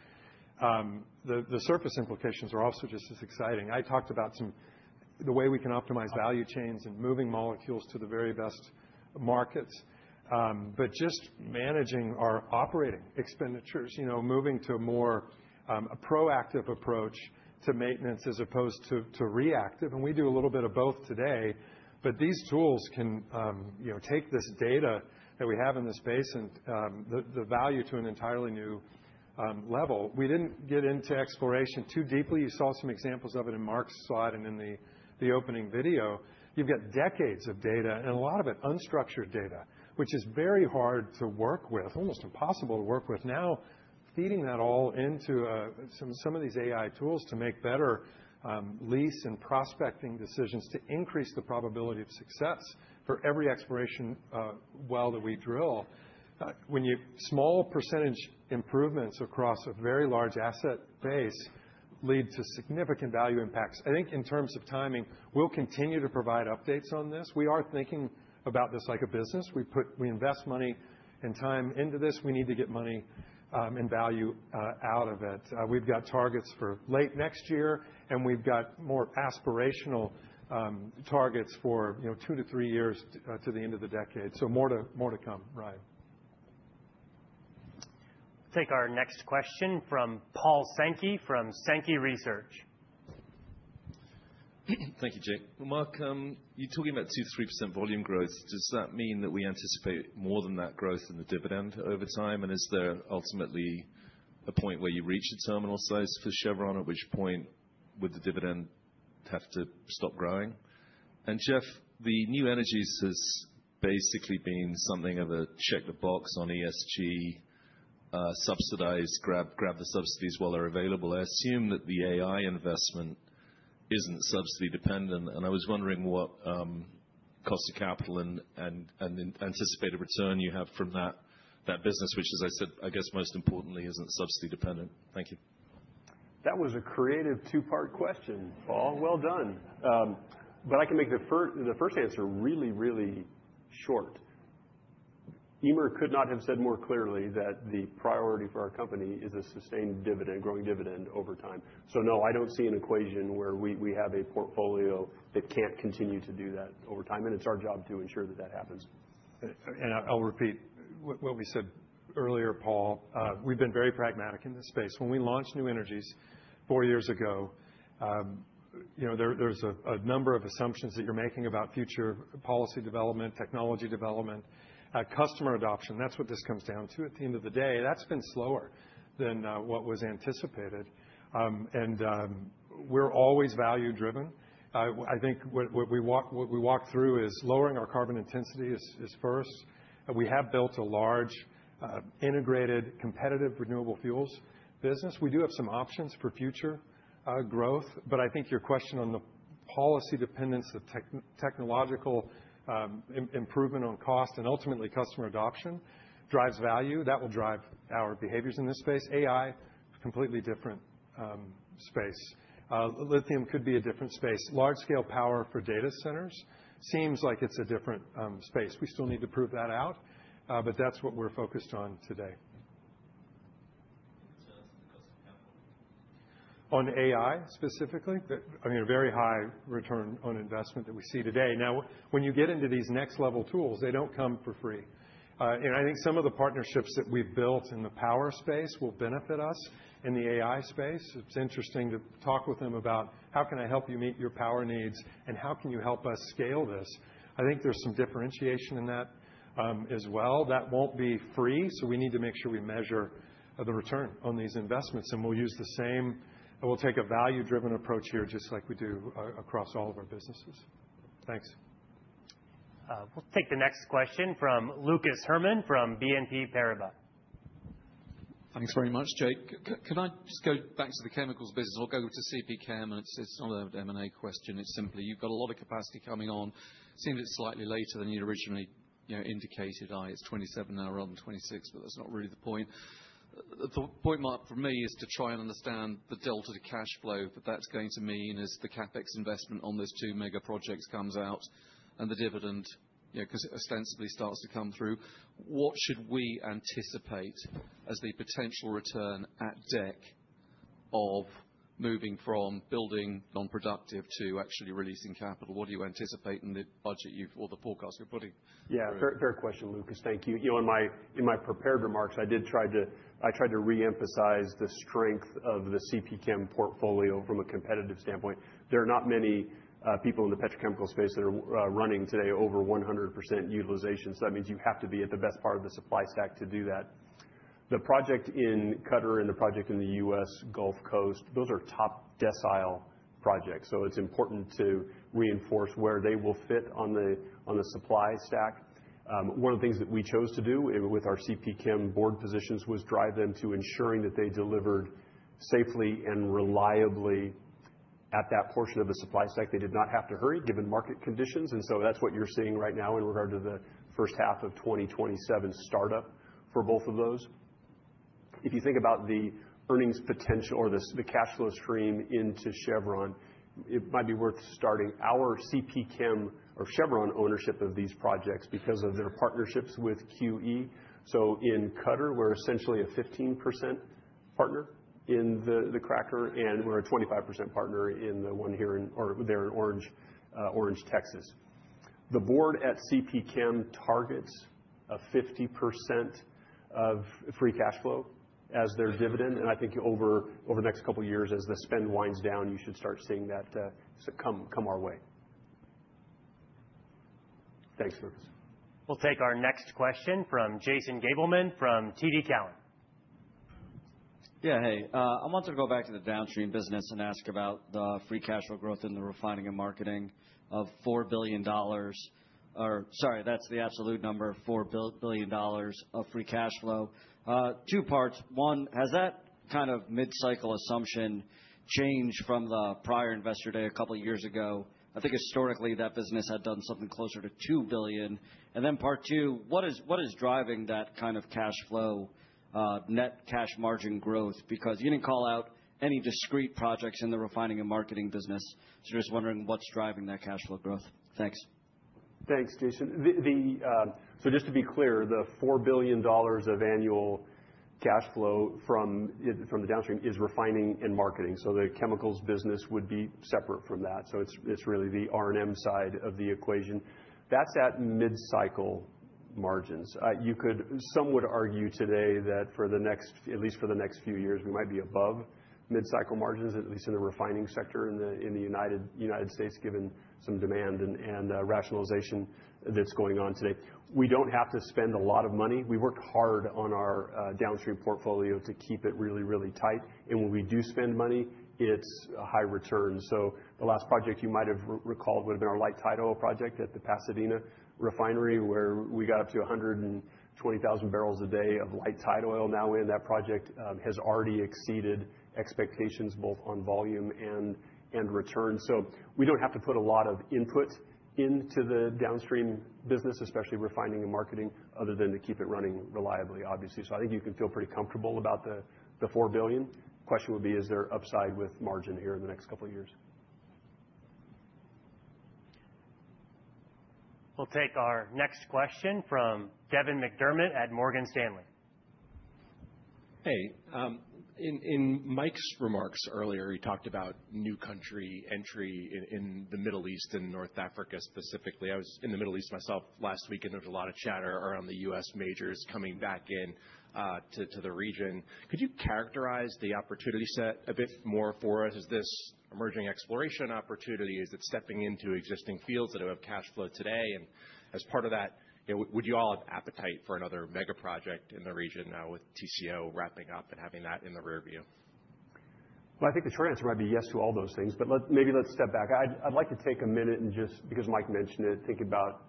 The surface implications are also just as exciting. I talked about the way we can optimize value chains and moving molecules to the very best markets, but just managing our operating expenditures, moving to a more proactive approach to maintenance as opposed to reactive. We do a little bit of both today, but these tools can take this data that we have in this space and the value to an entirely new level. We didn't get into exploration too deeply. You saw some examples of it in Mark's slide and in the opening video. You've got decades of data and a lot of it unstructured data, which is very hard to work with, almost impossible to work with. Now, feeding that all into some of these AI tools to make better lease and prospecting decisions to increase the probability of success for every exploration well that we drill. When even small percentage improvements across a very large asset base lead to significant value impacts. I think in terms of timing, we'll continue to provide updates on this. We are thinking about this like a business. We invest money and time into this. We need to get money and value out of it. We've got targets for late next year, and we've got more aspirational targets for two to three years to the end of the decade. So more to come, Ryan. We'll take our next question from Paul Sankey from Sankey Research. Thank you, Jake. Mark, you're talking about 2%-3% volume growth. Does that mean that we anticipate more than that growth in the dividend over time? And is there ultimately a point where you reach a terminal size for Chevron, at which point would the dividend have to stop growing? And Jeff, the new energies has basically been something of a check the box on ESG, subsidize, grab the subsidies while they're available. I assume that the AI investment isn't subsidy dependent. I was wondering what cost of capital and anticipated return you have from that business, which, as I said, I guess most importantly isn't subsidy dependent. Thank you. That was a creative two-part question, Paul. Well done. I can make the first answer really, really short. Eimear could not have said more clearly that the priority for our company is a sustained dividend, growing dividend over time. So no, I don't see an equation where we have a portfolio that can't continue to do that over time. It's our job to ensure that that happens. I'll repeat what we said earlier, Paul. We've been very pragmatic in this space. When we launched New Energies four years ago, there's a number of assumptions that you're making about future policy development, technology development, customer adoption. That's what this comes down to at the end of the day. That's been slower than what was anticipated. And we're always value driven. I think what we walk through is lowering our carbon intensity is first. We have built a large integrated competitive renewable fuels business. We do have some options for future growth, but I think your question on the policy dependence, the technological improvement on cost, and ultimately customer adoption drives value. That will drive our behaviors in this space. AI, completely different space. Lithium could be a different space. Large scale power for data centers seems like it's a different space. We still need to prove that out, but that's what we're focused on today. On AI specifically, I mean, a very high return on investment that we see today. Now, when you get into these next level tools, they don't come for free. And I think some of the partnerships that we've built in the power space will benefit us in the AI space. It's interesting to talk with them about how can I help you meet your power needs and how can you help us scale this. I think there's some differentiation in that as well. That won't be free, so we need to make sure we measure the return on these investments. And we'll use the same and we'll take a value driven approach here just like we do across all of our businesses. Thanks. We'll take the next question from Lucas Herrmann from BNP Paribas. Thanks very much, Jake. Can I just go back to the Chemicals business? I'll go to CPChem and it's not an M&A question. It's simply you've got a lot of capacity coming on. Seems it's slightly later than you originally indicated. It's 2027 now, around 2026, but that's not really the point. The point, Mark, for me is to try and understand the delta to cash flow that that's going to mean as the CapEx investment on those two mega projects comes out and the dividend ostensibly starts to come through. What should we anticipate as the potential return at deck of moving from building nonproductive to actually releasing capital? What do you anticipate in the budget or the forecast you're putting? Yeah, third question, Lucas. Thank you. In my prepared remarks, I did try to reemphasize the strength of the CPChem portfolio from a competitive standpoint. There are not many people in the petrochemical space that are running today over 100% utilization. So that means you have to be at the best part of the supply stack to do that. The project in Qatar and the project in the U.S. Gulf Coast, those are top decile projects. So it's important to reinforce where they will fit on the supply stack. One of the things that we chose to do with our CPChem Board positions was drive them to ensuring that they delivered safely and reliably at that portion of the supply stack. They did not have to hurry given market conditions. And so that's what you're seeing right now in regard to the first half of 2027 startup for both of those. If you think about the earnings potential or the cash flow stream into Chevron, it might be worth stating our CPChem or Chevron ownership of these projects because of their partnerships with QE. So in Qatar, we're essentially a 15% partner in the cracker, and we're a 25% partner in the one here in or there in Orange, Texas. The Board at CPChem targets a 50% of free cash flow as their dividend. And I think over the next couple of years, as the spend winds down, you should start seeing that come our way. Thanks, Lucas. We'll take our next question from Jason Gabelman from TD Cowen. Yeah, hey. I wanted to go back to the Downstream business and ask about the free cash flow growth in the refining and marketing of $4 billion. Or sorry, that's the absolute number, $4 billion of free cash flow. Two parts. One, has that kind of mid-cycle assumption changed from the prior investor day a couple of years ago? I think historically that business had done something closer to $2 billion. And then part two, what is driving that kind of cash flow, net cash margin growth? Because you didn't call out any discrete projects in the refining and marketing business. So just wondering what's driving that cash flow growth. Thanks. Thanks, Jason. So just to be clear, the $4 billion of annual cash flow from the Downstream is Refining and Marketing. So the Chemicals business would be separate from that. So it's really the R&M side of the equation. That's at mid-cycle margins. Some would argue today that for the next, at least for the next few years, we might be above mid-cycle margins, at least in the refining sector in the United States, given some demand and rationalization that's going on today. We don't have to spend a lot of money. We worked hard on our Downstream portfolio to keep it really, really tight. When we do spend money, it's a high return. So the last project you might have recalled would have been our Light Tight Oil project at the Pasadena refinery, where we got up to 120,000 barrels a day of light tight oil now in. That project has already exceeded expectations both on volume and return. So we don't have to put a lot of input into the Downstream business, especially Refining and Marketing, other than to keep it running reliably, obviously. So I think you can feel pretty comfortable about the $4 billion. Question would be, is there upside with margin here in the next couple of years? We'll take our next question from Devin McDermott at Morgan Stanley. Hey, in Mike's remarks earlier, he talked about new country entry in the Middle East and North Africa specifically. I was in the Middle East myself last week, and there was a lot of chatter around the U.S. majors coming back into the region. Could you characterize the opportunity set a bit more for us? Is this emerging exploration opportunity? Is it stepping into existing fields that have cash flow today? And as part of that, would you all have appetite for another mega project in the region now with TCO wrapping up and having that in the rearview? Well, I think the short answer might be yes to all those things, but maybe let's step back. I'd like to take a minute and just, because Mike mentioned it, think about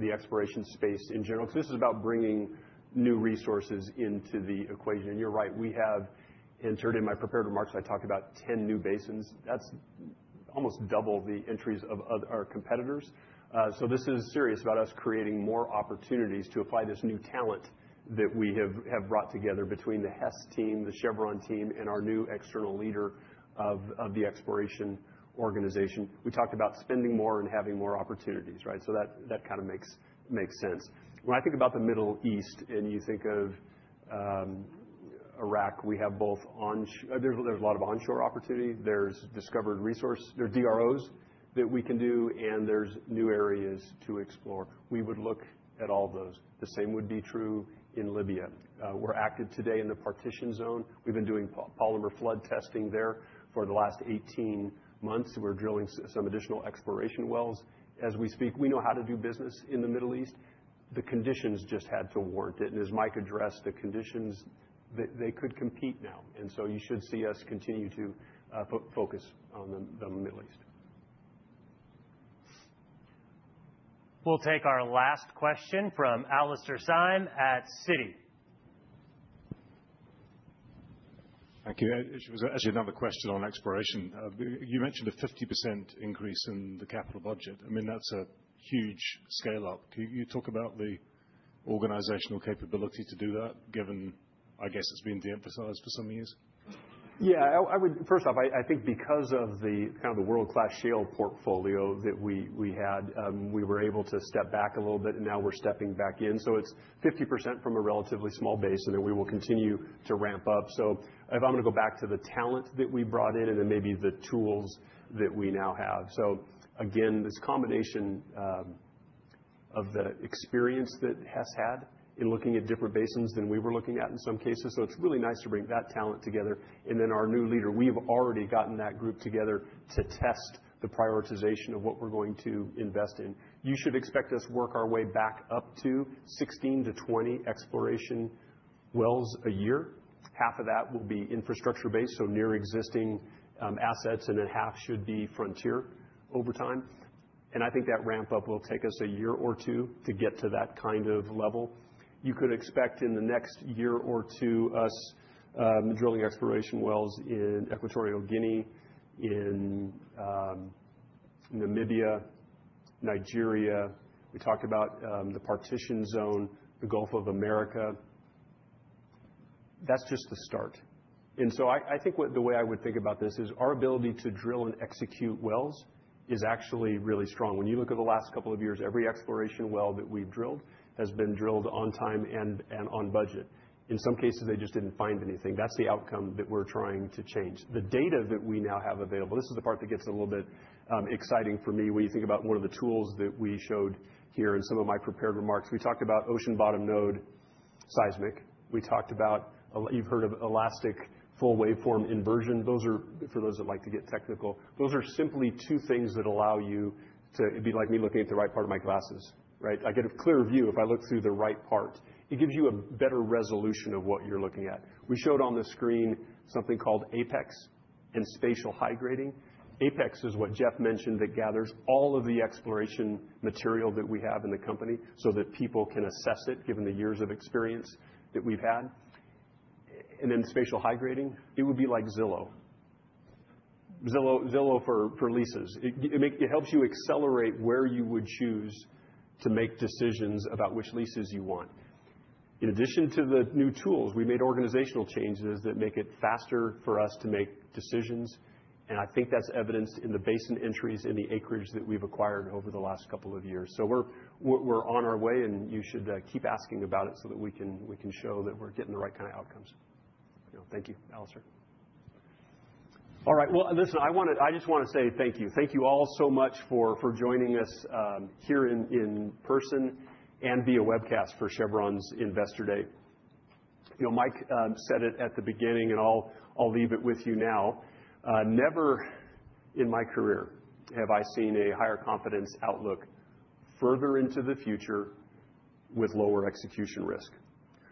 the exploration space in general, because this is about bringing new resources into the equation. And you're right. We have entered. In my prepared remarks, I talked about 10 new basins. That's almost double the entries of our competitors. So this is serious about us creating more opportunities to apply this new talent that we have brought together between the Hess team, the Chevron team, and our new external leader of the Exploration organization. We talked about spending more and having more opportunities, right? So that kind of makes sense. When I think about the Middle East and you think of Iraq, we have both onshore. There's a lot of onshore opportunity. There's discovered resource, there are DROs that we can do, and there's new areas to explore. We would look at all of those. The same would be true in Libya. We're active today in the Partitioned Zone. We've been doing polymer flood testing there for the last 18 months. We're drilling some additional exploration wells as we speak. We know how to do business in the Middle East. The conditions just had to warrant it, and as Mike addressed the conditions, they could compete now, and so you should see us continue to focus on the Middle East. We'll take our last question from Alastair Syme at Citi. Thank you. Actually, another question on exploration. You mentioned a 50% increase in the capital budget. I mean, that's a huge scale-up. Can you talk about the organizational capability to do that, given, I guess, it's been de-emphasized for some years? Yeah, first off, I think because of the kind of the world-class shale portfolio that we had, we were able to step back a little bit, and now we're stepping back in, so it's 50% from a relatively small base, and then we will continue to ramp up. So if I'm going to go back to the talent that we brought in and then maybe the tools that we now have. So again, this combination of the experience that Hess had in looking at different basins than we were looking at in some cases. So it's really nice to bring that talent together. And then our new leader, we've already gotten that group together to test the prioritization of what we're going to invest in. You should expect us to work our way back up to 16-20 exploration wells a year. Half of that will be infrastructure-based, so near-existing assets, and then half should be frontier over time. And I think that ramp-up will take us a year or two to get to that kind of level. You could expect in the next year or two us drilling exploration wells in Equatorial Guinea, in Namibia, Nigeria. We talked about the Partitioned Zone, the Gulf of America. That's just the start. And so I think the way I would think about this is our ability to drill and execute wells is actually really strong. When you look at the last couple of years, every exploration well that we've drilled has been drilled on time and on budget. In some cases, they just didn't find anything. That's the outcome that we're trying to change. The data that we now have available, this is the part that gets a little bit exciting for me. When you think about one of the tools that we showed here in some of my prepared remarks, we talked about ocean-bottom node seismic. We talked about, you've heard of elastic full waveform inversion. Those are, for those that like to get technical, those are simply two things that allow you to be like me looking at the right part of my glasses, right? I get a clear view if I look through the right part. It gives you a better resolution of what you're looking at. We showed on the screen something called APEX and Spatial High Grading. APEX is what Geoff mentioned that gathers all of the exploration material that we have in the company so that people can assess it given the years of experience that we've had. And then Spatial High Grading, it would be like Zillow. Zillow for leases. It helps you accelerate where you would choose to make decisions about which leases you want. In addition to the new tools, we made organizational changes that make it faster for us to make decisions. I think that's evidenced in the basin entries in the acreage that we've acquired over the last couple of years. So we're on our way, and you should keep asking about it so that we can show that we're getting the right kind of outcomes. Thank you, Alastair. All right, well, listen, I just want to say thank you. Thank you all so much for joining us here in person and via webcast for Chevron's Investor Day. Mike said it at the beginning, and I'll leave it with you now. Never in my career have I seen a higher confidence outlook further into the future with lower execution risk.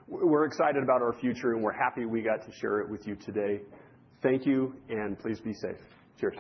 We're excited about our future, and we're happy we got to share it with you today. Thank you, and please be safe. Cheers.